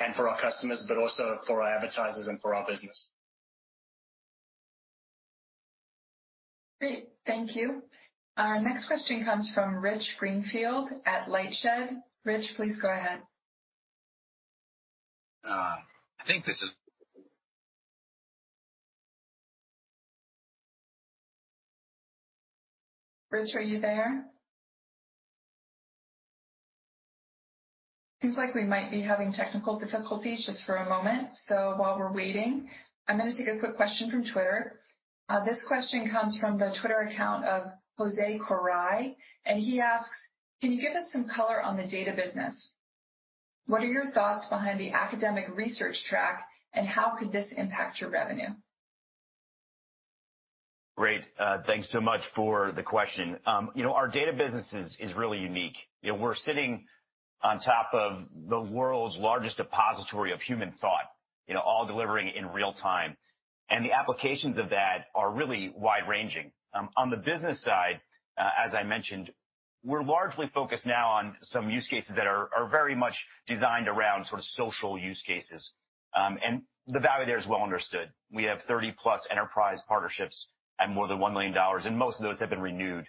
and for our customers, but also for our advertisers and for our business. Great. Thank you. Our next question comes from Rich Greenfield at LightShed Partners. Rich, please go ahead. I think this is. Rich, are you there? Seems like we might be having technical difficulties just for a moment. While we're waiting, I'm going to take a quick question from Twitter. This question comes from the Twitter account of Jose Corrai, and he asks, "Can you give us some color on the data business? What are your thoughts behind the academic research track, and how could this impact your revenue? Great, thanks so much for the question. Our data business is really unique. We're sitting on top of the world's largest depository of human thought, all delivering in real time. The applications of that are really wide-ranging. On the business side, as I mentioned, we're largely focused now on some use cases that are very much designed around social use cases. The value there is well understood. We have 30+ enterprise partnerships and more than $1 million, and most of those have been renewed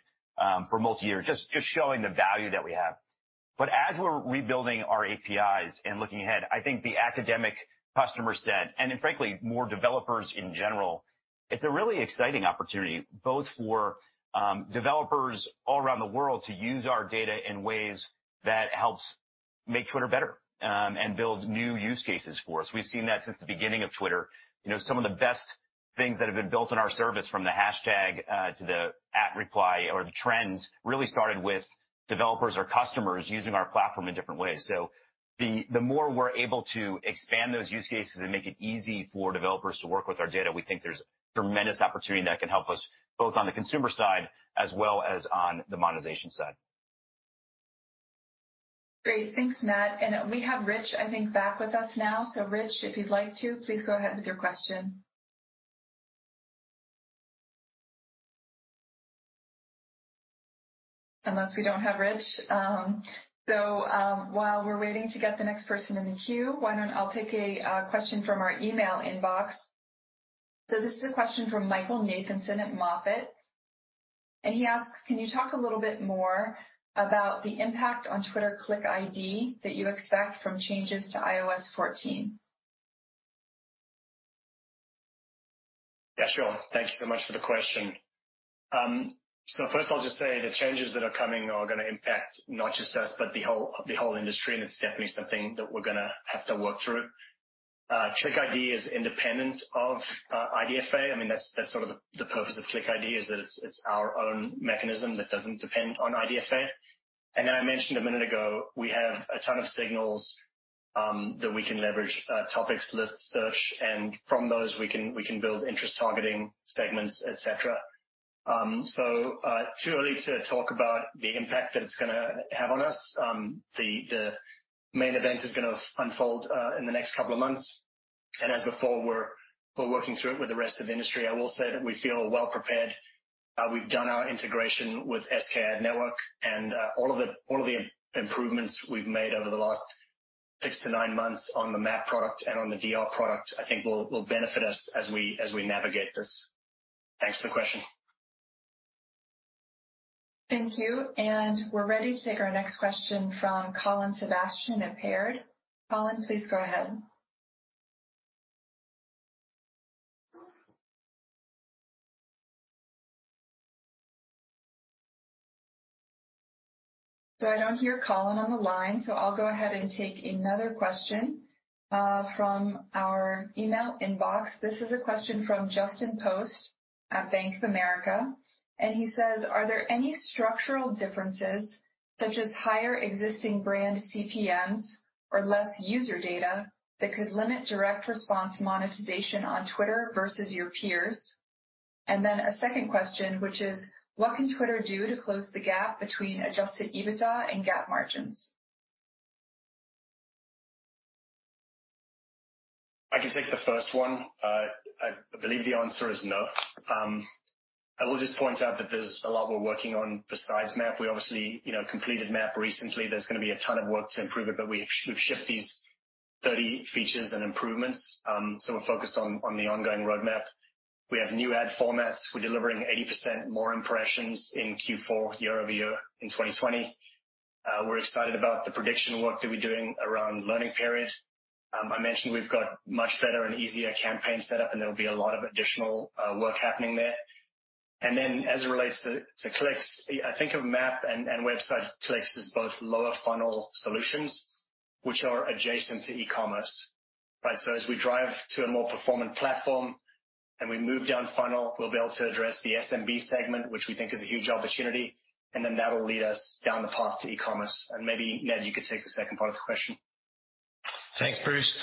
for multi-year, just showing the value that we have. As we're rebuilding our APIs and looking ahead, I think the academic customer set and frankly, more developers in general, it's a really exciting opportunity both for developers all around the world to use our data in ways that helps make Twitter better and build new use cases for us. We've seen that since the beginning of Twitter. Some of the best things that have been built on our service, from the hashtag, to the @ reply or the trends, really started with developers or customers using our platform in different ways. The more we're able to expand those use cases and make it easy for developers to work with our data, we think there's tremendous opportunity that can help us both on the consumer side as well as on the monetization side. Great. Thanks, Matt. We have Rich, I think, back with us now. Rich, if you'd like to, please go ahead with your question. Unless we don't have Rich. While we're waiting to get the next person in the queue, why don't I'll take a question from our email inbox. This is a question from Michael Nathanson at MoffettNathanson, and he asks, "Can you talk a little bit more about the impact on Twitter Click ID that you expect from changes to iOS 14? Yeah, sure. Thank you so much for the question. First, I'll just say the changes that are coming are going to impact not just us, but the whole industry, and it's definitely something that we're going to have to work through. Click ID is independent of IDFA. That's sort of the purpose of Click ID, is that it's our own mechanism that doesn't depend on IDFA. I mentioned a minute ago, we have a ton of signals that we can leverage, topics, lists, search, and from those we can build interest targeting segments, et cetera. Too early to talk about the impact that it's going to have on us. The main event is going to unfold in the next couple of months, and as before, we're working through it with the rest of the industry. I will say that we feel well prepared. We've done our integration with SKAdNetwork and all of the improvements we've made over the last six to nine months on the MAP product and on the DR product, I think will benefit us as we navigate this. Thanks for the question. Thank you. We're ready to take our next question from Colin Sebastian at Baird. Colin, please go ahead. I don't hear Colin on the line, so I'll go ahead and take another question from our email inbox. This is a question from Justin Post at Bank of America, and he says, "Are there any structural differences, such as higher existing brand CPMs or less user data, that could limit direct response monetization on Twitter versus your peers?" A second question, which is, "What can Twitter do to close the gap between Adjusted EBITDA and GAAP margins? I can take the first one. I believe the answer is no. I will just point out that there's a lot we're working on besides MAP. We obviously completed MAP recently. There's going to be a ton of work to improve it, but we've shipped these 30 features and improvements. We're focused on the ongoing roadmap. We have new ad formats. We're delivering 80% more impressions in Q4 year-over-year in 2020. We're excited about the prediction work that we're doing around Learning Period. I mentioned we've got much better and easier campaign set up, and there'll be a lot of additional work happening there. As it relates to clicks, I think of MAP and website clicks as both lower funnel solutions, which are adjacent to e-commerce. As we drive to a more performant platform and we move down funnel, we'll be able to address the SMB segment, which we think is a huge opportunity, and then that'll lead us down the path to e-commerce. Maybe, Ned, you could take the second part of the question. Thanks, Bruce.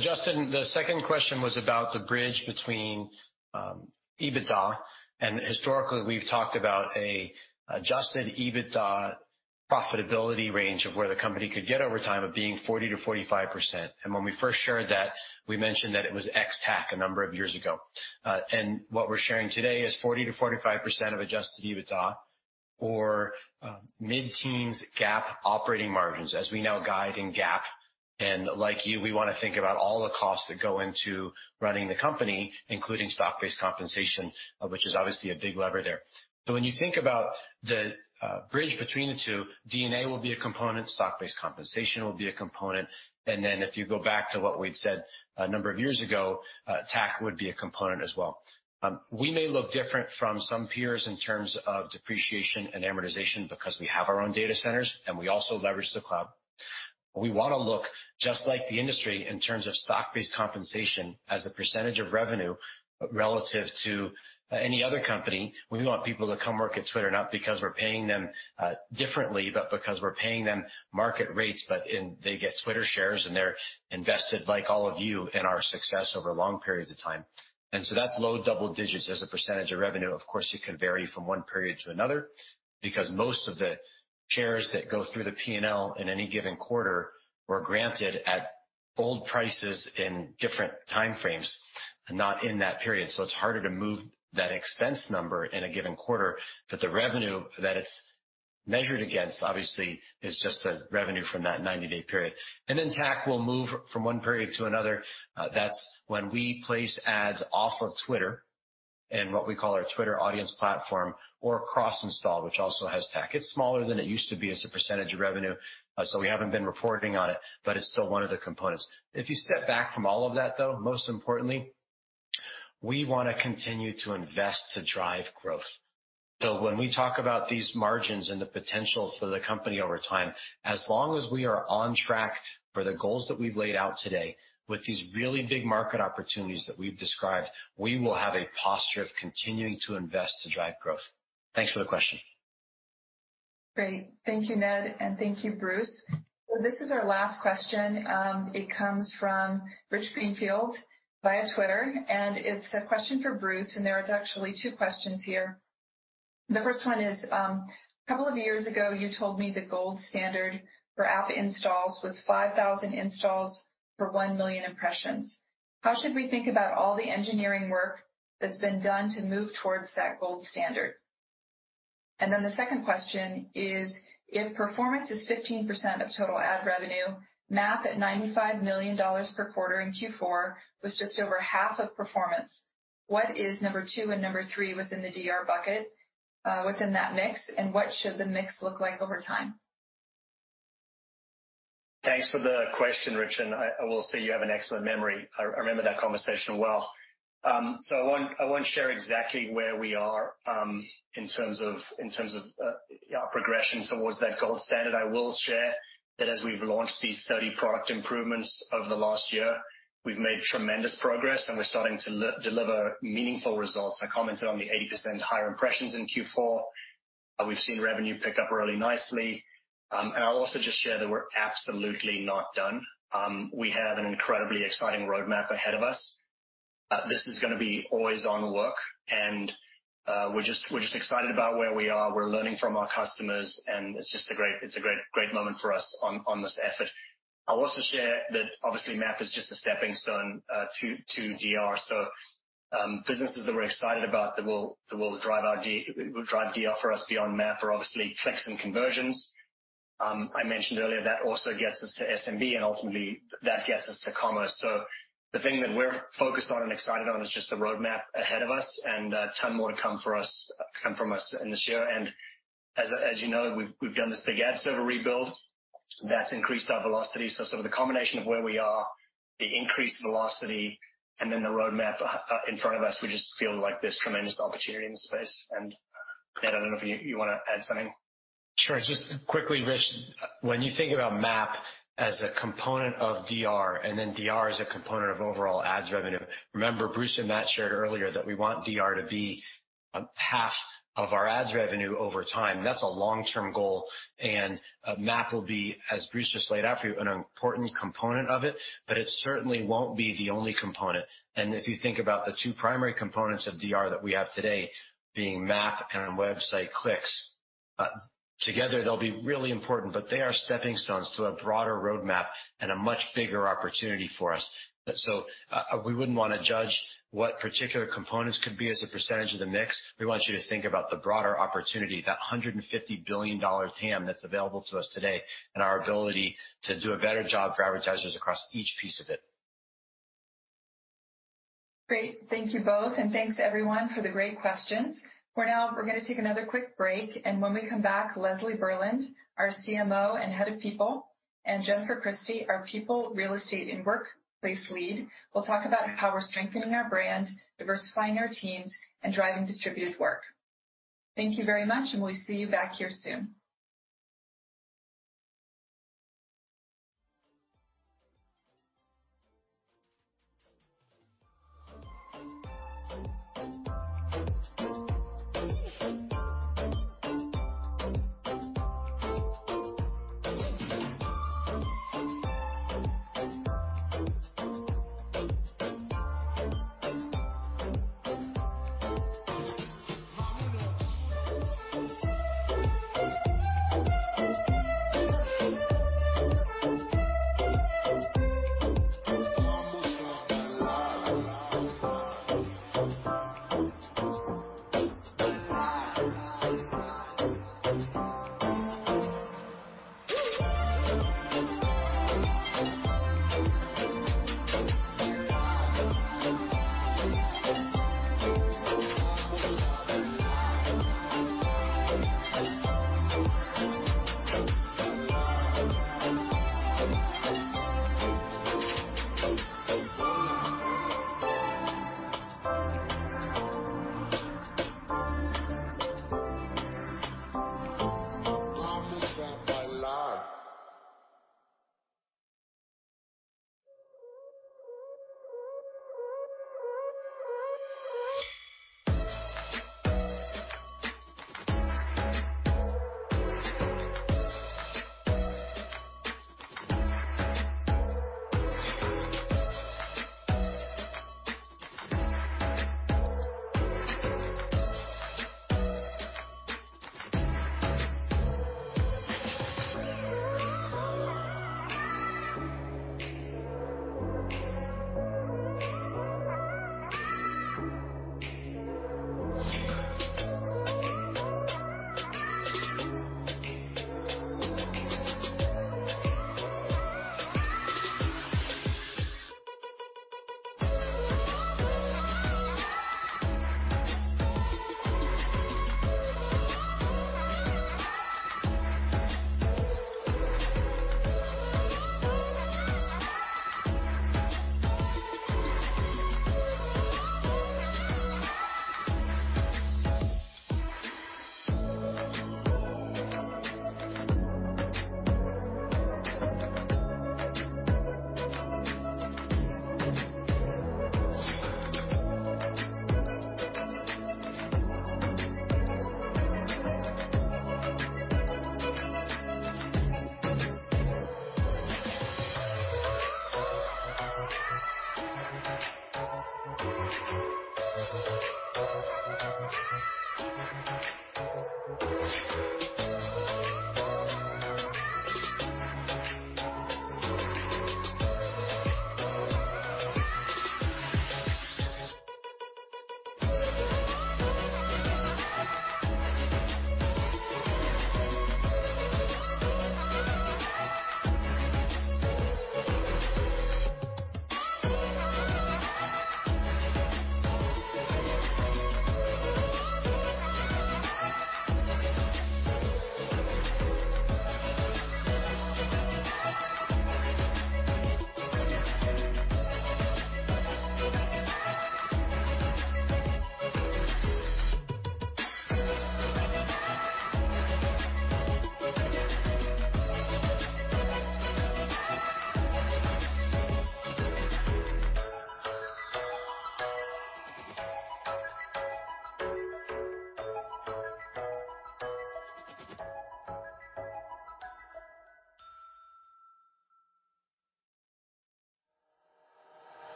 Justin, the second question was about the bridge between EBITDA, and historically, we've talked about a Adjusted EBITDA profitability range of where the company could get over time of being 40%-45%. When we first shared that, we mentioned that it was ex-TAC a number of years ago. What we're sharing today is 40%-45% of Adjusted EBITDA or mid-teens GAAP operating margins as we now guide in GAAP. Like you, we want to think about all the costs that go into running the company, including stock-based compensation, which is obviously a big lever there. When you think about the bridge between the two, D&A will be a component, stock-based compensation will be a component, and then if you go back to what we'd said a number of years ago, TAC would be a component as well. We may look different from some peers in terms of depreciation and amortization because we have our own data centers and we also leverage the cloud. We want to look just like the industry in terms of stock-based compensation as a % of revenue relative to any other company. We want people to come work at Twitter, not because we're paying them differently, but because we're paying them market rates, but they get Twitter shares, and they're invested, like all of you, in our success over long periods of time. That's low double digits as a % of revenue. Of course, it can vary from one period to another because most of the shares that go through the P&L in any given quarter were granted at old prices in different time frames and not in that period. It's harder to move that expense number in a given quarter. The revenue that it's measured against, obviously, is just the revenue from that 90-day period. Then TAC will move from one period to another. That's when we place ads off of Twitter in what we call our Twitter Audience Platform or CrossInstall, which also has TAC. It's smaller than it used to be as a percentage of revenue, so we haven't been reporting on it, but it's still one of the components. If you step back from all of that, though, most importantly, we want to continue to invest to drive growth. When we talk about these margins and the potential for the company over time, as long as we are on track for the goals that we've laid out today with these really big market opportunities that we've described, we will have a posture of continuing to invest to drive growth. Thanks for the question. Great. Thank you, Ned, and thank you, Bruce. This is our last question. It comes from Rich Greenfield via Twitter. It is a question for Bruce. There are actually two questions here. The first one is, a couple of years ago, you told me the gold standard for app installs was 5,000 installs for 1 million impressions. How should we think about all the engineering work that's been done to move towards that gold standard? The second question is, if performance is 15% of total ad revenue, MAP at $95 million per quarter in Q4 was just over half of performance. What is number two and number three within the DR bucket within that mix, and what should the mix look like over time? Thanks for the question, Rich, I will say you have an excellent memory. I remember that conversation well. I won't share exactly where we are in terms of our progression towards that gold standard. I will share that as we've launched these 30 product improvements over the last year, we've made tremendous progress, and we're starting to deliver meaningful results. I commented on the 80% higher impressions in Q4. We've seen revenue pick up really nicely. I'll also just share that we're absolutely not done. We have an incredibly exciting roadmap ahead of us. This is going to be always on work and we're just excited about where we are. We're learning from our customers, It's a great moment for us on this effort. I'll also share that obviously MAP is just a stepping stone to DR. Businesses that we're excited about that will drive DR for us beyond MAP are obviously clicks and conversions. I mentioned earlier, that also gets us to SMB, and ultimately, that gets us to commerce. The thing that we're focused on and excited on is just the roadmap ahead of us and a ton more to come from us in this year. As you know, we've done this big ad server rebuild. That's increased our velocity. Sort of the combination of where we are, the increased velocity, and then the roadmap in front of us, we just feel like there's tremendous opportunity in the space. Ned, I don't know if you want to add something. Sure. Just quickly, Rich, when you think about MAP as a component of DR, and then DR as a component of overall ads revenue, remember Bruce and Matt shared earlier that we want DR to be half of our ads revenue over time. That's a long-term goal. It certainly won't be the only component. If you think about the two primary components of DR that we have today being MAP and website clicks, together, they'll be really important, but they are stepping stones to a broader roadmap and a much bigger opportunity for us. We wouldn't want to judge what particular components could be as a percentage of the mix. We want you to think about the broader opportunity, that $150 billion TAM that's available to us today, and our ability to do a better job for advertisers across each piece of it. Great. Thank you both, and thanks everyone for the great questions. For now, we're going to take another quick break, and when we come back, Leslie Berland, our CMO and Head of People, and Jennifer Christie, our People, Real Estate, and Workplace Lead, will talk about how we're strengthening our brand, diversifying our teams, and driving distributed work. Thank you very much, and we'll see you back here soon.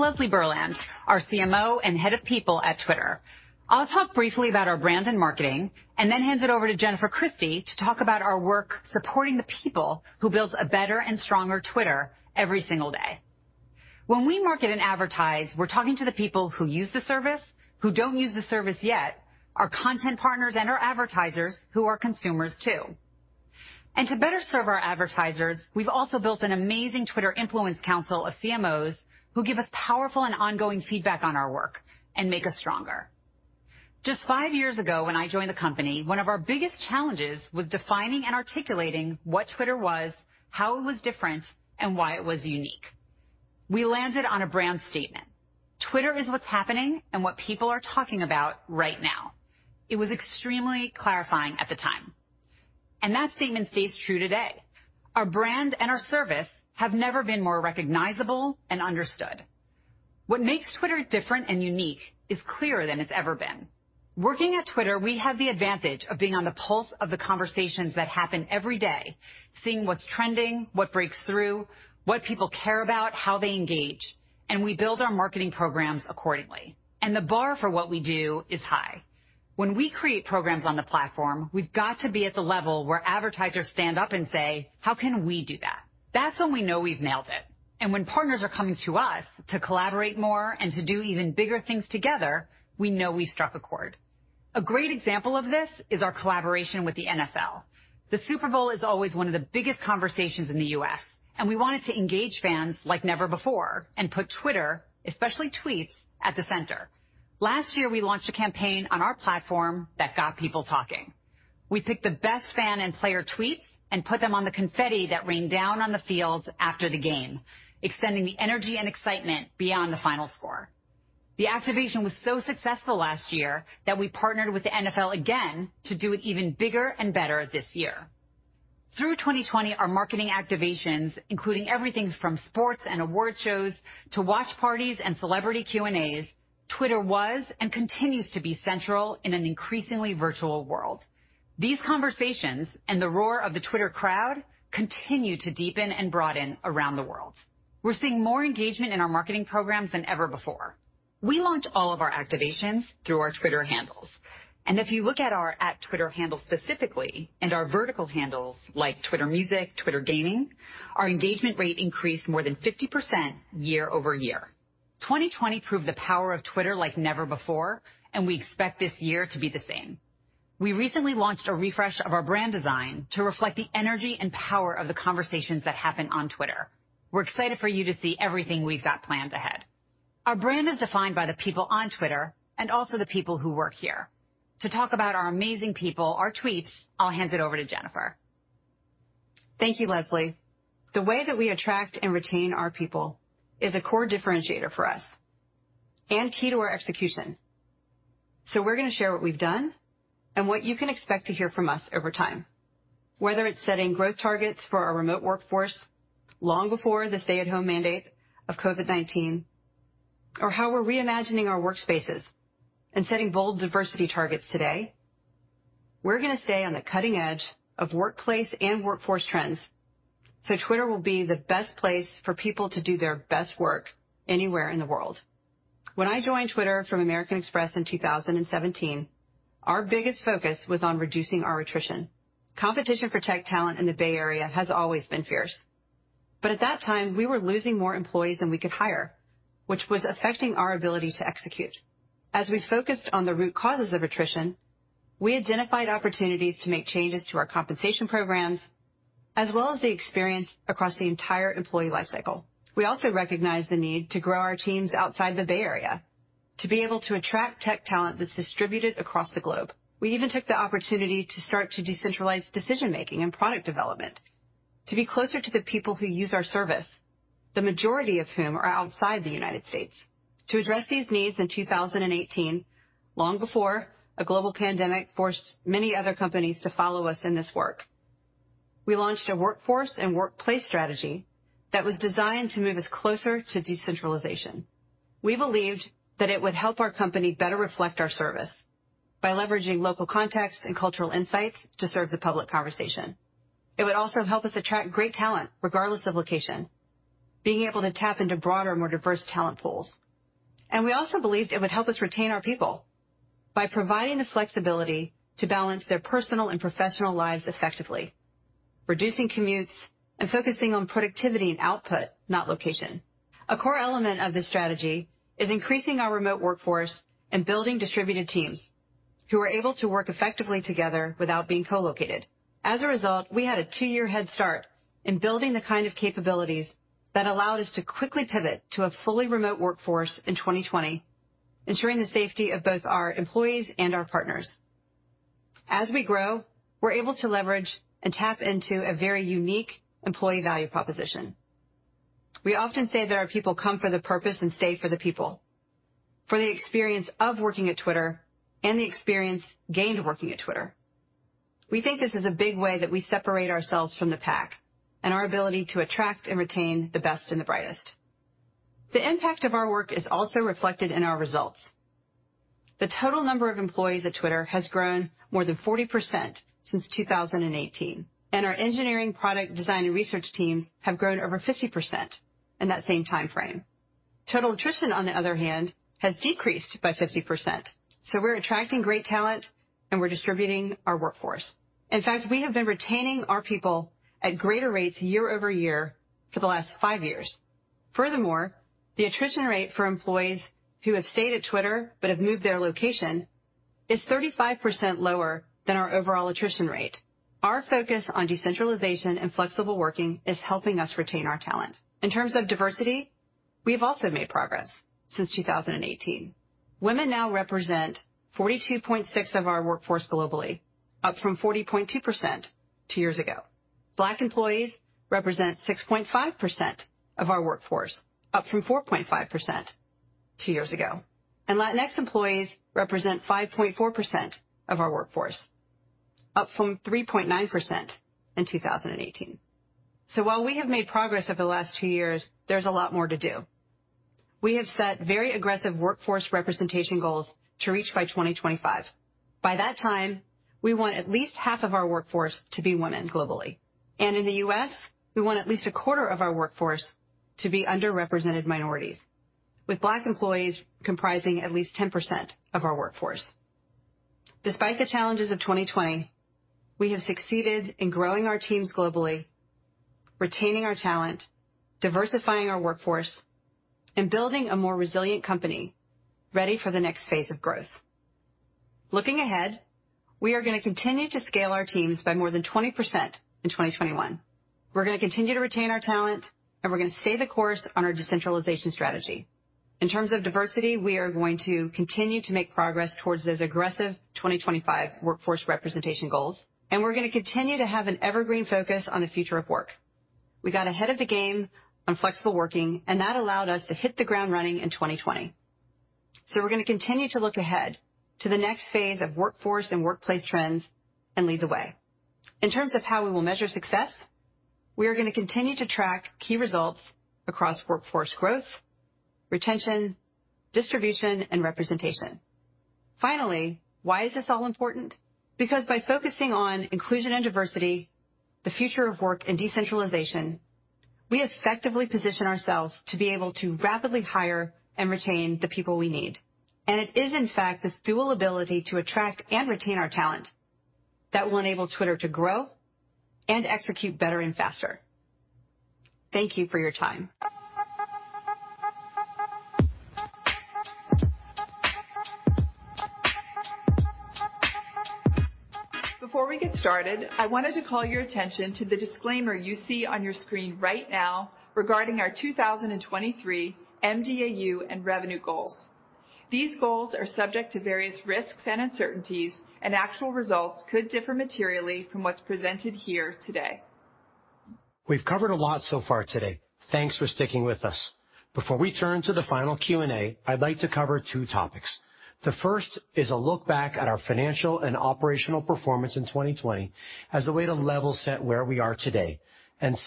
I can't help myself. I think I will. I gotta have this. Yeah, that's the deal. Let's take it up a notch. Yeah, you'll see. You know we got the stuff. Yeah, leave it to me. I can't help myself. This is what good feels like. Yeah, that's it. Hi, I'm Leslie Berland, our CMO and Head of People at Twitter. I'll talk briefly about our brand and marketing, then hand it over to Jennifer Christie to talk about our work supporting the people who build a better and stronger Twitter every single day. When we market and advertise, we're talking to the people who use the service, who don't use the service yet, our content partners, and our advertisers, who are consumers too. To better serve our advertisers, we've also built an amazing Twitter Influence Council of CMOs who give us powerful and ongoing feedback on our work and make us stronger. Just five years ago, when I joined the company, one of our biggest challenges was defining and articulating what Twitter was, how it was different, and why it was unique. We landed on a brand statement, "Twitter is what's happening and what people are talking about right now." It was extremely clarifying at the time. That statement stays true today. Our brand and our service have never been more recognizable and understood. What makes Twitter different and unique is clearer than it's ever been. Working at Twitter, we have the advantage of being on the pulse of the conversations that happen every day, seeing what's trending, what breaks through, what people care about, how they engage, and we build our marketing programs accordingly. The bar for what we do is high. When we create programs on the platform, we've got to be at the level where advertisers stand up and say, "How can we do that?" That's when we know we've nailed it. When partners are coming to us to collaborate more and to do even bigger things together, we know we've struck a chord. A great example of this is our collaboration with the NFL. The Super Bowl is always one of the biggest conversations in the U.S., and we wanted to engage fans like never before and put Twitter, especially tweets, at the center. Last year, we launched a campaign on our platform that got people talking. We picked the best fan and player tweets and put them on the confetti that rained down on the fields after the game, extending the energy and excitement beyond the final score. The activation was so successful last year that we partnered with the NFL again to do it even bigger and better this year. Through 2020, our marketing activations, including everything from sports and award shows to watch parties and celebrity Q&As, Twitter was and continues to be central in an increasingly virtual world. These conversations and the roar of the Twitter crowd continue to deepen and broaden around the world. We're seeing more engagement in our marketing programs than ever before. We launch all of our activations through our Twitter handles. If you look at our @Twitter handle specifically and our vertical handles, like Twitter Music, Twitter Gaming, our engagement rate increased more than 50% year-over-year. 2020 proved the power of Twitter like never before, and we expect this year to be the same. We recently launched a refresh of our brand design to reflect the energy and power of the conversations that happen on Twitter. We're excited for you to see everything we've got planned ahead. Our brand is defined by the people on Twitter and also the people who work here. To talk about our amazing people, our tweets, I'll hand it over to Jennifer. Thank you, Leslie. The way that we attract and retain our people is a core differentiator for us and key to our execution. We're going to share what we've done and what you can expect to hear from us over time. Whether it's setting growth targets for our remote workforce, long before the stay-at-home mandate of COVID-19, or how we're reimagining our workspaces and setting bold diversity targets today, we're going to stay on the cutting edge of workplace and workforce trends so Twitter will be the best place for people to do their best work anywhere in the world. When I joined Twitter from American Express in 2017, our biggest focus was on reducing our attrition. Competition for tech talent in the Bay Area has always been fierce. At that time, we were losing more employees than we could hire, which was affecting our ability to execute. As we focused on the root causes of attrition, we identified opportunities to make changes to our compensation programs, as well as the experience across the entire employee life cycle. We also recognized the need to grow our teams outside the Bay Area to be able to attract tech talent that's distributed across the globe. We even took the opportunity to start to decentralize decision-making and product development to be closer to the people who use our service, the majority of whom are outside the United States. To address these needs in 2018, long before a global pandemic forced many other companies to follow us in this work, we launched a workforce and workplace strategy that was designed to move us closer to decentralization. We believed that it would help our company better reflect our service by leveraging local context and cultural insights to serve the public conversation. It would also help us attract great talent regardless of location, being able to tap into broader, more diverse talent pools. We also believed it would help us retain our people by providing the flexibility to balance their personal and professional lives effectively, reducing commutes and focusing on productivity and output, not location. A core element of this strategy is increasing our remote workforce and building distributed teams who are able to work effectively together without being co-located. As a result, we had a two-year head start in building the kind of capabilities that allowed us to quickly pivot to a fully remote workforce in 2020, ensuring the safety of both our employees and our partners. As we grow, we're able to leverage and tap into a very unique employee value proposition. We often say that our people come for the purpose and stay for the people, for the experience of working at Twitter and the experience gained working at Twitter. We think this is a big way that we separate ourselves from the pack and our ability to attract and retain the best and the brightest. The impact of our work is also reflected in our results. The total number of employees at Twitter has grown more than 40% since 2018, and our engineering, product design, and research teams have grown over 50% in that same timeframe. Total attrition, on the other hand, has decreased by 50%. We're attracting great talent, and we're distributing our workforce. In fact, we have been retaining our people at greater rates year-over-year for the last five years. Furthermore, the attrition rate for employees who have stayed at Twitter but have moved their location is 35% lower than our overall attrition rate. Our focus on decentralization and flexible working is helping us retain our talent. In terms of diversity, we have also made progress since 2018. Women now represent 42.6% of our workforce globally, up from 40.2% two years ago. Black employees represent 6.5% of our workforce, up from 4.5% two years ago. Latinx employees represent 5.4% of our workforce, up from 3.9% in 2018. While we have made progress over the last two years, there's a lot more to do. We have set very aggressive workforce representation goals to reach by 2025. By that time, we want at least half of our workforce to be women globally. In the U.S., we want at least a quarter of our workforce to be underrepresented minorities, with Black employees comprising at least 10% of our workforce. Despite the challenges of 2020, we have succeeded in growing our teams globally, retaining our talent, diversifying our workforce, and building a more resilient company ready for the next phase of growth. Looking ahead, we are going to continue to scale our teams by more than 20% in 2021. We're going to continue to retain our talent, and we're going to stay the course on our decentralization strategy. In terms of diversity, we are going to continue to make progress towards those aggressive 2025 workforce representation goals, and we're going to continue to have an evergreen focus on the future of work. We got ahead of the game on flexible working, and that allowed us to hit the ground running in 2020. We're going to continue to look ahead to the next phase of workforce and workplace trends and lead the way. In terms of how we will measure success, we are going to continue to track key results across workforce growth, retention, distribution, and representation. Finally, why is this all important? Because by focusing on inclusion and diversity, the future of work, and decentralization, we effectively position ourselves to be able to rapidly hire and retain the people we need. It is, in fact, this dual ability to attract and retain our talent That will enable Twitter to grow and execute better and faster. Thank you for your time. Before we get started, I wanted to call your attention to the disclaimer you see on your screen right now regarding our 2023 mDAU and revenue goals. These goals are subject to various risks and uncertainties, and actual results could differ materially from what's presented here today. We've covered a lot so far today. Thanks for sticking with us. Before we turn to the final Q&A, I'd like to cover two topics. The first is a look back at our financial and operational performance in 2020 as a way to level set where we are today.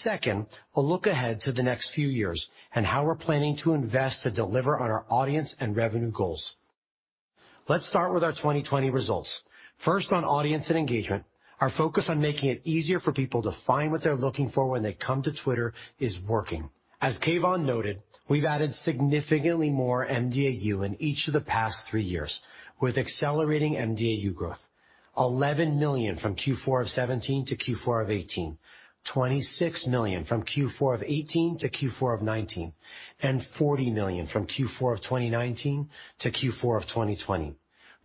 Second, a look ahead to the next few years and how we're planning to invest to deliver on our audience and revenue goals. Let's start with our 2020 results. First, on audience and engagement, our focus on making it easier for people to find what they're looking for when they come to Twitter is working. As Kayvon noted, we've added significantly more mDAU in each of the past three years, with accelerating mDAU growth, 11 million from Q4 of 2017 to Q4 of 2018, 26 million from Q4 of 2018 to Q4 of 2019, and 40 million from Q4 of 2019 to Q4 of 2020.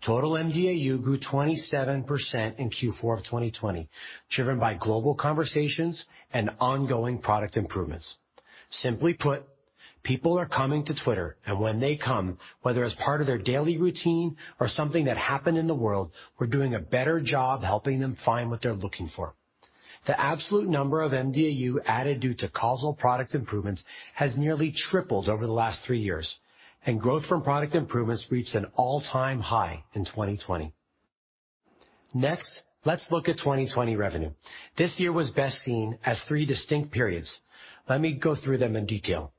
Total mDAU grew 27% in Q4 of 2020, driven by global conversations and ongoing product improvements. Simply put, people are coming to Twitter, and when they come, whether as part of their daily routine or something that happened in the world, we're doing a better job helping them find what they're looking for. The absolute number of mDAU added due to causal product improvements has nearly tripled over the last three years, and growth from product improvements reached an all-time high in 2020. Next, let's look at 2020 revenue. This year was best seen as three distinct periods. Let me go through them in detail.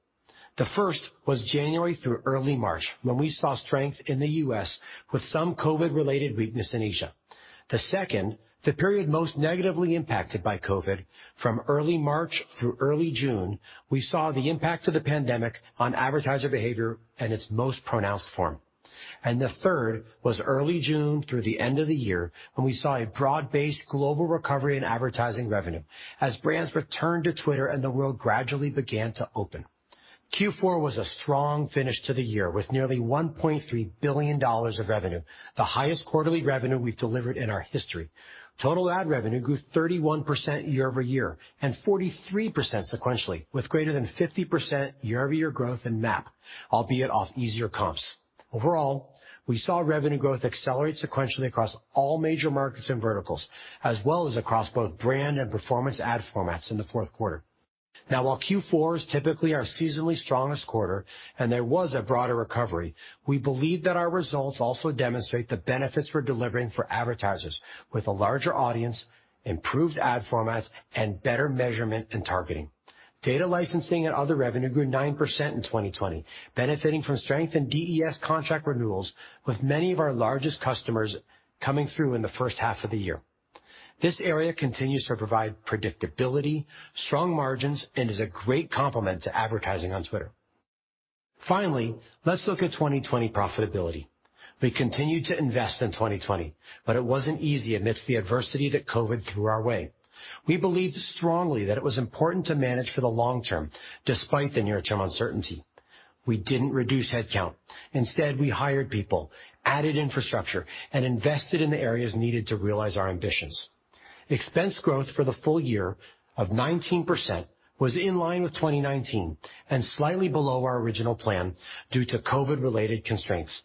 The first was January through early March, when we saw strength in the U.S. with some COVID-related weakness in Asia. The second, the period most negatively impacted by COVID, from early March through early June, we saw the impact of the pandemic on advertiser behavior in its most pronounced form. The third was early June through the end of the year, when we saw a broad-based global recovery in advertising revenue as brands returned to Twitter and the world gradually began to open. Q4 was a strong finish to the year, with nearly $1.3 billion of revenue, the highest quarterly revenue we've delivered in our history. Total ad revenue grew 31% year-over-year and 43% sequentially, with greater than 50% year-over-year growth in MAP, albeit off easier comps. Overall, we saw revenue growth accelerate sequentially across all major markets and verticals, as well as across both brand and performance ad formats in the fourth quarter. While Q4 is typically our seasonally strongest quarter and there was a broader recovery, we believe that our results also demonstrate the benefits we're delivering for advertisers, with a larger audience, improved ad formats, and better measurement and targeting. Data licensing and other revenue grew 9% in 2020, benefiting from strength in DES contract renewals, with many of our largest customers coming through in the first half of the year. This area continues to provide predictability, strong margins, and is a great complement to advertising on Twitter. Let's look at 2020 profitability. We continued to invest in 2020, but it wasn't easy amidst the adversity that COVID-19 threw our way. We believed strongly that it was important to manage for the long term, despite the near-term uncertainty. We didn't reduce headcount. Instead, we hired people, added infrastructure, and invested in the areas needed to realize our ambitions. Expense growth for the full year of 19% was in line with 2019 and slightly below our original plan due to COVID-19-related constraints.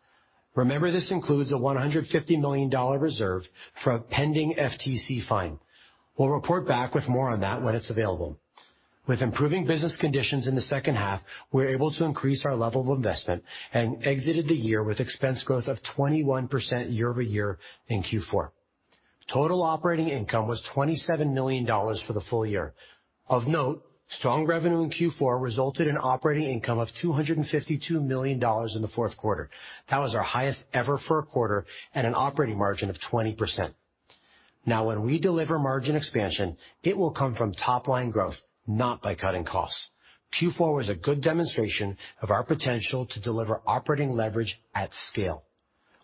Remember, this includes a $150 million reserve for a pending FTC fine. We'll report back with more on that when it's available. With improving business conditions in the second half, we were able to increase our level of investment and exited the year with expense growth of 21% year-over-year in Q4. Total operating income was $27 million for the full year. Of note, strong revenue in Q4 resulted in operating income of $252 million in the fourth quarter. That was our highest ever for a quarter and an operating margin of 20%. Now, when we deliver margin expansion, it will come from top-line growth, not by cutting costs. Q4 was a good demonstration of our potential to deliver operating leverage at scale.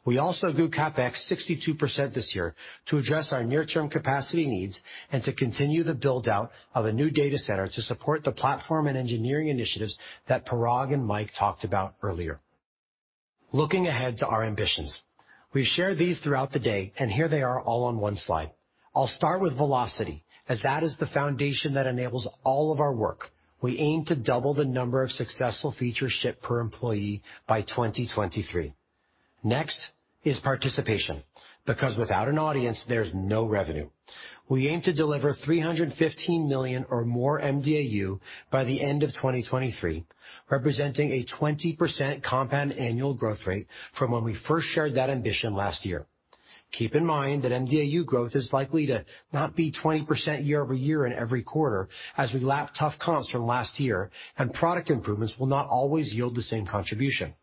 We also grew CapEx 62% this year to address our near-term capacity needs and to continue the build-out of a new data center to support the platform and engineering initiatives that Parag and Mike talked about earlier. Looking ahead to our ambitions. We've shared these throughout the day, and here they are all on one slide. I'll start with velocity, as that is the foundation that enables all of our work. We aim to double the number of successful features shipped per employee by 2023. Next is participation, because without an audience, there's no revenue. We aim to deliver 315 million or more mDAU by the end of 2023, representing a 20% compound annual growth rate from when we first shared that ambition last year. Keep in mind that mDAU growth is likely to not be 20% year-over-year in every quarter, as we lap tough comps from last year and product improvements will not always yield the same contribution.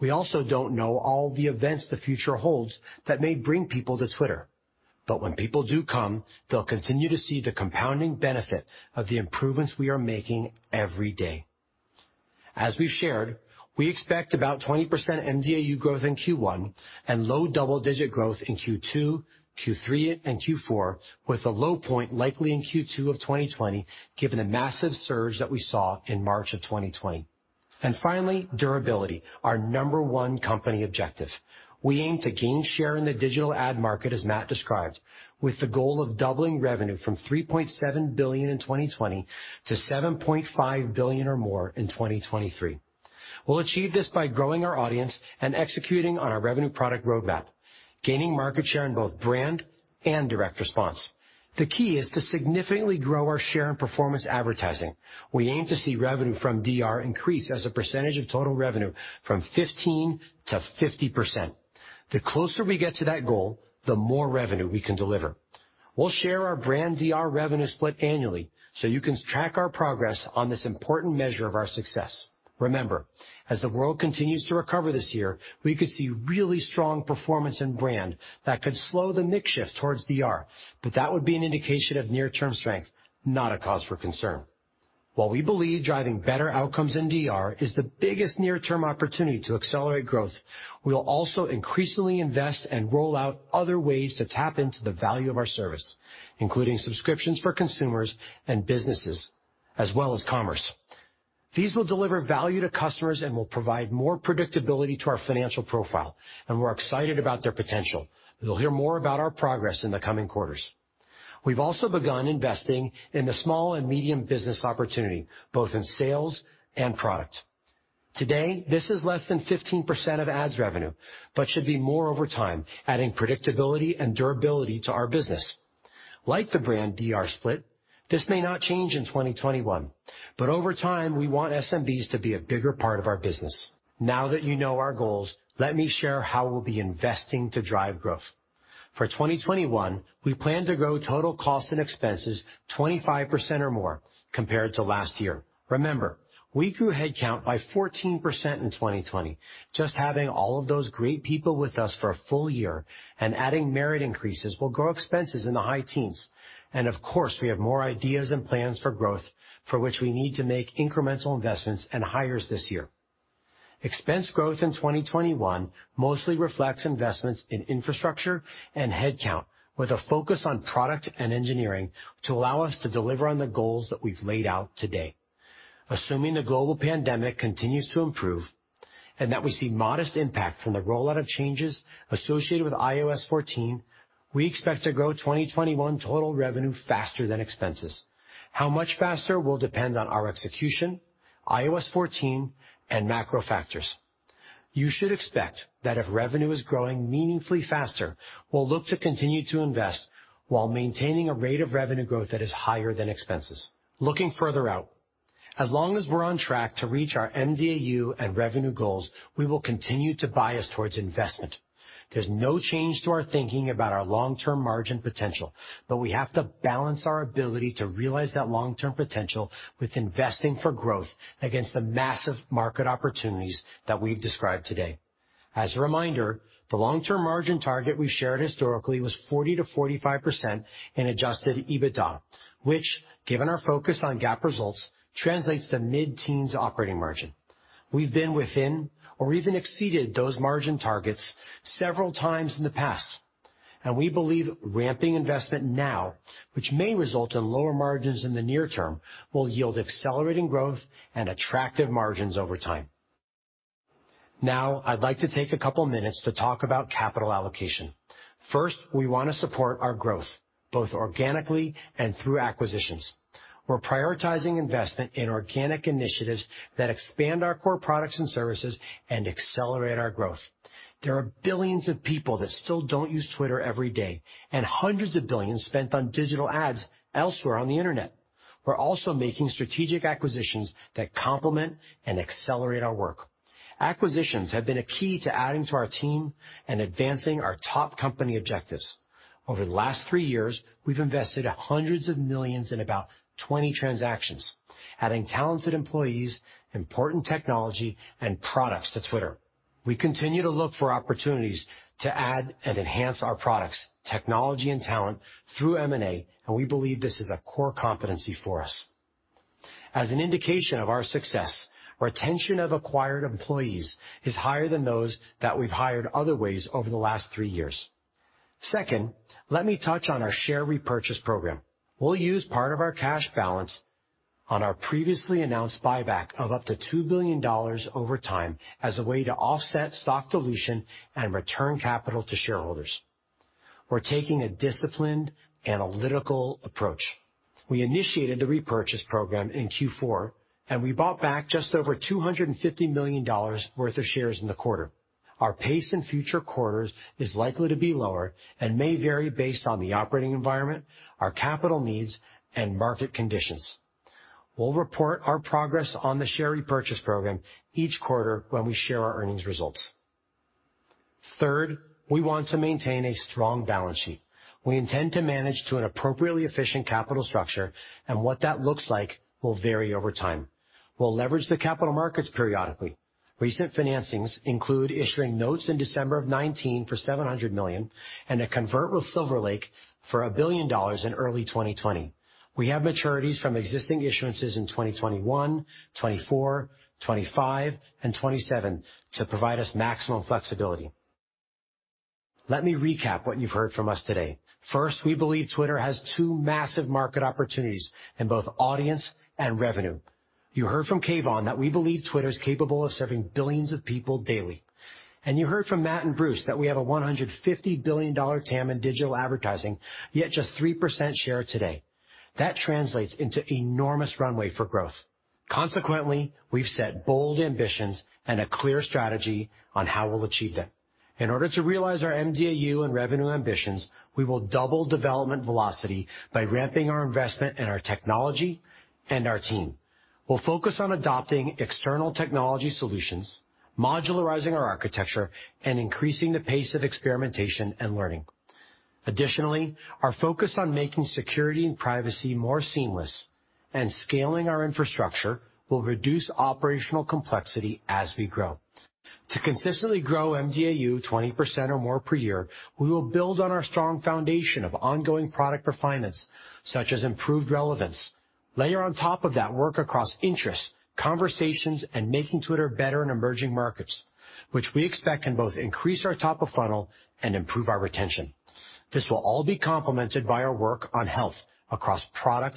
We also don't know all the events the future holds that may bring people to Twitter. When people do come, they'll continue to see the compounding benefit of the improvements we are making every day. As we've shared, we expect about 20% mDAU growth in Q1 and low double-digit growth in Q2, Q3, and Q4, with a low point likely in Q2 of 2020, given the massive surge that we saw in March of 2020. Finally, durability, our number one company objective. We aim to gain share in the digital ad market, as Matt described, with the goal of doubling revenue from $3.7 billion in 2020 to $7.5 billion or more in 2023. We'll achieve this by growing our audience and executing on our revenue product roadmap, gaining market share in both brand and direct response. The key is to significantly grow our share in performance advertising. We aim to see revenue from DR increase as a percentage of total revenue from 15%-50%. The closer we get to that goal, the more revenue we can deliver. We'll share our brand DR revenue split annually so you can track our progress on this important measure of our success. Remember, as the world continues to recover this year, we could see really strong performance in brand that could slow the mix shift towards DR, but that would be an indication of near-term strength, not a cause for concern. While we believe driving better outcomes in DR is the biggest near-term opportunity to accelerate growth, we'll also increasingly invest and roll out other ways to tap into the value of our service, including subscriptions for consumers and businesses, as well as commerce. These will deliver value to customers and will provide more predictability to our financial profile, and we're excited about their potential. You'll hear more about our progress in the coming quarters. We've also begun investing in the small and medium business opportunity, both in sales and product. Today, this is less than 15% of ads revenue, but should be more over time, adding predictability and durability to our business. Like the brand DR split, this may not change in 2021. Over time, we want SMBs to be a bigger part of our business. Now that you know our goals, let me share how we'll be investing to drive growth. For 2021, we plan to grow total cost and expenses 25% or more compared to last year. Remember, we grew headcount by 14% in 2020. Just having all of those great people with us for a full year and adding merit increases will grow expenses in the high teens. Of course, we have more ideas and plans for growth, for which we need to make incremental investments and hires this year. Expense growth in 2021 mostly reflects investments in infrastructure and headcount, with a focus on product and engineering to allow us to deliver on the goals that we've laid out today. Assuming the global pandemic continues to improve and that we see modest impact from the rollout of changes associated with iOS 14, we expect to grow 2021 total revenue faster than expenses. How much faster will depend on our execution, iOS 14, and macro factors. You should expect that if revenue is growing meaningfully faster, we'll look to continue to invest while maintaining a rate of revenue growth that is higher than expenses. Looking further out, as long as we're on track to reach our mDAU and revenue goals, we will continue to bias towards investment. There's no change to our thinking about our long-term margin potential, but we have to balance our ability to realize that long-term potential with investing for growth against the massive market opportunities that we've described today. As a reminder, the long-term margin target we shared historically was 40%-45% in Adjusted EBITDA, which, given our focus on GAAP results, translates to mid-teens operating margin. We've been within or even exceeded those margin targets several times in the past, and we believe ramping investment now, which may result in lower margins in the near term, will yield accelerating growth and attractive margins over time. Now, I'd like to take a couple minutes to talk about capital allocation. First, we want to support our growth, both organically and through acquisitions. We're prioritizing investment in organic initiatives that expand our core products and services and accelerate our growth. There are billions of people that still don't use Twitter every day, and $ hundreds of billions spent on digital ads elsewhere on the internet. We're also making strategic acquisitions that complement and accelerate our work. Acquisitions have been a key to adding to our team and advancing our top company objectives. Over the last 3 years, we've invested $ hundreds of millions in about 20 transactions, adding talented employees, important technology, and products to Twitter. We continue to look for opportunities to add and enhance our products, technology, and talent through M&A, and we believe this is a core competency for us. As an indication of our success, retention of acquired employees is higher than those that we've hired other ways over the last 3 years. Second, let me touch on our share repurchase program. We'll use part of our cash balance on our previously announced buyback of up to $2 billion over time as a way to offset stock dilution and return capital to shareholders. We're taking a disciplined, analytical approach. We initiated the repurchase program in Q4. We bought back just over $250 million worth of shares in the quarter. Our pace in future quarters is likely to be lower and may vary based on the operating environment, our capital needs, and market conditions. We'll report our progress on the share repurchase program each quarter when we share our earnings results. Third, we want to maintain a strong balance sheet. We intend to manage to an appropriately efficient capital structure. What that looks like will vary over time. We'll leverage the capital markets periodically. Recent financings include issuing notes in December of 2019 for $700 million and a convert with Silver Lake for $1 billion in early 2020. We have maturities from existing issuances in 2021, 2024, 2025, and 2027 to provide us maximum flexibility. Let me recap what you've heard from us today. First, we believe Twitter has two massive market opportunities in both audience and revenue. You heard from Kayvon that we believe Twitter is capable of serving billions of people daily, and you heard from Matt and Bruce that we have a $150 billion TAM in digital advertising, yet just 3% share today. That translates into enormous runway for growth. Consequently, we've set bold ambitions and a clear strategy on how we'll achieve them. In order to realize our mDAU and revenue ambitions, we will double development velocity by ramping our investment in our technology and our team. We'll focus on adopting external technology solutions, modularizing our architecture, and increasing the pace of experimentation and learning. Additionally, our focus on making security and privacy more seamless and scaling our infrastructure will reduce operational complexity as we grow. To consistently grow mDAU 20% or more per year, we will build on our strong foundation of ongoing product refinements such as improved relevance. Layer on top of that work across interests, conversations, and making Twitter better in emerging markets, which we expect can both increase our top of funnel and improve our retention. This will all be complemented by our work on health across product,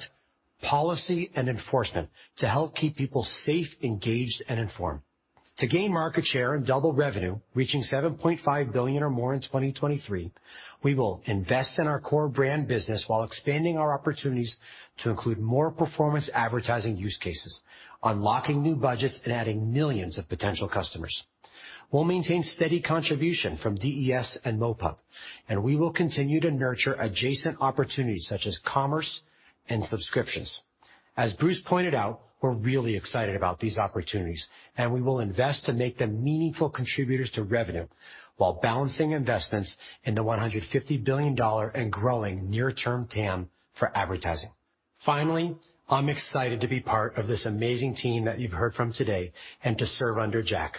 policy, and enforcement to help keep people safe, engaged, and informed. To gain market share and double revenue, reaching $7.5 billion or more in 2023, we will invest in our core brand business while expanding our opportunities to include more performance advertising use cases, unlocking new budgets, and adding millions of potential customers. We'll maintain steady contribution from DES and MoPub, and we will continue to nurture adjacent opportunities such as commerce and subscriptions. As Bruce pointed out, we're really excited about these opportunities, and we will invest to make them meaningful contributors to revenue while balancing investments in the $150 billion and growing near-term TAM for advertising. Finally, I'm excited to be part of this amazing team that you've heard from today and to serve under Jack.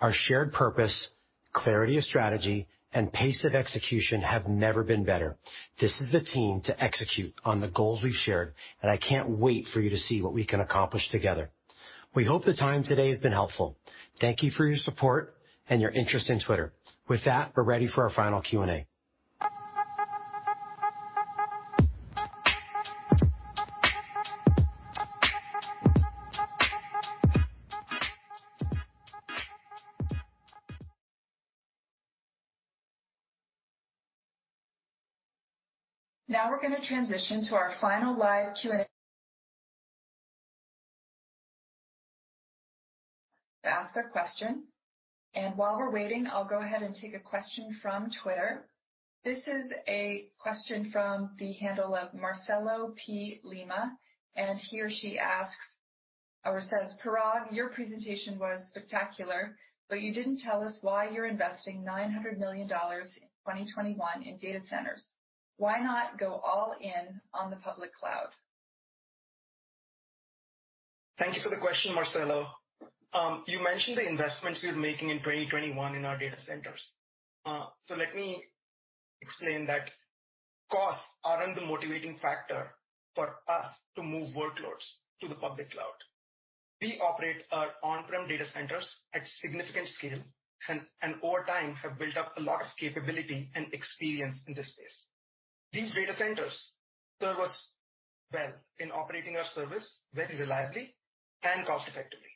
Our shared purpose, clarity of strategy, and pace of execution have never been better. This is the team to execute on the goals we've shared, and I can't wait for you to see what we can accomplish together. We hope the time today has been helpful. Thank you for your support and your interest in Twitter. With that, we're ready for our final Q&A. Now we're going to transition to our final live Q&A. To ask a question, and while we're waiting, I'll go ahead and take a question from Twitter. This is a question from the handle of Marcelo P. Lima, and he or she asks or says, "Parag, your presentation was spectacular, but you didn't tell us why you're investing $900 million in 2021 in data centers. Why not go all in on the public cloud? Thank you for the question, Marcelo. You mentioned the investments we are making in 2021 in our data centers. Let me explain that costs aren't the motivating factor for us to move workloads to the public cloud. We operate our on-prem data centers at significant scale and over time have built up a lot of capability and experience in this space. These data centers serve us well in operating our service very reliably and cost effectively.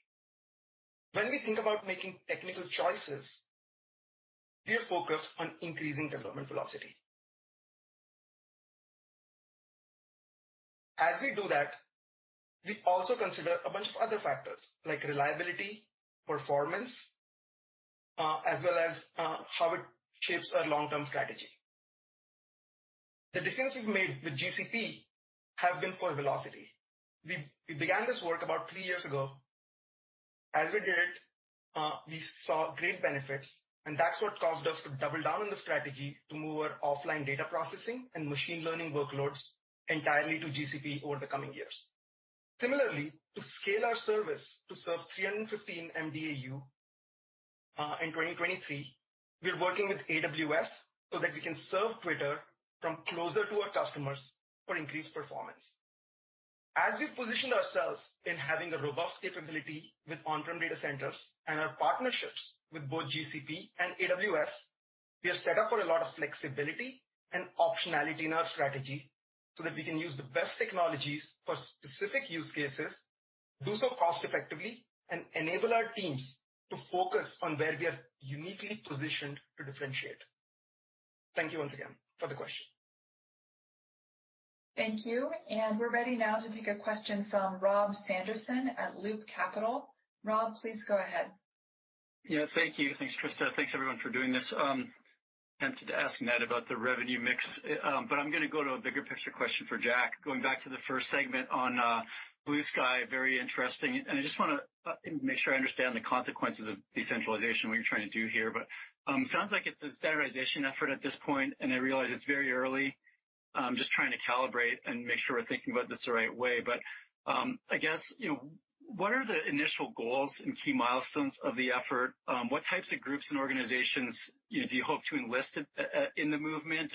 When we think about making technical choices, we are focused on increasing development velocity. As we do that, we also consider a bunch of other factors like reliability, performance, as well as how it shapes our long-term strategy. The decisions we've made with GCP have been for velocity. We began this work about three years ago. As we did it, we saw great benefits, and that's what caused us to double down on the strategy to move our offline data processing and machine learning workloads entirely to GCP over the coming years. Similarly, to scale our service to serve 315 mDAU in 2023, we are working with AWS so that we can serve Twitter from closer to our customers for increased performance. As we positioned ourselves in having a robust capability with on-prem data centers and our partnerships with both GCP and AWS, we are set up for a lot of flexibility and optionality in our strategy so that we can use the best technologies for specific use cases, do so cost effectively, and enable our teams to focus on where we are uniquely positioned to differentiate. Thank you once again for the question. Thank you. We're ready now to take a question from Rob Sanderson at Loop Capital. Rob, please go ahead. Yeah. Thank you. Thanks, Krista. Thanks, everyone, for doing this. I tempted to ask Matt about the revenue mix, but I'm going to go to a bigger picture question for Jack. Going back to the first segment on Bluesky, very interesting, and I just want to make sure I understand the consequences of decentralization, what you're trying to do here, but sounds like it's a standardization effort at this point, and I realize it's very early. I'm just trying to calibrate and make sure we're thinking about this the right way. I guess, what are the initial goals and key milestones of the effort? What types of groups and organizations do you hope to enlist in the movement?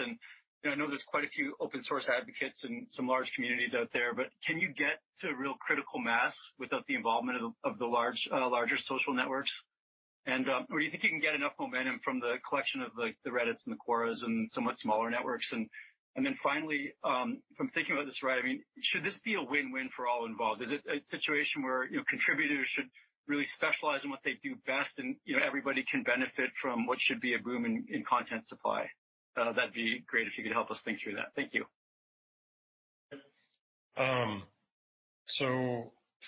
I know there's quite a few open-source advocates and some large communities out there, but can you get to real critical mass without the involvement of the larger social networks? Or do you think you can get enough momentum from the collection of the Reddit and the Quora and somewhat smaller networks? Finally, if I'm thinking about this right, should this be a win-win for all involved? Is it a situation where contributors should really specialize in what they do best and everybody can benefit from what should be a boom in content supply? That'd be great if you could help us think through that. Thank you.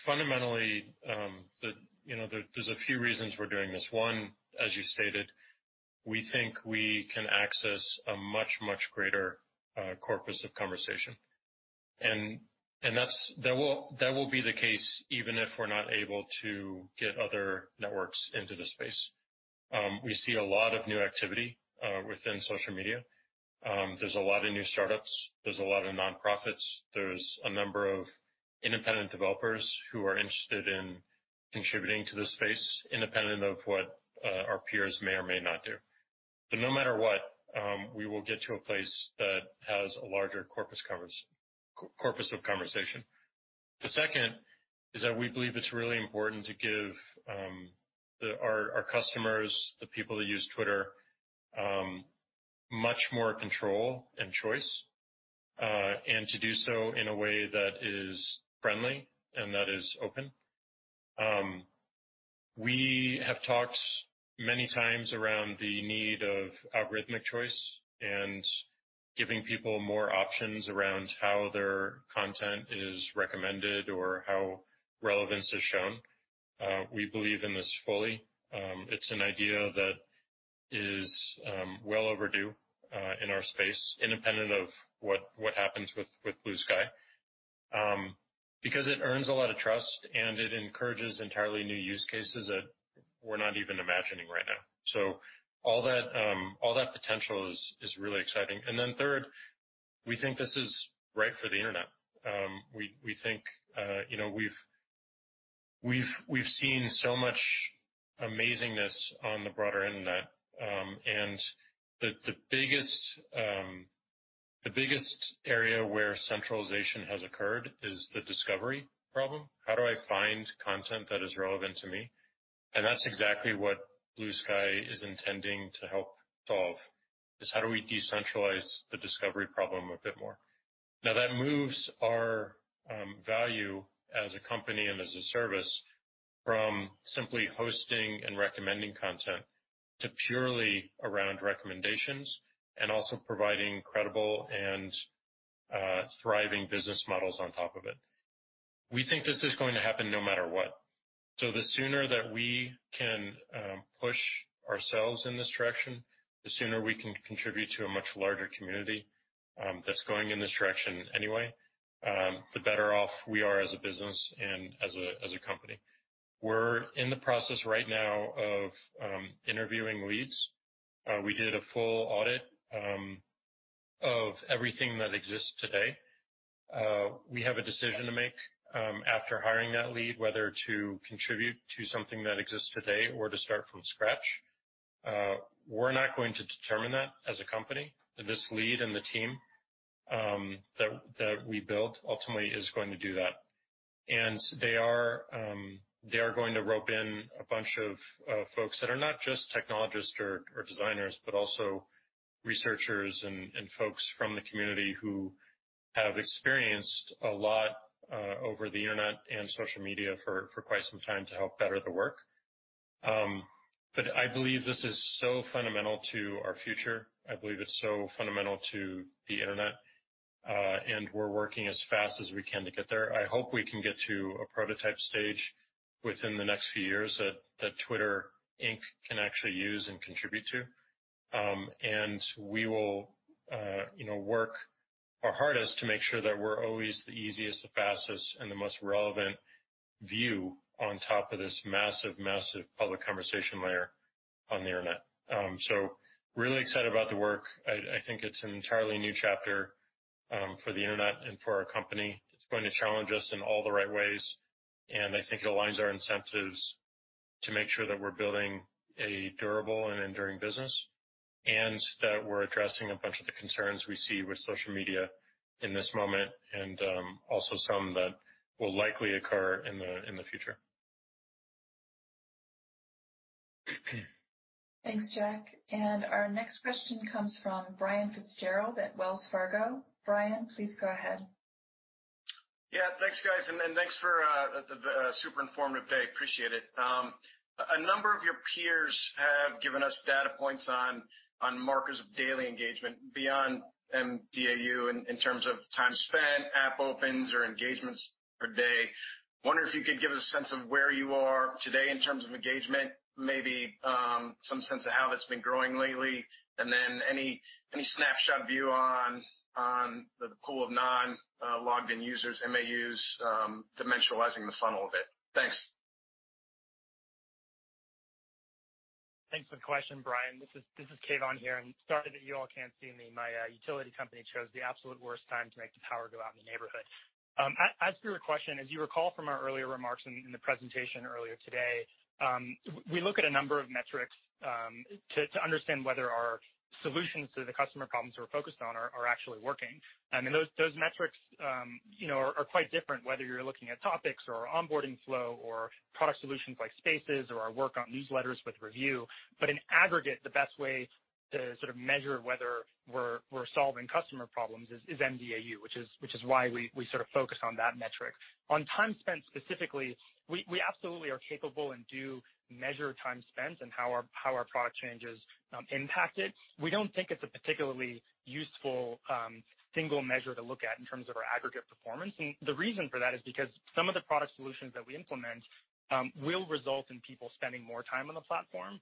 Fundamentally, there's a few reasons we're doing this. One, as you stated, we think we can access a much, much greater corpus of conversation. That will be the case even if we're not able to get other networks into the space. We see a lot of new activity within social media. There's a lot of new startups, there's a lot of nonprofits, there's a number of independent developers who are interested in contributing to the space, independent of what our peers may or may not do. No matter what, we will get to a place that has a larger corpus of conversation. The second is that we believe it's really important to give our customers, the people that use Twitter, much more control and choice, and to do so in a way that is friendly and that is open. We have talked many times around the need of algorithmic choice and giving people more options around how their content is recommended or how relevance is shown. We believe in this fully. It's an idea that is well overdue in our space, independent of what happens with Bluesky, because it earns a lot of trust and it encourages entirely new use cases that we're not even imagining right now. All that potential is really exciting. Third, we think this is right for the internet. We've seen so much amazingness on the broader internet, and the biggest area where centralization has occurred is the discovery problem. How do I find content that is relevant to me? That's exactly what Bluesky is intending to help solve, is how do we decentralize the discovery problem a bit more. That moves our value as a company and as a service from simply hosting and recommending content to purely around recommendations and also providing credible and thriving business models on top of it. We think this is going to happen no matter what. The sooner that we can push ourselves in this direction, the sooner we can contribute to a much larger community that's going in this direction anyway, the better off we are as a business and as a company. We're in the process right now of interviewing leads. We did a full audit of everything that exists today. We have a decision to make after hiring that lead whether to contribute to something that exists today or to start from scratch. We're not going to determine that as a company. This lead and the team that we build ultimately is going to do that. They are going to rope in a bunch of folks that are not just technologists or designers, but also researchers and folks from the community who have experienced a lot over the Internet and social media for quite some time to help better the work. I believe this is so fundamental to our future. I believe it's so fundamental to the Internet, and we're working as fast as we can to get there. I hope we can get to a prototype stage within the next few years that Twitter Inc. can actually use and contribute to. We will work our hardest to make sure that we're always the easiest, the fastest, and the most relevant view on top of this massive public conversation layer on the Internet. Really excited about the work. I think it's an entirely new chapter for the internet and for our company. It's going to challenge us in all the right ways, and I think it aligns our incentives to make sure that we're building a durable and enduring business, and that we're addressing a bunch of the concerns we see with social media in this moment, and also some that will likely occur in the future. Thanks, Jack. Our next question comes from Brian Fitzgerald at Wells Fargo. Brian, please go ahead. Yeah. Thanks, guys, and thanks for the super informative day. Appreciate it. A number of your peers have given us data points on markers of daily engagement beyond mDAU in terms of time spent, app opens, or engagements per day. Wondering if you could give us a sense of where you are today in terms of engagement, maybe some sense of how it's been growing lately, and then any snapshot view on the pool of non-logged-in users, MAUs, dimensionalizing the funnel a bit. Thanks. Thanks for the question, Brian. This is Kayvon here. Sorry that you all can't see me. My utility company chose the absolute worst time to make the power go out in the neighborhood. As for your question, as you recall from our earlier remarks in the presentation earlier today, we look at a number of metrics to understand whether our solutions to the customer problems we're focused on are actually working. Those metrics are quite different, whether you're looking at topics or onboarding flow or product solutions like Spaces or our work on newsletters with Revue. In aggregate, the best way to measure whether we're solving customer problems is mDAU, which is why we focus on that metric. On time spent specifically, we absolutely are capable and do measure time spent and how our product changes impact it. We don't think it's a particularly useful single measure to look at in terms of our aggregate performance. The reason for that is because some of the product solutions that we implement will result in people spending more time on the platform.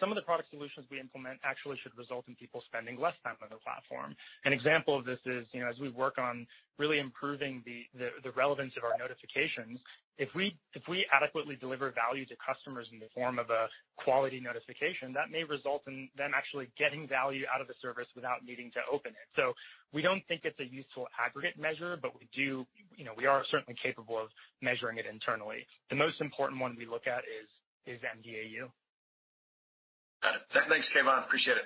Some of the product solutions we implement actually should result in people spending less time on the platform. An example of this is, as we work on really improving the relevance of our notifications, if we adequately deliver value to customers in the form of a quality notification, that may result in them actually getting value out of the service without needing to open it. We don't think it's a useful aggregate measure, but we are certainly capable of measuring it internally. The most important one we look at is mDAU . Got it. Thanks, Kayvon. Appreciate it.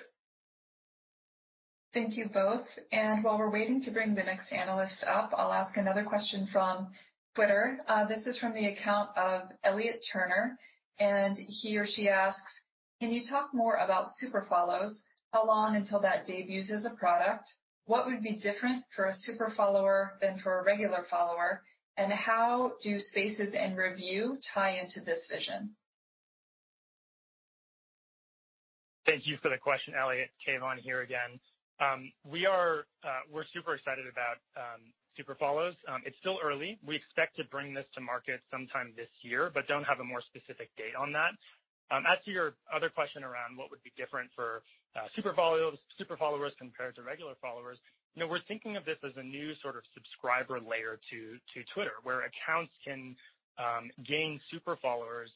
Thank you both. While we're waiting to bring the next analyst up, I'll ask another question from Twitter. This is from the account of Elliot Turner. He or she asks: Can you talk more about Super Follows? How long until that debuts as a product? What would be different for a Super Follower than for a regular follower? How do Spaces and Revue tie into this vision? Thank you for the question, Elliot. Kayvon here again. We're super excited about Super Follows. It's still early. We expect to bring this to market sometime this year but don't have a more specific date on that. As to your other question around what would be different for Super Followers compared to regular followers, we're thinking of this as a new sort of subscriber layer to Twitter, where accounts can gain Super Followers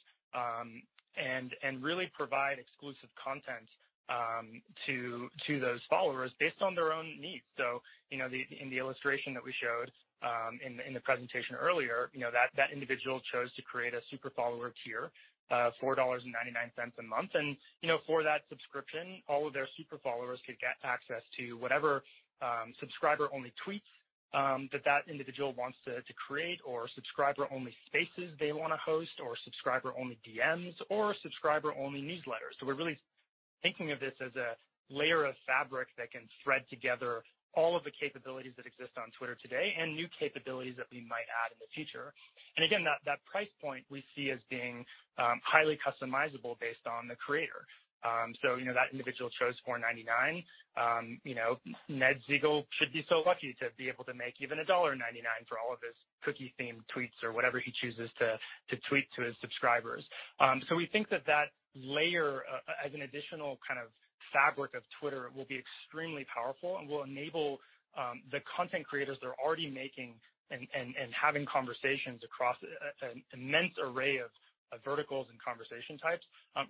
and really provide exclusive content to those followers based on their own needs. In the illustration that we showed in the presentation earlier, that individual chose to create a Super Follower tier, $4.99 a month. For that subscription, all of their Super Followers could get access to whatever subscriber-only tweets that that individual wants to create or subscriber-only Spaces they want to host, or subscriber-only DMs, or subscriber-only newsletters. We're really thinking of this as a layer of fabric that can thread together all of the capabilities that exist on Twitter today and new capabilities that we might add in the future. Again, that price point we see as being highly customizable based on the creator. That individual chose $4.99. Ned Segal should be so lucky to be able to make even a $1.99 for all of his cookie-themed tweets or whatever he chooses to tweet to his subscribers. We think that that layer as an additional kind of fabric of Twitter will be extremely powerful and will enable the content creators that are already making and having conversations across an immense array of verticals and conversation types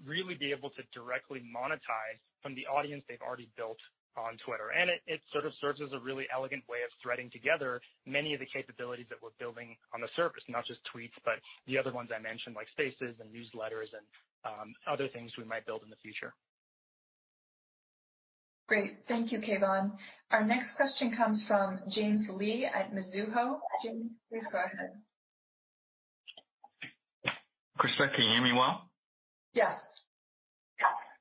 really be able to directly monetize from the audience they've already built on Twitter. It sort of serves as a really elegant way of threading together many of the capabilities that we're building on the surface, not just tweets, but the other ones I mentioned, like Spaces and newsletters and other things we might build in the future. Great. Thank you, Kayvon. Our next question comes from James Lee at Mizuho. James, please go ahead. Krista, can you hear me well? Yes.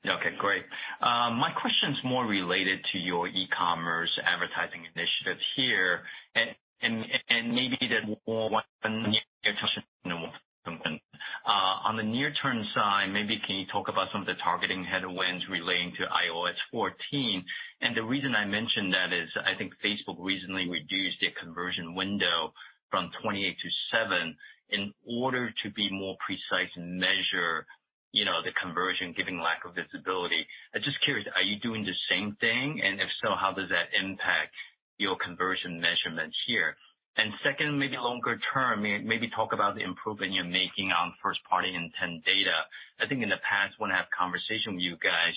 Okay, great. My question is more related to your e-commerce advertising initiatives here, and maybe the on the near-term side, maybe can you talk about some of the targeting headwinds relating to iOS 14? The reason I mention that is I think Facebook recently reduced their conversion window from 28 to seven in order to be more precise and measure the conversion, given lack of visibility. I'm just curious, are you doing the same thing? If so, how does that impact your conversion measurements here? Second, maybe longer term, maybe talk about the improvement you're making on first-party intent data. I think in the past, when I have conversation with you guys,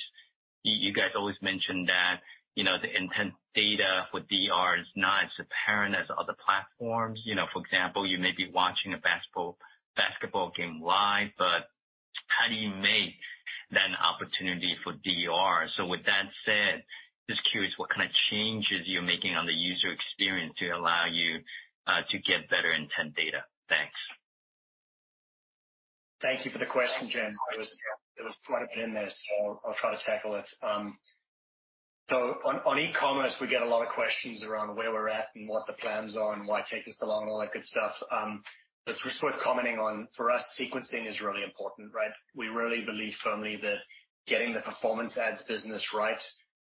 you guys always mention that the intent data with DR is not as apparent as other platforms. For example, you may be watching a basketball game live, but how do you make that an opportunity for DR? With that said, just curious what kind of changes you're making on the user experience to allow you to get better intent data. Thanks. Thank you for the question, James. It was right in there, I'll try to tackle it. On e-commerce, we get a lot of questions around where we're at and what the plans are and why it's taking so long and all that good stuff. That's worth commenting on. For us, sequencing is really important, right? We really believe firmly that getting the performance ads business right,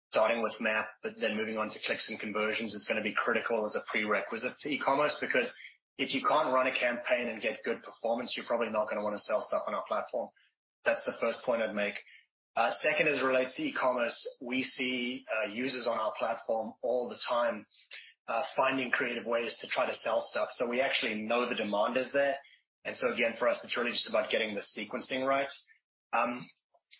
starting with MAP, but then moving on to clicks and conversions is going to be critical as a prerequisite to e-commerce because if you can't run a campaign and get good performance, you're probably not going to want to sell stuff on our platform. That's the first point I'd make. Second is relates to e-commerce. We see users on our platform all the time, finding creative ways to try to sell stuff. We actually know the demand is there. Again, for us, it's really just about getting the sequencing right.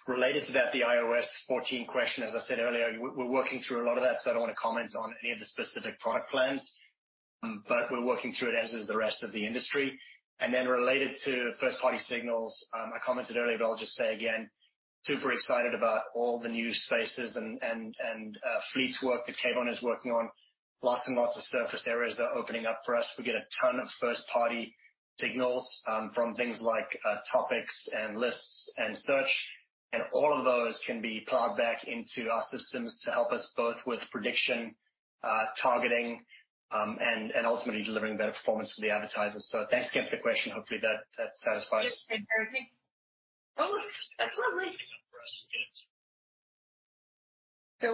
Related to that, the iOS 14 question, as I said earlier, we're working through a lot of that, so I don't want to comment on any of the specific product plans. We're working through it, as is the rest of the industry. Related to first-party signals, I commented earlier, but I'll just say again, super excited about all the new Spaces and Fleets work that Kayvon is working on. Lots and lots of surface areas are opening up for us. We get a ton of first-party signals from things like topics and lists and search, and all of those can be plowed back into our systems to help us both with prediction, targeting, and ultimately delivering better performance for the advertisers. Thanks again for the question. Hopefully that satisfies.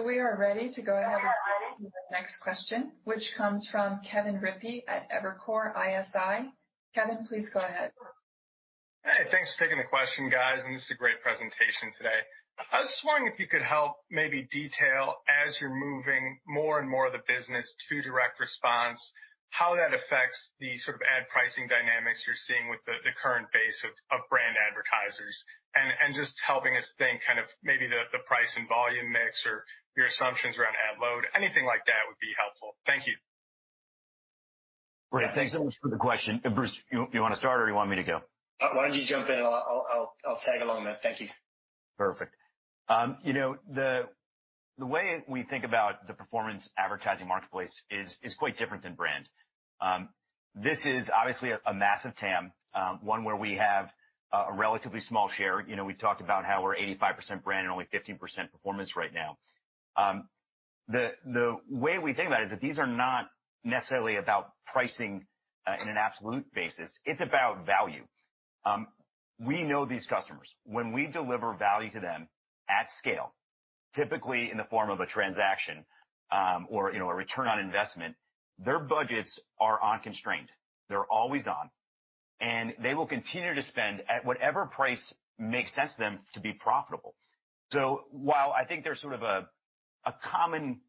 We are ready to go ahead and move to the next question, which comes from Kevin Rippey at Evercore ISI. Kevin, please go ahead. Hey, thanks for taking the question, guys, and just a great presentation today. I was wondering if you could help maybe detail as you're moving more and more of the business to direct response, how that affects the sort of ad pricing dynamics you're seeing with the current base of brand advertisers. Just helping us think kind of maybe the price and volume mix or your assumptions around ad load. Anything like that would be helpful. Thank you. Great. Thanks so much for the question. Bruce, you want to start or you want me to go? Why don't you jump in and I'll tag along, Matt. Thank you. Perfect. The way we think about the performance advertising marketplace is quite different than brand. This is obviously a massive TAM, one where we have a relatively small share. We talked about how we're 85% brand and only 15% performance right now. The way we think about it is that these are not necessarily about pricing in an absolute basis. It's about value. We know these customers. When we deliver value to them at scale, typically in the form of a transaction, or a return on investment, their budgets are unconstrained. They're always on, they will continue to spend at whatever price makes sense to them to be profitable. While I think there's sort of a common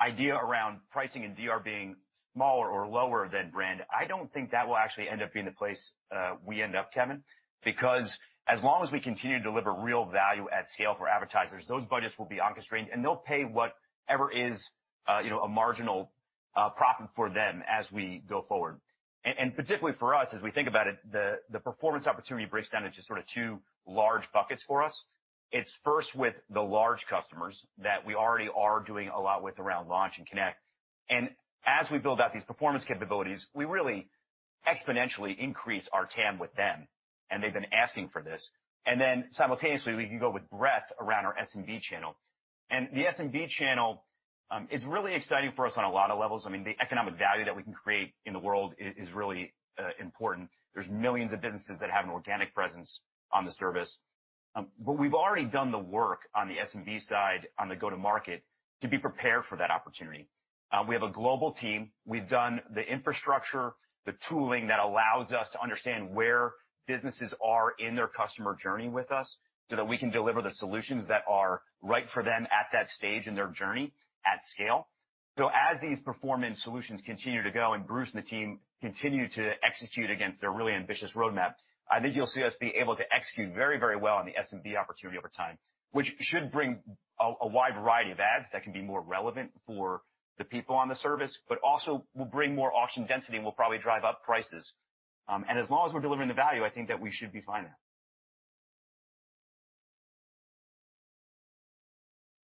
idea around pricing and DR being smaller or lower than brand, I don't think that will actually end up being the place we end up, Kevin, because as long as we continue to deliver real value at scale for advertisers, those budgets will be unconstrained, and they'll pay whatever is a marginal profit for them as we go forward. Particularly for us, as we think about it, the performance opportunity breaks down into sort of two large buckets for us. It's first with the large customers that we already are doing a lot with around Launch and Connect. As we build out these performance capabilities, we really exponentially increase our TAM with them, and they've been asking for this. Then simultaneously, we can go with breadth around our SMB channel. The SMB channel is really exciting for us on a lot of levels. I mean, the economic value that we can create in the world is really important. There's millions of businesses that have an organic presence on the service. We've already done the work on the SMB side on the go-to-market to be prepared for that opportunity. We have a global team. We've done the infrastructure, the tooling that allows us to understand where businesses are in their customer journey with us so that we can deliver the solutions that are right for them at that stage in their journey at scale. As these performance solutions continue to go and Bruce and the team continue to execute against their really ambitious roadmap, I think you'll see us be able to execute very well on the SMB opportunity over time, which should bring a wide variety of ads that can be more relevant for the people on the service, but also will bring more auction density and will probably drive up prices. As long as we're delivering the value, I think that we should be fine there.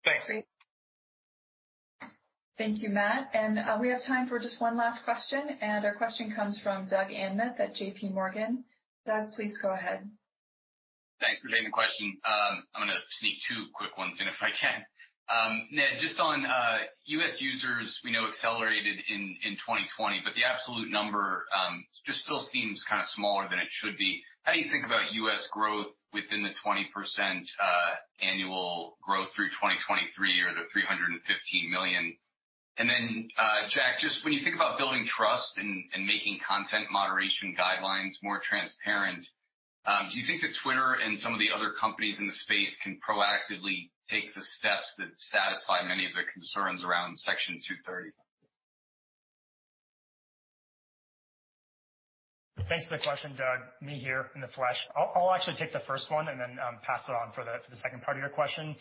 Thanks. Great. Thank you, Matt. We have time for just one last question. Our question comes from Doug Anmuth at JPMorgan. Doug, please go ahead. Thanks for taking the question. I'm going to sneak two quick ones in if I can. Ned, just on U.S. users, we know accelerated in 2020, but the absolute number just still seems kind of smaller than it should be. How do you think about U.S. growth within the 20% annual growth through 2023 or the 315 million? Jack, just when you think about building trust and making content moderation guidelines more transparent, do you think that Twitter and some of the other companies in the space can proactively take the steps that satisfy many of the concerns around Section 230? Thanks for the question, Doug. Me here in the flesh. I'll actually take the first one and then pass it on for the second part of your question.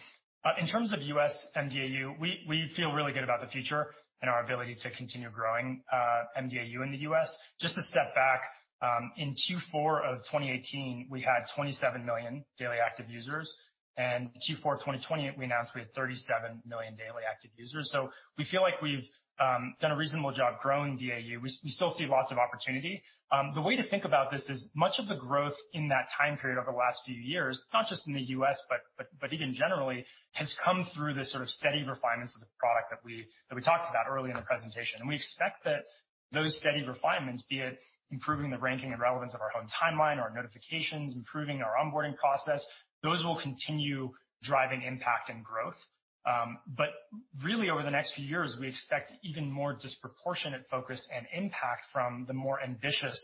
In terms of U.S. mDAU, we feel really good about the future and our ability to continue growing mDAU in the U.S. Just to step back, in Q4 2018, we had 27 million mDAU, and Q4 2020, we announced we had 37 million mDAU. We feel like we've done a reasonable job growing mDAU. We still see lots of opportunity. The way to think about this is much of the growth in that time period over the last few years, not just in the U.S., but even generally, has come through the sort of steady refinements of the product that we talked about early in the presentation. We expect that those steady refinements, be it improving the ranking and relevance of our home timeline or our notifications, improving our onboarding process, those will continue driving impact and growth. Really, over the next few years, we expect even more disproportionate focus and impact from the more ambitious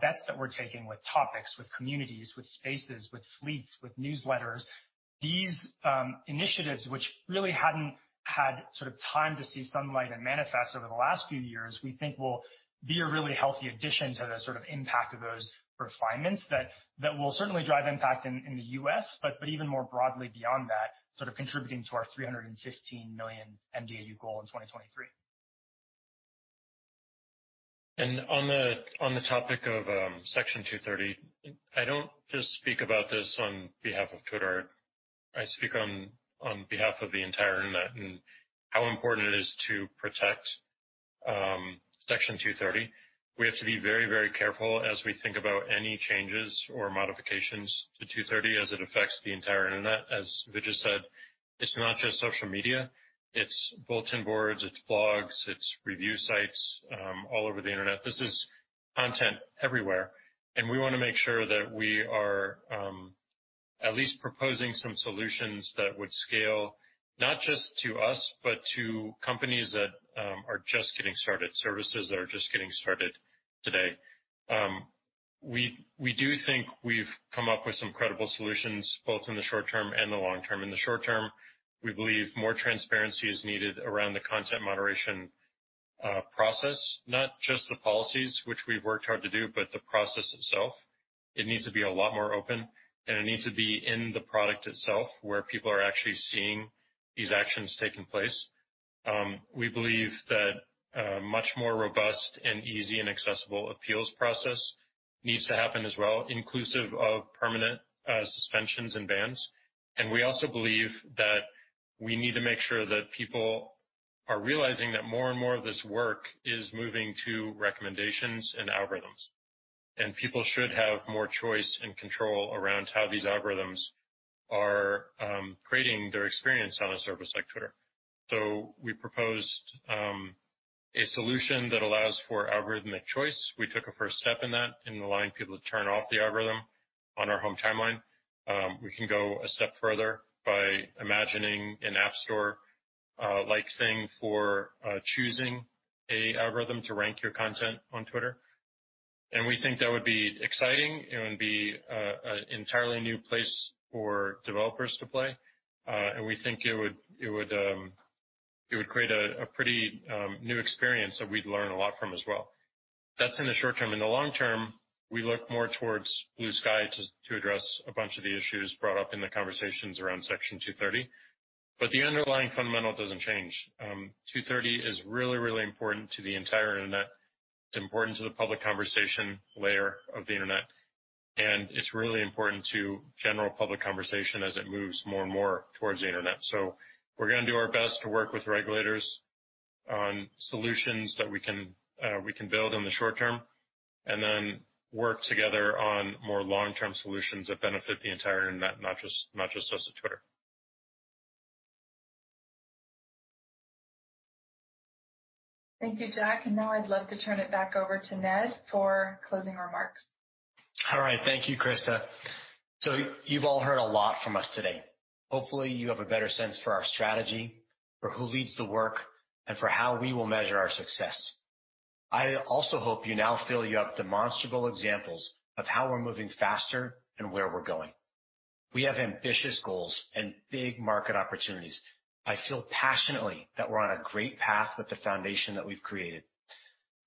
bets that we're taking with topics, with communities, with Spaces, with Fleets, with newsletters. These initiatives, which really hadn't had time to see sunlight and manifest over the last few years, we think will be a really healthy addition to the impact of those refinements that will certainly drive impact in the U.S., but even more broadly beyond that, contributing to our 315 million mDAU goal in 2023. On the topic of Section 230, I don't just speak about this on behalf of Twitter. I speak on behalf of the entire internet and how important it is to protect Section 230. We have to be very careful as we think about any changes or modifications to 230 as it affects the entire internet. As Vijaya said, it's not just social media, it's bulletin boards, it's blogs, it's review sites all over the internet. This is content everywhere, and we want to make sure that we are at least proposing some solutions that would scale, not just to us, but to companies that are just getting started, services that are just getting started today. We do think we've come up with some credible solutions, both in the short term and the long term. In the short term, we believe more transparency is needed around the content moderation process, not just the policies which we've worked hard to do, but the process itself. It needs to be a lot more open, and it needs to be in the product itself where people are actually seeing these actions taking place. We believe that a much more robust and easy and accessible appeals process needs to happen as well, inclusive of permanent suspensions and bans. We also believe that we need to make sure that people are realizing that more and more of this work is moving to recommendations and algorithms. People should have more choice and control around how these algorithms are creating their experience on a service like Twitter. We proposed a solution that allows for algorithmic choice. We took a first step in that in allowing people to turn off the algorithm on our home timeline. We can go a step further by imagining an app store-like thing for choosing a algorithm to rank your content on Twitter. We think that would be exciting. It would be an entirely new place for developers to play. We think it would create a pretty new experience that we'd learn a lot from as well. That's in the short term. In the long term, we look more towards Bluesky to address a bunch of the issues brought up in the conversations around Section 230. The underlying fundamental doesn't change. 230 is really important to the entire internet. It's important to the public conversation layer of the internet, and it's really important to general public conversation as it moves more and more towards the internet. We're going to do our best to work with regulators on solutions that we can build in the short term and then work together on more long-term solutions that benefit the entire internet, not just us at Twitter. Thank you, Jack, and now I'd love to turn it back over to Ned for closing remarks. All right. Thank you, Krista. You've all heard a lot from us today. Hopefully, you have a better sense for our strategy, for who leads the work, and for how we will measure our success. I also hope you now feel you have demonstrable examples of how we're moving faster and where we're going. We have ambitious goals and big market opportunities. I feel passionately that we're on a great path with the foundation that we've created.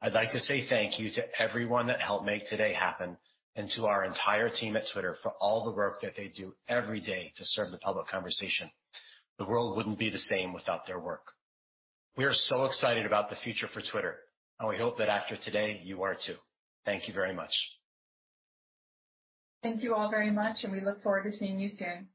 I'd like to say thank you to everyone that helped make today happen and to our entire team at Twitter for all the work that they do every day to serve the public conversation. The world wouldn't be the same without their work. We are so excited about the future for Twitter, and we hope that after today, you are, too. Thank you very much. Thank you all very much, and we look forward to seeing you soon.